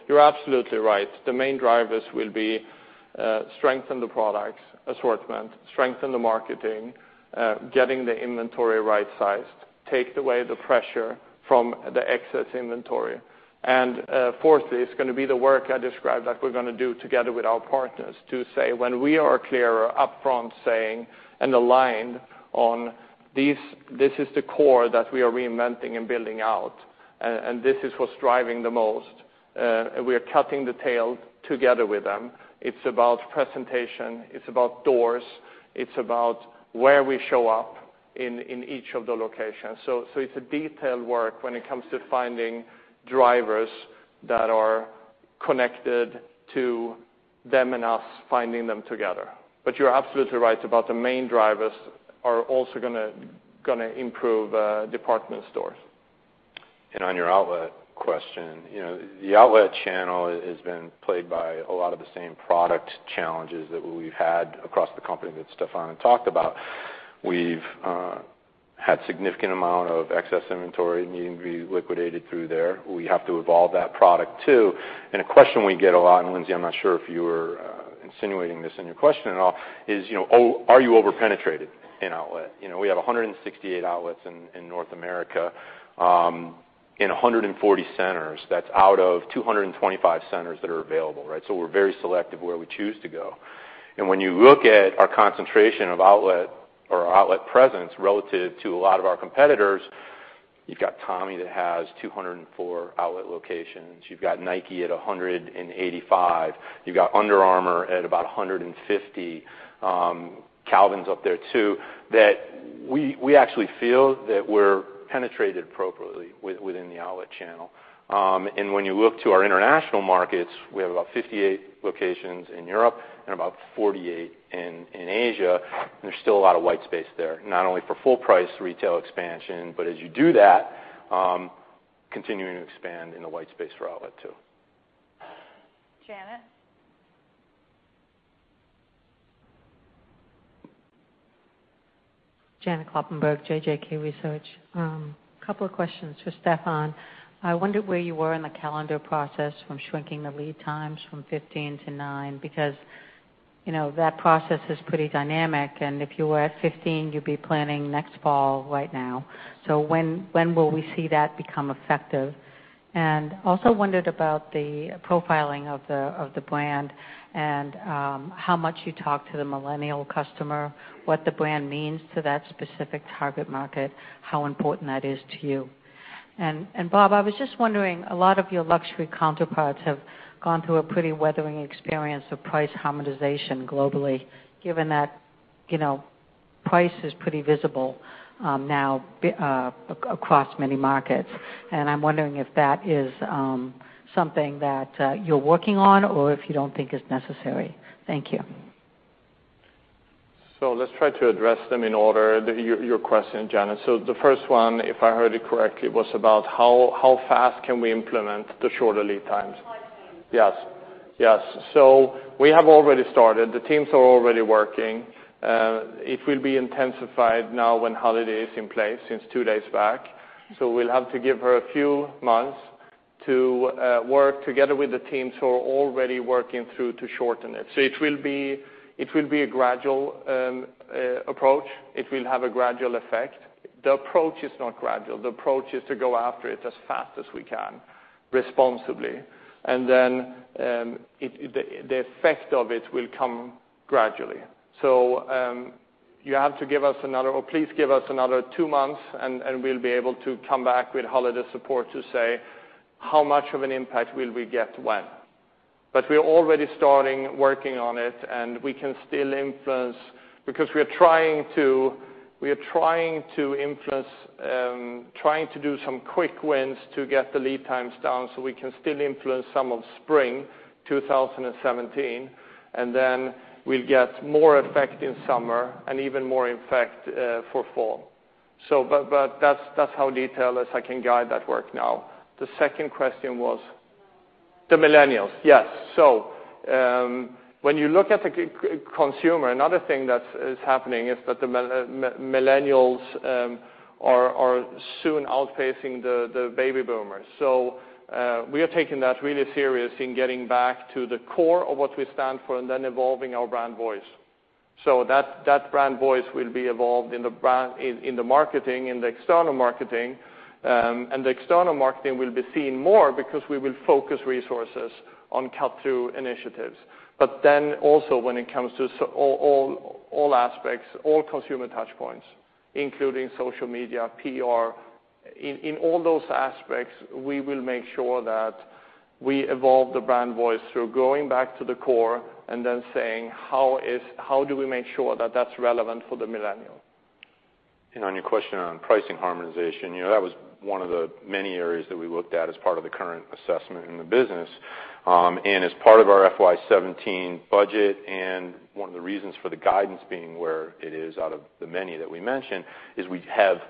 You're absolutely right. The main drivers will be strengthen the product assortment, strengthen the marketing, getting the inventory right-sized, take away the pressure from the excess inventory. Fourth is going to be the work I described that we're going to do together with our partners to say when we are clearer upfront saying and aligned on this is the core that we are reinventing and building out, and this is what's driving the most. We are cutting the tail together with them. It's about presentation, it's about doors, it's about where we show up in each of the locations. It's a detailed work when it comes to finding drivers that are connected to them and us finding them together. You're absolutely right about the main drivers are also going to improve department stores. On your outlet question. The outlet channel has been plagued by a lot of the same product challenges that we've had across the company that Stefan talked about. We've had significant amount of excess inventory needing to be liquidated through there. We have to evolve that product, too. A question we get a lot, and Lindsay, I'm not sure if you were insinuating this in your question at all, is, are you over-penetrated in outlet? We have 168 outlets in North America, in 140 centers. That's out of 225 centers that are available. We're very selective where we choose to go. When you look at our concentration of outlet or our outlet presence relative to a lot of our competitors, you've got Tommy that has 204 outlet locations. You've got Nike at 185. You've got Under Armour at about 150. Calvin's up there, too, that we actually feel that we're penetrated appropriately within the outlet channel. When you look to our international markets, we have about 58 locations in Europe and about 48 in Asia, there's still a lot of white space there, not only for full-price retail expansion, but as you do that, continuing to expand in the white space for outlet, too. Janet. Janet Kloppenburg, JJK Research. Couple of questions for Stefan. I wonder where you were in the calendar process from shrinking the lead times from 15 to nine because that process is pretty dynamic, if you were at 15, you'd be planning next fall right now. When will we see that become effective? Also wondered about the profiling of the brand and how much you talk to the millennial customer, what the brand means to that specific target market, how important that is to you. Bob, I was just wondering, a lot of your luxury counterparts have gone through a pretty weathering experience of price harmonization globally, given that price is pretty visible now across many markets. I'm wondering if that is something that you're working on or if you don't think it's necessary. Thank you. Let's try to address them in order, your question, Janet. The first one, if I heard it correctly, was about how fast can we implement the shorter lead times. From 15. Yes. We have already started. The teams are already working. It will be intensified now when Halide is in place, since 2 days back. We'll have to give her a few months to work together with the teams who are already working through to shorten it. It will be a gradual approach. It will have a gradual effect. The approach is not gradual. The approach is to go after it as fast as we can, responsibly, and then the effect of it will come gradually. You have to give us another, or please give us another 2 months, and we'll be able to come back with Halide's support to say how much of an impact will we get when. We're already starting working on it, and we can still influence because we are trying to influence, trying to do some quick wins to get the lead times down so we can still influence some of spring 2017, and then we'll get more effect in summer and even more effect for fall. That's how detailed as I can guide that work now. The second question was The millennials. Yes. When you look at the consumer, another thing that is happening is that the millennials are soon outpacing the baby boomers. We are taking that really serious in getting back to the core of what we stand for and then evolving our brand voice. That brand voice will be evolved in the marketing, in the external marketing. The external marketing will be seen more because we will focus resources on cut-through initiatives. Also when it comes to all aspects, all consumer touch points, including social media, PR. In all those aspects, we will make sure that we evolve the brand voice through going back to the core and then saying, "How do we make sure that that's relevant for the millennial? On your question on pricing harmonization, that was one of the many areas that we looked at as part of the current assessment in the business. As part of our FY 2017 budget and one of the reasons for the guidance being where it is out of the many that we mentioned, is we have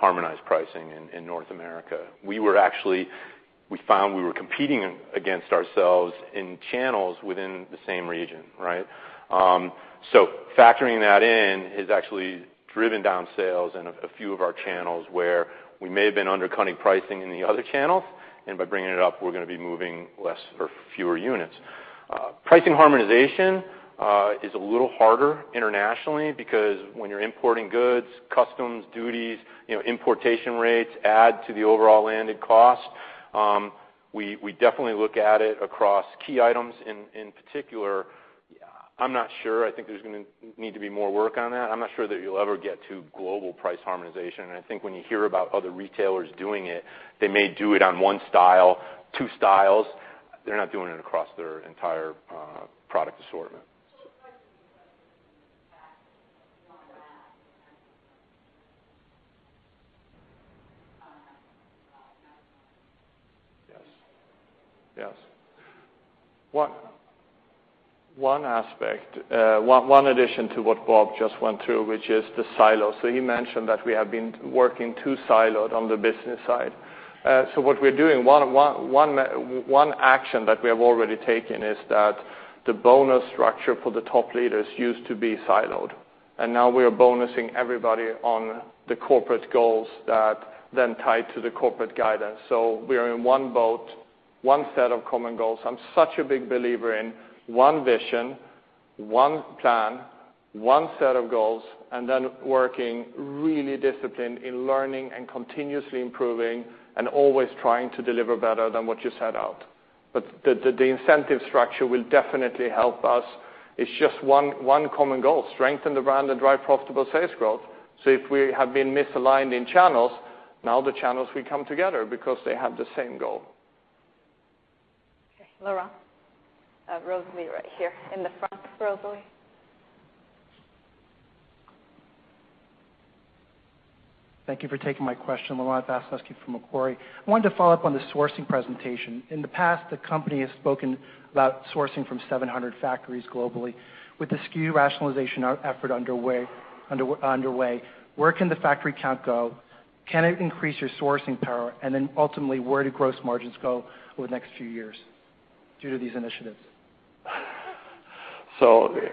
harmonized pricing in North America. We found we were competing against ourselves in channels within the same region. Factoring that in has actually driven down sales in a few of our channels where we may have been undercutting pricing in the other channels, and by bringing it up, we are going to be moving less or fewer units. Pricing harmonization is a little harder internationally because when you are importing goods, customs, duties, importation rates add to the overall landed cost. We definitely look at it across key items in particular. I am not sure. I think there is going to need to be more work on that. I am not sure that you will ever get to global price harmonization, and I think when you hear about other retailers doing it, they may do it on one style, two styles. They are not doing it across their entire product assortment. Yes. One addition to what Bob just went through, which is the silos. He mentioned that we have been working too siloed on the business side. What we are doing, one action that we have already taken is that the bonus structure for the top leaders used to be siloed, now we are bonusing everybody on the corporate goals that then tie to the corporate guidance. We are in one boat, one set of common goals. I am such a big believer in one vision, one plan, one set of goals, then working really disciplined in learning and continuously improving and always trying to deliver better than what you set out. The incentive structure will definitely help us. It is just one common goal, strengthen the brand and drive profitable sales growth. If we have been misaligned in channels, now the channels will come together because they have the same goal. Okay. Laurent. Rosalie, right here. In the front, Rosalie. Thank you for taking my question. Laurent Vasilescu from Macquarie. I wanted to follow up on the sourcing presentation. In the past, the company has spoken about sourcing from 700 factories globally. With the SKU rationalization effort underway, where can the factory count go? Can it increase your sourcing power? Ultimately, where do gross margins go over the next few years due to these initiatives?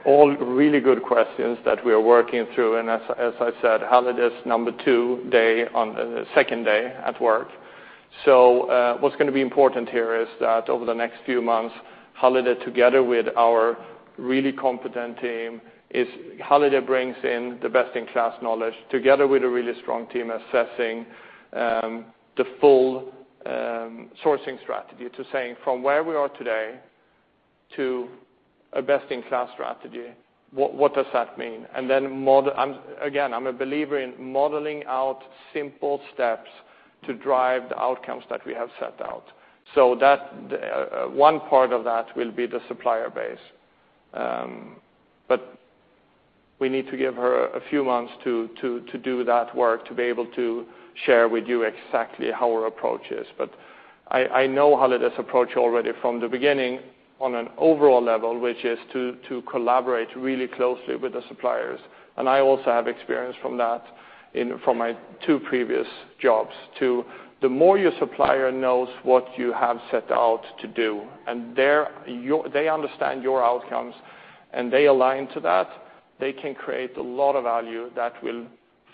All really good questions that we are working through. As I said, Halide is on the second day at work. What's going to be important here is that over the next few months, Halide, together with our really competent team, Halide brings in the best-in-class knowledge together with a really strong team assessing the full sourcing strategy to saying, from where we are today to a best-in-class strategy, what does that mean? Then, again, I'm a believer in modeling out simple steps to drive the outcomes that we have set out. One part of that will be the supplier base. We need to give her a few months to do that work, to be able to share with you exactly how our approach is. I know Halide's approach already from the beginning on an overall level, which is to collaborate really closely with the suppliers. I also have experience from that from my two previous jobs, too. The more your supplier knows what you have set out to do, and they understand your outcomes and they align to that, they can create a lot of value that will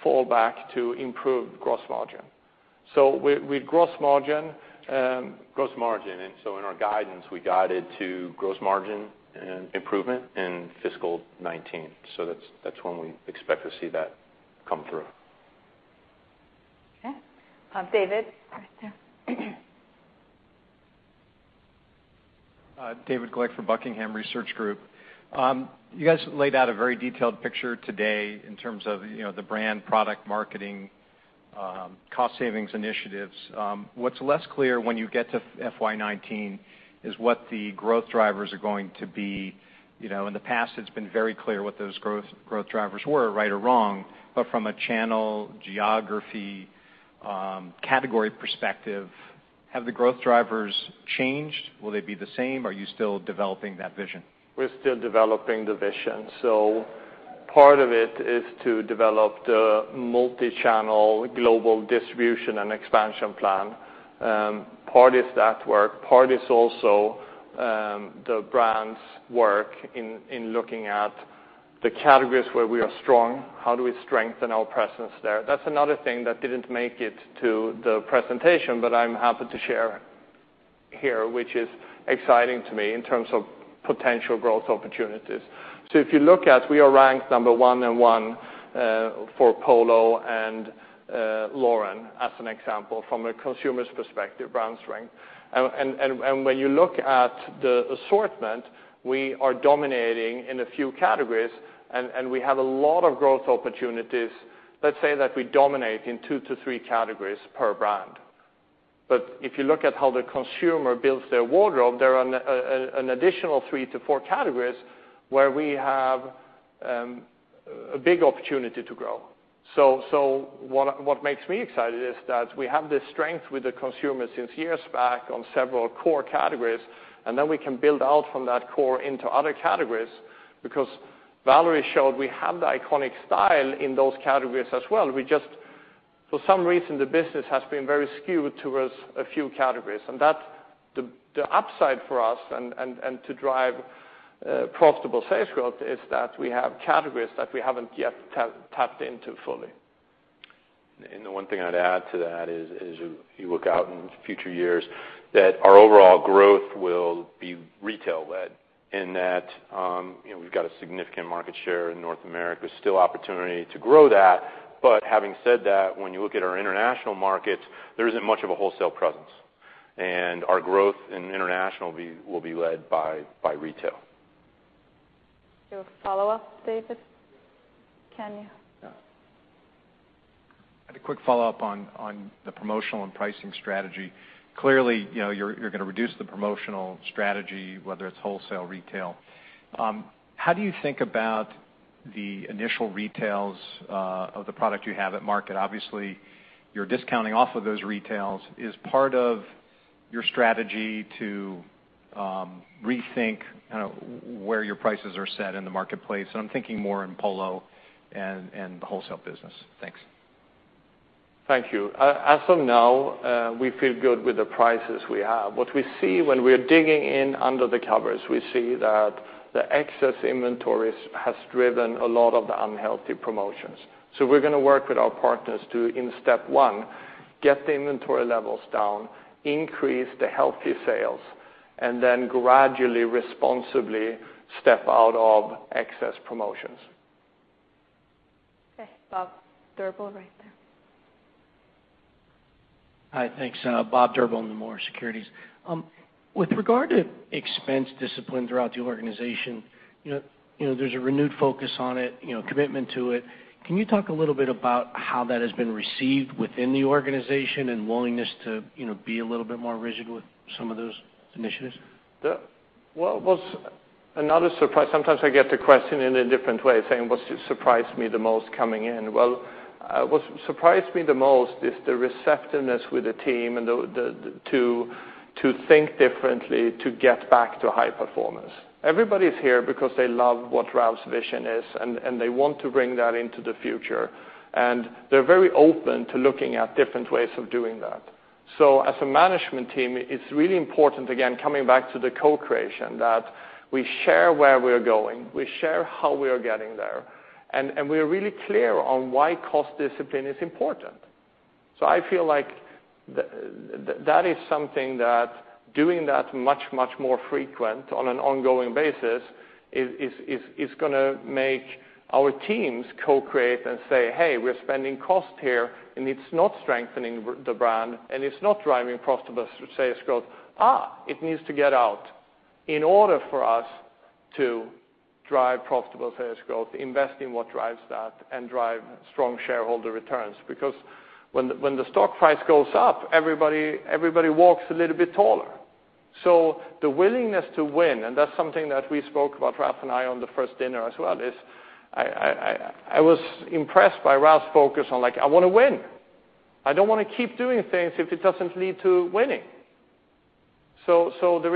fall back to improve gross margin. With gross margin. Gross margin. In our guidance, we guided to gross margin improvement in FY 2019. That's when we expect to see that come through. Okay. David, right there. David Glick from The Buckingham Research Group. You guys laid out a very detailed picture today in terms of the brand, product marketing, cost savings initiatives. What's less clear when you get to FY 2019 is what the growth drivers are going to be. In the past, it's been very clear what those growth drivers were, right or wrong, from a channel, geography, category perspective, have the growth drivers changed? Will they be the same? Are you still developing that vision? We're still developing the vision. Part of it is to develop the multi-channel global distribution and expansion plan. Part is that work. Part is also the brand's work in looking at the categories where we are strong. How do we strengthen our presence there? That's another thing that didn't make it to the presentation, I'm happy to share here, which is exciting to me in terms of potential growth opportunities. If you look at, we are ranked number 1 and 1 for Polo and Lauren, as an example, from a consumer's perspective, brand strength. When you look at the assortment, we are dominating in a few categories, and we have a lot of growth opportunities. Let's say that we dominate in two to three categories per brand. If you look at how the consumer builds their wardrobe, there are an additional three to four categories where we have a big opportunity to grow. What makes me excited is that we have this strength with the consumer since years back on several core categories, and then we can build out from that core into other categories because Valerie showed we have the iconic style in those categories as well. For some reason, the business has been very skewed towards a few categories, and the upside for us, and to drive profitable sales growth, is that we have categories that we haven't yet tapped into fully. The one thing I'd add to that is, if you look out into future years, that our overall growth will be retail led in that we've got a significant market share in North America, still opportunity to grow that. Having said that, when you look at our international markets, there isn't much of a wholesale presence, and our growth in international will be led by retail. You have a follow-up, David? Can you? Yeah. I had a quick follow-up on the promotional and pricing strategy. Clearly, you're going to reduce the promotional strategy, whether it's wholesale, retail. How do you think about the initial retails of the product you have at market, obviously, you're discounting off of those retails. Is part of your strategy to rethink where your prices are set in the marketplace? I'm thinking more in Polo and the wholesale business. Thanks. Thank you. As of now, we feel good with the prices we have. What we see when we are digging in under the covers, we see that the excess inventories has driven a lot of the unhealthy promotions. We're going to work with our partners to, in step one, get the inventory levels down, increase the healthy sales, and then gradually, responsibly, step out of excess promotions. Okay. Bob Drbul, right there. Hi. Thanks. Bob Drbul, Nomura Securities. With regard to expense discipline throughout the organization, there's a renewed focus on it, commitment to it. Can you talk a little bit about how that has been received within the organization and willingness to be a little bit more rigid with some of those initiatives? Sometimes I get the question in a different way, saying what surprised me the most coming in. Well, what surprised me the most is the receptiveness with the team to think differently, to get back to high performance. Everybody's here because they love what Ralph's vision is, and they want to bring that into the future. They're very open to looking at different ways of doing that. As a management team, it's really important, again, coming back to the co-creation, that we share where we're going, we share how we are getting there, and we are really clear on why cost discipline is important. I feel like doing that much more frequent on an ongoing basis is going to make our teams co-create and say, "Hey, we're spending cost here and it's not strengthening the brand, and it's not driving profitable sales growth. It needs to get out in order for us to drive profitable sales growth, invest in what drives that, and drive strong shareholder returns. When the stock price goes up, everybody walks a little bit taller. The willingness to win, and that's something that we spoke about, Ralph and I, on the first dinner as well, is I was impressed by Ralph's focus on, "I want to win. I don't want to keep doing things if it doesn't lead to winning." There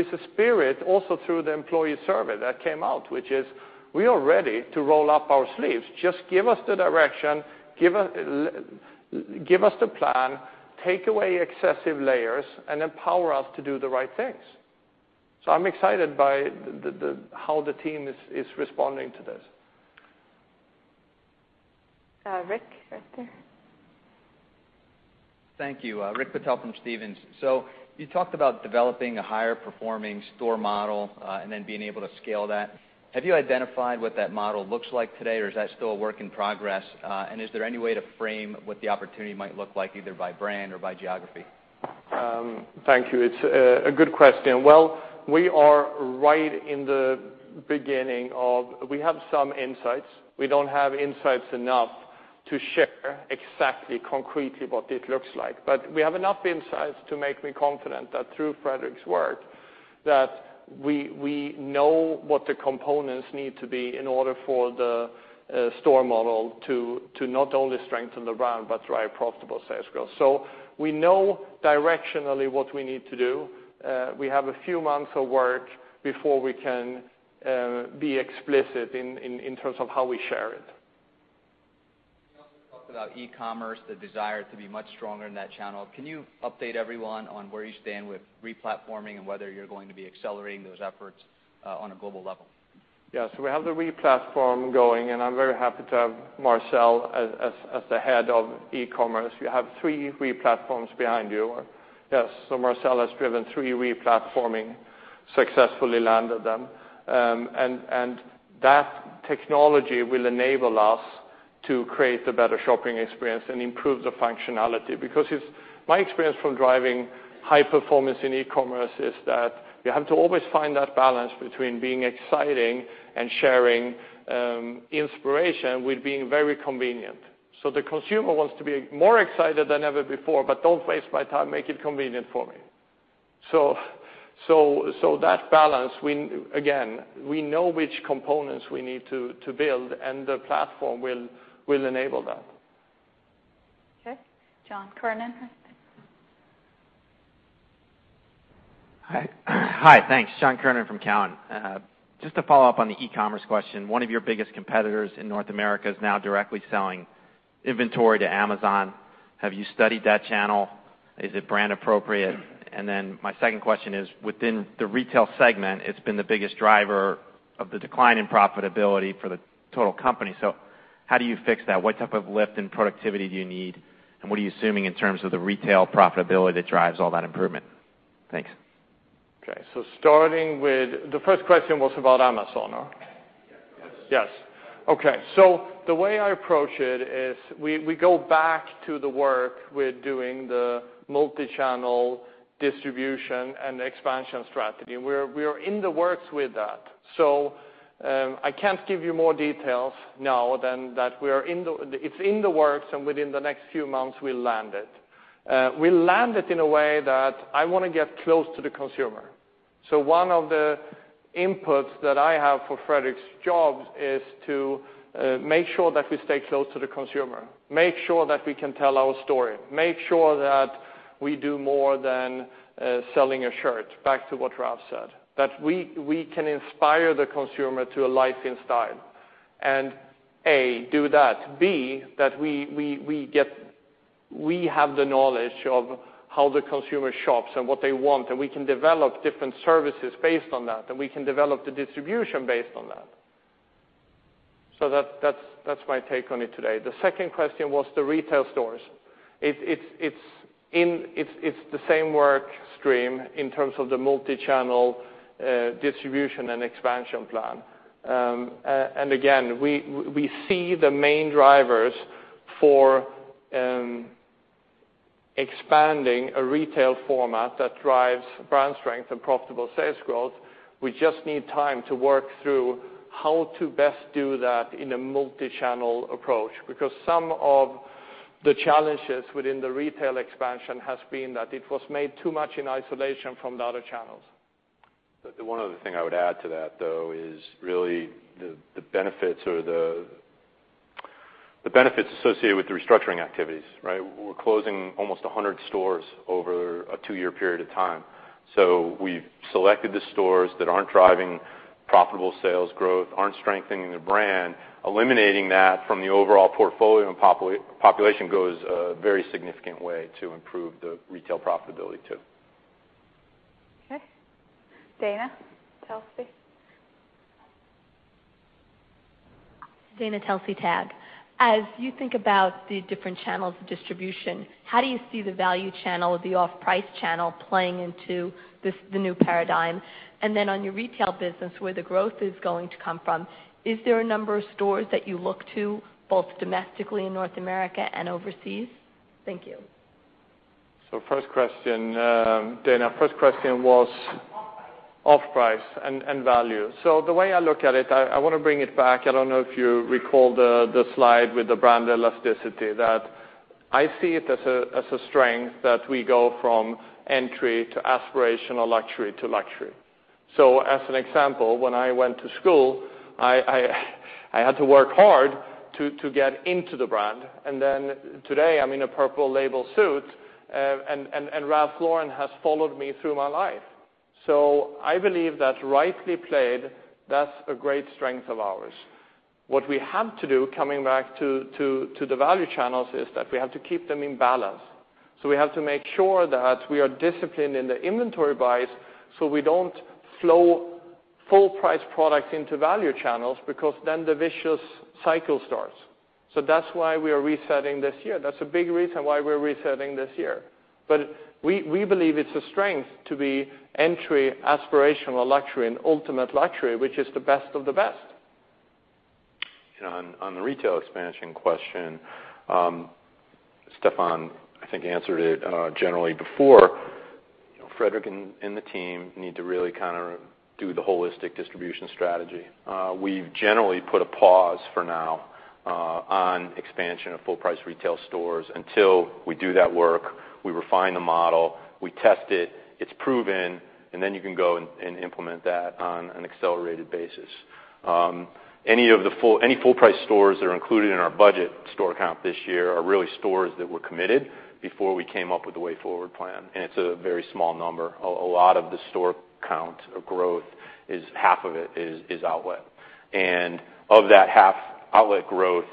is a spirit also through the employee survey that came out, which is, we are ready to roll up our sleeves. Just give us the direction, give us the plan, take away excessive layers, and empower us to do the right things. I'm excited by how the team is responding to this. Rick, right there. Thank you. Rick Patel from Stephens. You talked about developing a higher performing store model, and then being able to scale that. Have you identified what that model looks like today, or is that still a work in progress? Is there any way to frame what the opportunity might look like, either by brand or by geography? Thank you. It's a good question. Well, we have some insights. We don't have insights enough to share exactly concretely what it looks like. We have enough insights to make me confident that through Fredrik's work, that we know what the components need to be in order for the store model to not only strengthen the brand, but drive profitable sales growth. We know directionally what we need to do. We have a few months of work before we can be explicit in terms of how we share it. You also talked about e-commerce, the desire to be much stronger in that channel. Can you update everyone on where you stand with re-platforming and whether you're going to be accelerating those efforts on a global level? Yes. We have the re-platform going, and I'm very happy to have Marcelle as the head of e-commerce. You have three re-platforms behind you. Yes. Marcelle has driven three re-platforming, successfully landed them. That technology will enable us to create a better shopping experience and improve the functionality. My experience from driving high performance in e-commerce is that you have to always find that balance between being exciting and sharing inspiration with being very convenient. The consumer wants to be more excited than ever before, but don't waste my time, make it convenient for me. That balance, again, we know which components we need to build, and the platform will enable that. Okay. John Kernan. Hi. Thanks. John Kernan from Cowen. Just to follow up on the e-commerce question, one of your biggest competitors in North America is now directly selling inventory to Amazon. Have you studied that channel? Is it brand appropriate? My second question is, within the retail segment, it's been the biggest driver of the decline in profitability for the total company. How do you fix that? What type of lift in productivity do you need, and what are you assuming in terms of the retail profitability that drives all that improvement? Thanks. Okay. The first question was about Amazon, no? Yes. Yes. Okay. The way I approach it is we go back to the work we're doing, the multi-channel distribution and expansion strategy, and we are in the works with that. I can't give you more details now than that it's in the works, and within the next few months, we'll land it. We landed in a way that I want to get close to the consumer. One of the inputs that I have for Fredrik's job is to make sure that we stay close to the consumer, make sure that we can tell our story, make sure that we do more than selling a shirt, back to what Ralph said. That we can inspire the consumer to a life in style. A, do that, B, that we have the knowledge of how the consumer shops and what they want, and we can develop different services based on that, and we can develop the distribution based on that. That's my take on it today. The second question was the retail stores. It's the same work stream in terms of the multi-channel distribution and expansion plan. Again, we see the main drivers for expanding a retail format that drives brand strength and profitable sales growth. We just need time to work through how to best do that in a multi-channel approach, because some of the challenges within the retail expansion has been that it was made too much in isolation from the other channels. The one other thing I would add to that, though, is really the benefits associated with the restructuring activities, right? We're closing almost 100 stores over a two-year period of time. We've selected the stores that aren't driving profitable sales growth, aren't strengthening the brand. Eliminating that from the overall portfolio and population goes a very significant way to improve the retail profitability, too. Okay. Dana Telsey. Dana Telsey, TAG. As you think about the different channels of distribution, how do you see the value channel or the off-price channel playing into the new paradigm? On your retail business, where the growth is going to come from, is there a number of stores that you look to, both domestically in North America and overseas? Thank you. First question, Dana. First question was. Off-price off-price and value. The way I look at it, I want to bring it back. I don't know if you recall the slide with the brand elasticity, that I see it as a strength that we go from entry to aspirational luxury to luxury. As an example, when I went to school, I had to work hard to get into the brand. Then today, I'm in a Purple Label suit, and Ralph Lauren has followed me through my life. I believe that rightly played, that's a great strength of ours. What we have to do, coming back to the value channels, is that we have to keep them in balance. We have to make sure that we are disciplined in the inventory buys so we don't flow full-price products into value channels, because then the vicious cycle starts. That's why we are resetting this year. That's a big reason why we're resetting this year. We believe it's a strength to be entry, aspirational luxury, and ultimate luxury, which is the best of the best. On the retail expansion question, Stefan, I think, answered it generally before. Fredrik and the team need to really do the holistic distribution strategy. We've generally put a pause for now on expansion of full-price retail stores until we do that work, we refine the model, we test it's proven, and then you can go and implement that on an accelerated basis. Any full-price stores that are included in our budget store count this year are really stores that were committed before we came up with the Way Forward plan, and it's a very small number. A lot of the store count or growth, half of it is outlet. Of that half outlet growth,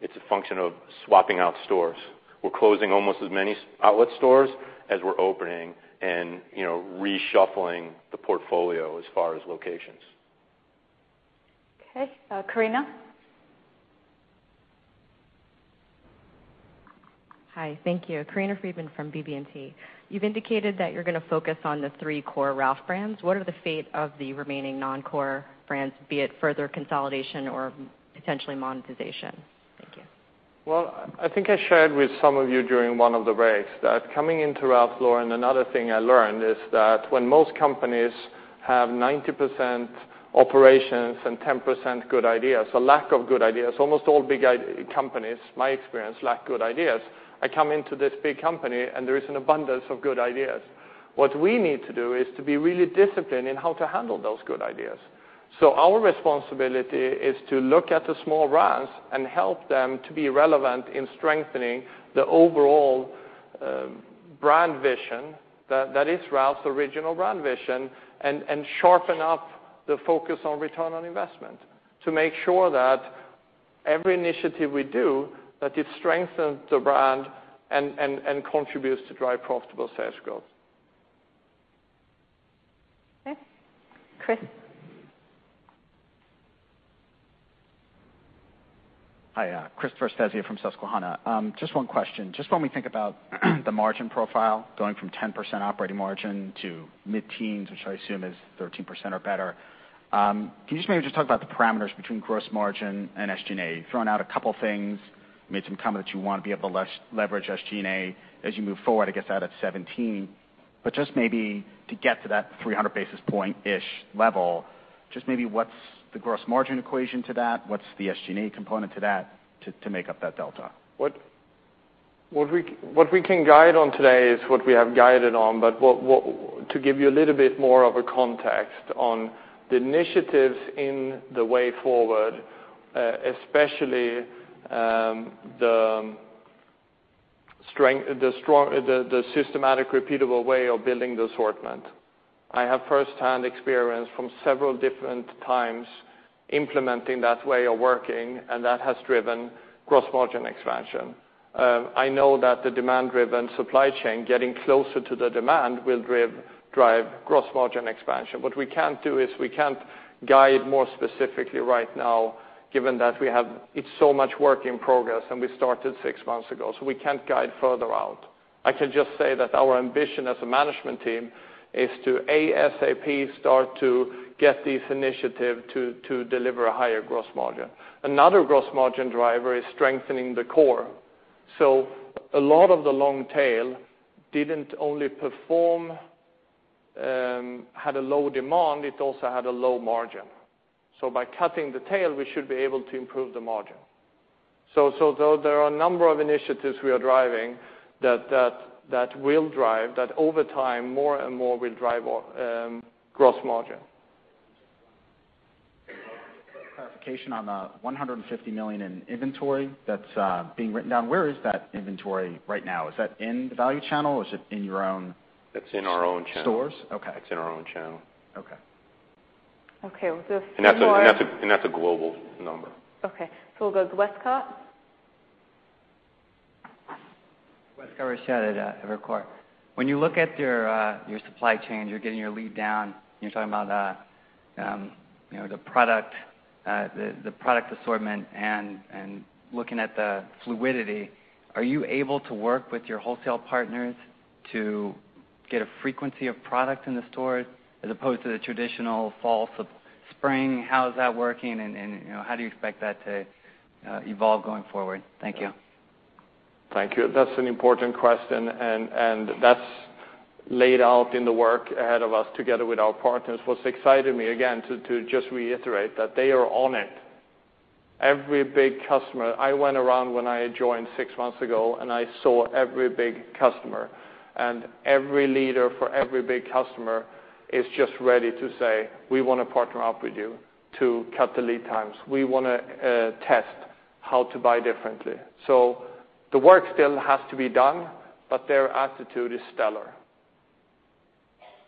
it's a function of swapping out stores. We're closing almost as many outlet stores as we're opening and reshuffling the portfolio as far as locations. Okay. Corinna? Hi, thank you. Corinna Freedman from BB&T. You've indicated that you're going to focus on the three core Ralph brands. What are the fate of the remaining non-core brands, be it further consolidation or potentially monetization? Thank you. I think I shared with some of you during one of the breaks that coming into Ralph Lauren, another thing I learned is that when most companies have 90% operations and 10% good ideas, lack of good ideas, almost all big companies, in my experience, lack good ideas. I come into this big company, there is an abundance of good ideas. What we need to do is to be really disciplined in how to handle those good ideas. Our responsibility is to look at the small brands and help them to be relevant in strengthening the overall brand vision that is Ralph's original brand vision and sharpen up the focus on return on investment to make sure that every initiative we do, that it strengthens the brand and contributes to drive profitable sales growth. Okay. Chris? Hi, Chris Svezia from Susquehanna. One question. When we think about the margin profile going from 10% operating margin to mid-teens, which I assume is 13% or better, can you maybe just talk about the parameters between gross margin and SG&A? You've thrown out a couple things, made some comment that you want to be able to leverage SG&A as you move forward. Maybe to get to that 300 basis point-ish level, what's the gross margin equation to that? What's the SG&A component to that to make up that delta? What we can guide on today is what we have guided on. To give you a little bit more of a context on the initiatives in the Way Forward, especially the systematic, repeatable way of building the assortment. I have firsthand experience from several different times implementing that way of working, that has driven gross margin expansion. I know that the demand-driven supply chain, getting closer to the demand, will drive gross margin expansion. What we can't do is we can't guide more specifically right now, given that it's so much work in progress, we started six months ago, we can't guide further out. I can just say that our ambition as a management team is to ASAP start to get these initiative to deliver a higher gross margin. Another gross margin driver is strengthening the core. A lot of the long tail didn't only perform, had a low demand. It also had a low margin. By cutting the tail, we should be able to improve the margin. There are a number of initiatives we are driving that over time, more and more will drive gross margin. Clarification on the $150 million in inventory that's being written down. Where is that inventory right now? Is that in the value channel or is it in your own- It's in our own channel stores? Okay. It's in our own channel. Okay. Okay, we'll do a few more. That's a global number. Okay, we'll go to Westcott. Westcott Rochette. at Evercore. When you look at your supply chain, you are getting your lead down, and you are talking about the product assortment and looking at the fluidity, are you able to work with your wholesale partners to get a frequency of product in the stores as opposed to the traditional fall, spring? How is that working, and how do you expect that to evolve going forward? Thank you. Thank you. That's an important question, and that's laid out in the work ahead of us together with our partners. What's excited me, again, to just reiterate that they are on it. Every big customer, I went around when I joined six months ago, and I saw every big customer, and every leader for every big customer is just ready to say, "We want to partner up with you to cut the lead times. We want to test how to buy differently." The work still has to be done, but their attitude is stellar.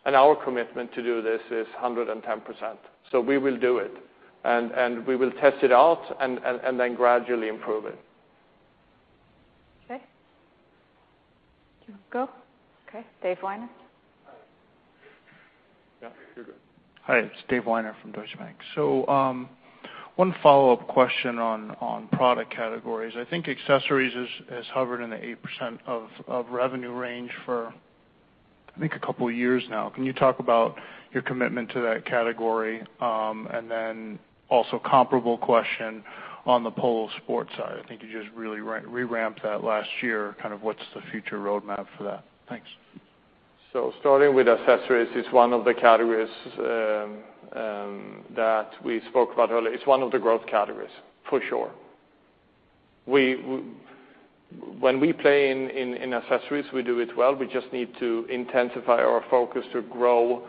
Our commitment to do this is 110%. We will do it, and we will test it out and then gradually improve it. Okay. You go? Okay. Dave Weiner. Yeah, you're good. Hi, it's Dave Weiner from Deutsche Bank. One follow-up question on product categories. I think accessories has hovered in the 8% of revenue range for, I think a couple of years now. Can you talk about your commitment to that category? Also comparable question on the Polo Sport side. I think you just really re-ramped that last year, kind of what's the future roadmap for that? Thanks. Starting with accessories, it's one of the categories that we spoke about earlier. It's one of the growth categories, for sure. When we play in accessories, we do it well. We just need to intensify our focus to grow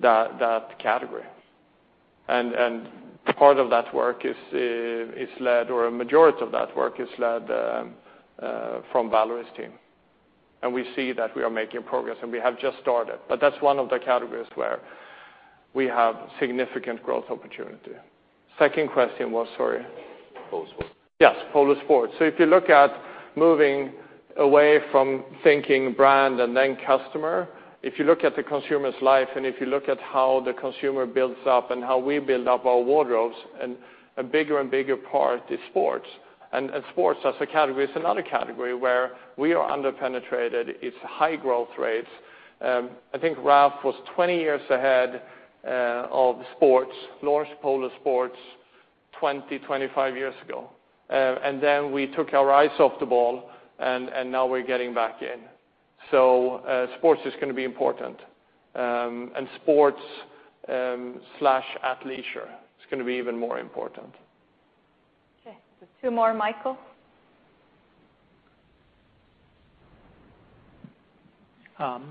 that category. Part of that work is led, or a majority of that work is led from Valérie's team. We see that we are making progress, and we have just started. That's one of the categories where we have significant growth opportunity. Second question was, sorry? Polo Sport. Yes, Polo Sport. If you look at moving away from thinking brand and then customer, if you look at the consumer's life and if you look at how the consumer builds up and how we build up our wardrobes, and a bigger and bigger part is sports. Sports as a category is another category where we are under-penetrated. It's high growth rates. I think Ralph was 20 years ahead of sports, Polo Sport, 20, 25 years ago. We took our eyes off the ball, and now we're getting back in. Sports is going to be important. Sports/athleisure is going to be even more important. Okay. Just two more. Michael.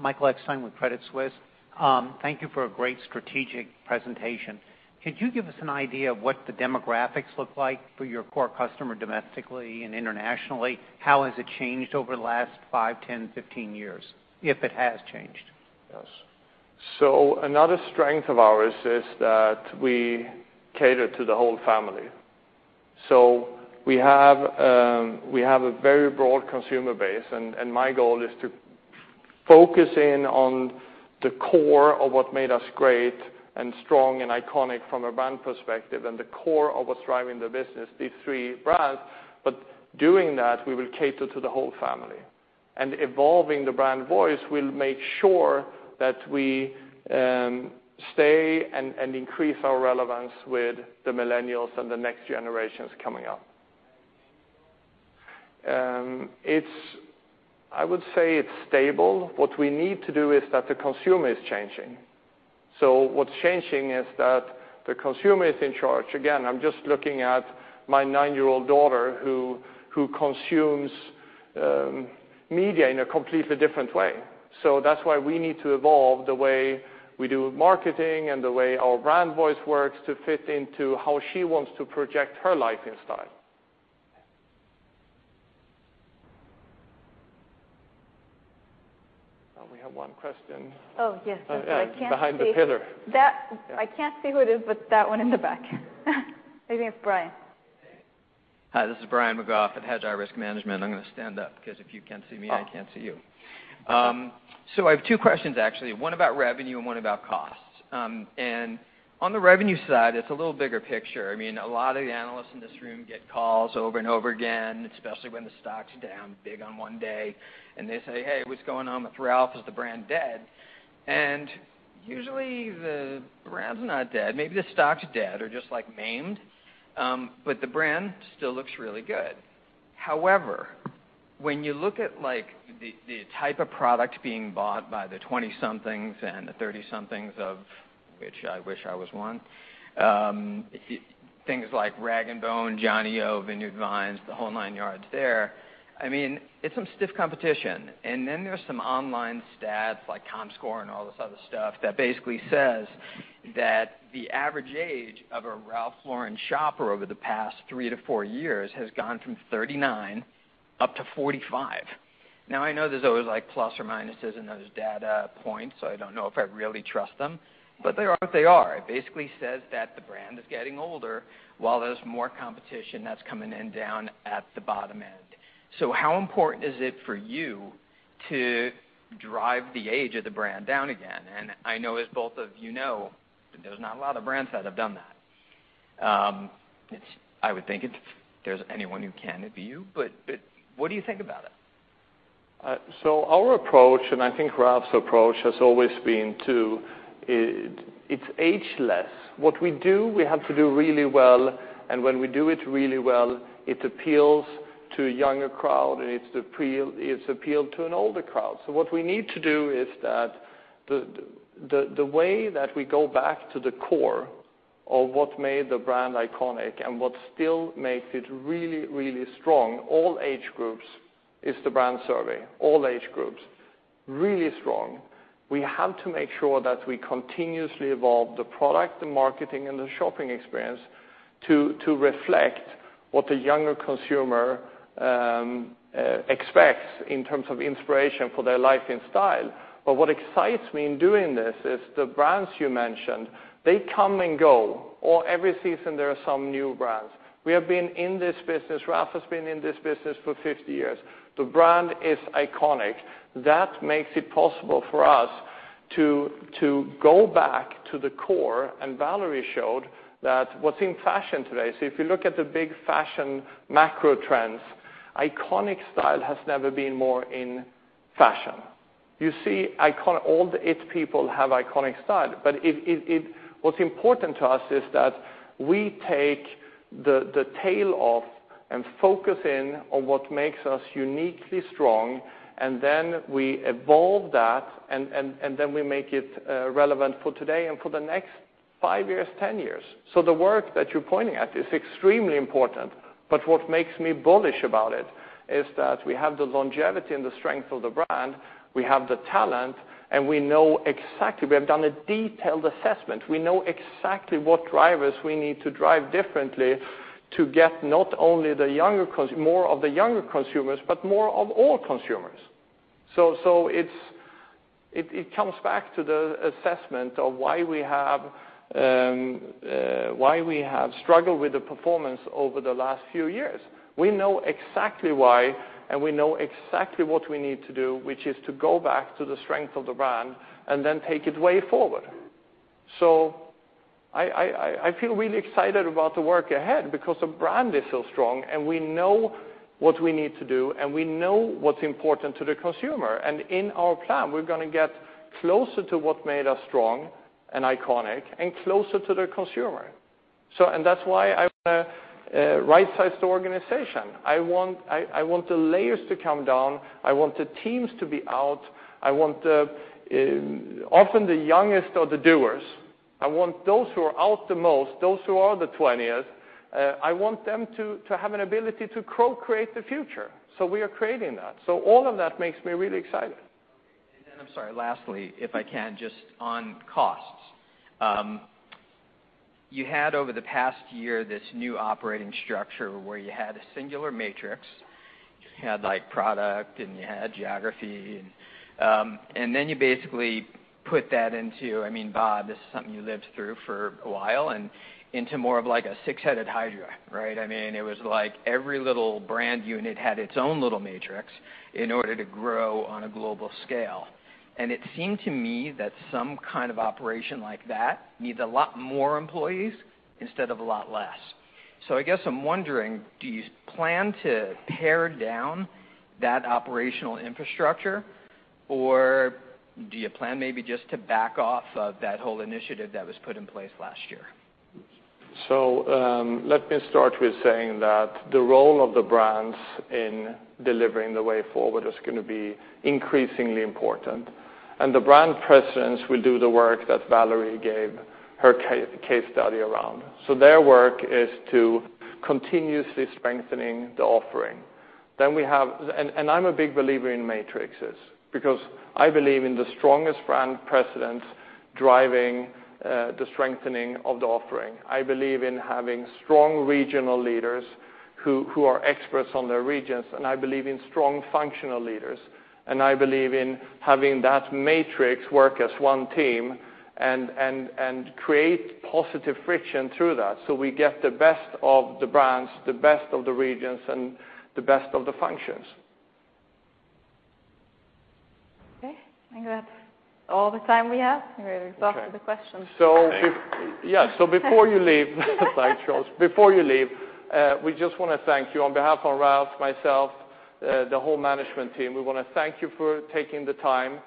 Michael Binetti with Credit Suisse. Thank you for a great strategic presentation. Could you give us an idea of what the demographics look like for your core customer domestically and internationally? How has it changed over the last five, 10, 15 years, if it has changed? Yes. Another strength of ours is that we cater to the whole family. We have a very broad consumer base, and my goal is to focus in on the core of what made us great and strong and iconic from a brand perspective, and the core of what's driving the business, these three brands. Doing that, we will cater to the whole family. Evolving the brand voice will make sure that we stay and increase our relevance with the millennials and the next generations coming up. It's, I would say it's stable. What we need to do is that the consumer is changing. What's changing is that the consumer is in charge. Again, I'm just looking at my nine-year-old daughter, who consumes media in a completely different way. That's why we need to evolve the way we do marketing and the way our brand voice works to fit into how she wants to project her life and style. We have one question. Oh, yes. I'm sorry. I can't see- Behind the pillar. I can't see who it is, but that one in the back. Maybe it's Brian. Hi, this is Brian McGough at Hedgeye Risk Management. I'm going to stand up, because if you can't see me, I can't see you. I have two questions, actually. One about revenue and one about costs. On the revenue side, it's a little bigger picture. A lot of the analysts in this room get calls over and over again, especially when the stock's down big on one day, and they say, "Hey, what's going on with Ralph? Is the brand dead?" Usually, the brand's not dead. Maybe the stock's dead or just maimed. The brand still looks really good. However, when you look at the type of product being bought by the 20-somethings and the 30-somethings, of which I wish I was one, things like Rag & Bone, Johnnie-O, Vineyard Vines, the whole nine yards there, it's some stiff competition. There's some online stats like Comscore and all this other stuff that basically says that the average age of a Ralph Lauren shopper over the past three to four years has gone from 39 up to 45. I know there's always plus or minuses in those data points, so I don't know if I really trust them. They are what they are. It basically says that the brand is getting older while there's more competition that's coming in down at the bottom end. How important is it for you to drive the age of the brand down again? I know as both of you know, there's not a lot of brands that have done that. I would think if there's anyone who can, it'd be you. What do you think about it? Our approach, and I think Ralph's approach, has always been, it's ageless. What we do, we have to do really well, and when we do it really well, it appeals to a younger crowd, and it's appealed to an older crowd. What we need to do is that the way that we go back to the core of what made the brand iconic and what still makes it really, really strong, all age groups, is the brand survey. All age groups. Really strong. We have to make sure that we continuously evolve the product, the marketing, and the shopping experience to reflect what the younger consumer expects in terms of inspiration for their life and style. What excites me in doing this is the brands you mentioned, they come and go, or every season there are some new brands. We have been in this business, Ralph has been in this business for 50 years. The brand is iconic. That makes it possible for us to go back to the core, and Valérie showed that what's in fashion today. If you look at the big fashion macro trends, iconic style has never been more in fashion. You see all the it people have iconic style. What's important to us is that we take the tail off and focus in on what makes us uniquely strong, and then we evolve that, and then we make it relevant for today and for the next 5 years, 10 years. The work that you're pointing at is extremely important, what makes me bullish about it is that we have the longevity and the strength of the brand, we have the talent, and we know exactly, we have done a detailed assessment. We know exactly what drivers we need to drive differently to get not only more of the younger consumers, but more of all consumers. It comes back to the assessment of why we have struggled with the performance over the last few years. We know exactly why, and we know exactly what we need to do, which is to go back to the strength of the brand and then take it Way Forward. I feel really excited about the work ahead because the brand is so strong, and we know what we need to do, and we know what's important to the consumer. In our plan, we're going to get closer to what made us strong and iconic and closer to the consumer. That's why I want a right-sized organization. I want the layers to come down. I want the teams to be out. Often the youngest are the doers. I want those who are out the most, those who are the 20th, I want them to have an ability to co-create the future. We are creating that. All of that makes me really excited. I'm sorry, lastly, if I can, just on costs. You had over the past year, this new operating structure where you had a singular matrix. You had product and you had geography, then you basically put that into, I mean, Bob, this is something you lived through for a while, and into more of like a six-headed hydra, right? It was like every little brand unit had its own little matrix in order to grow on a global scale. It seemed to me that some kind of operation like that needs a lot more employees instead of a lot less. I guess I'm wondering, do you plan to pare down that operational infrastructure, or do you plan maybe just to back off of that whole initiative that was put in place last year? Let me start with saying that the role of the brands in delivering the Way Forward is going to be increasingly important, and the brand presidents will do the work that Valérie gave her case study around. Their work is to continuously strengthening the offering. I'm a big believer in matrixes, because I believe in the strongest brand presidents driving the strengthening of the offering. I believe in having strong regional leaders who are experts on their regions, I believe in strong functional leaders. I believe in having that matrix work as one team and create positive friction through that so we get the best of the brands, the best of the regions, and the best of the functions. Okay. I think that's all the time we have. You already exhausted the questions. Yeah. Before you leave the slideshows, before you leave, we just want to thank you. On behalf of Ralph, myself, the whole management team, we want to thank you for taking the time.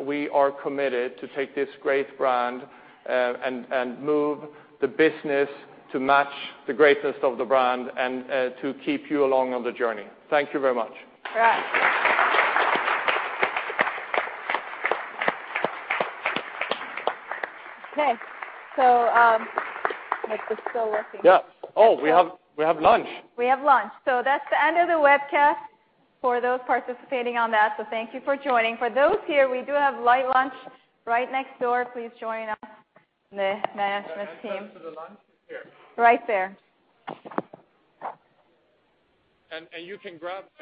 We are committed to take this great brand, and move the business to match the greatness of the brand, and to keep you along on the journey. Thank you very much. All right. Okay. Hope it's still working. Yeah. Oh, we have lunch. We have lunch. That's the end of the webcast for those participating on that, so thank you for joining. For those here, we do have light lunch right next door. Please join us and the management team. Where to the lunch? It's here. Right there. you can grab-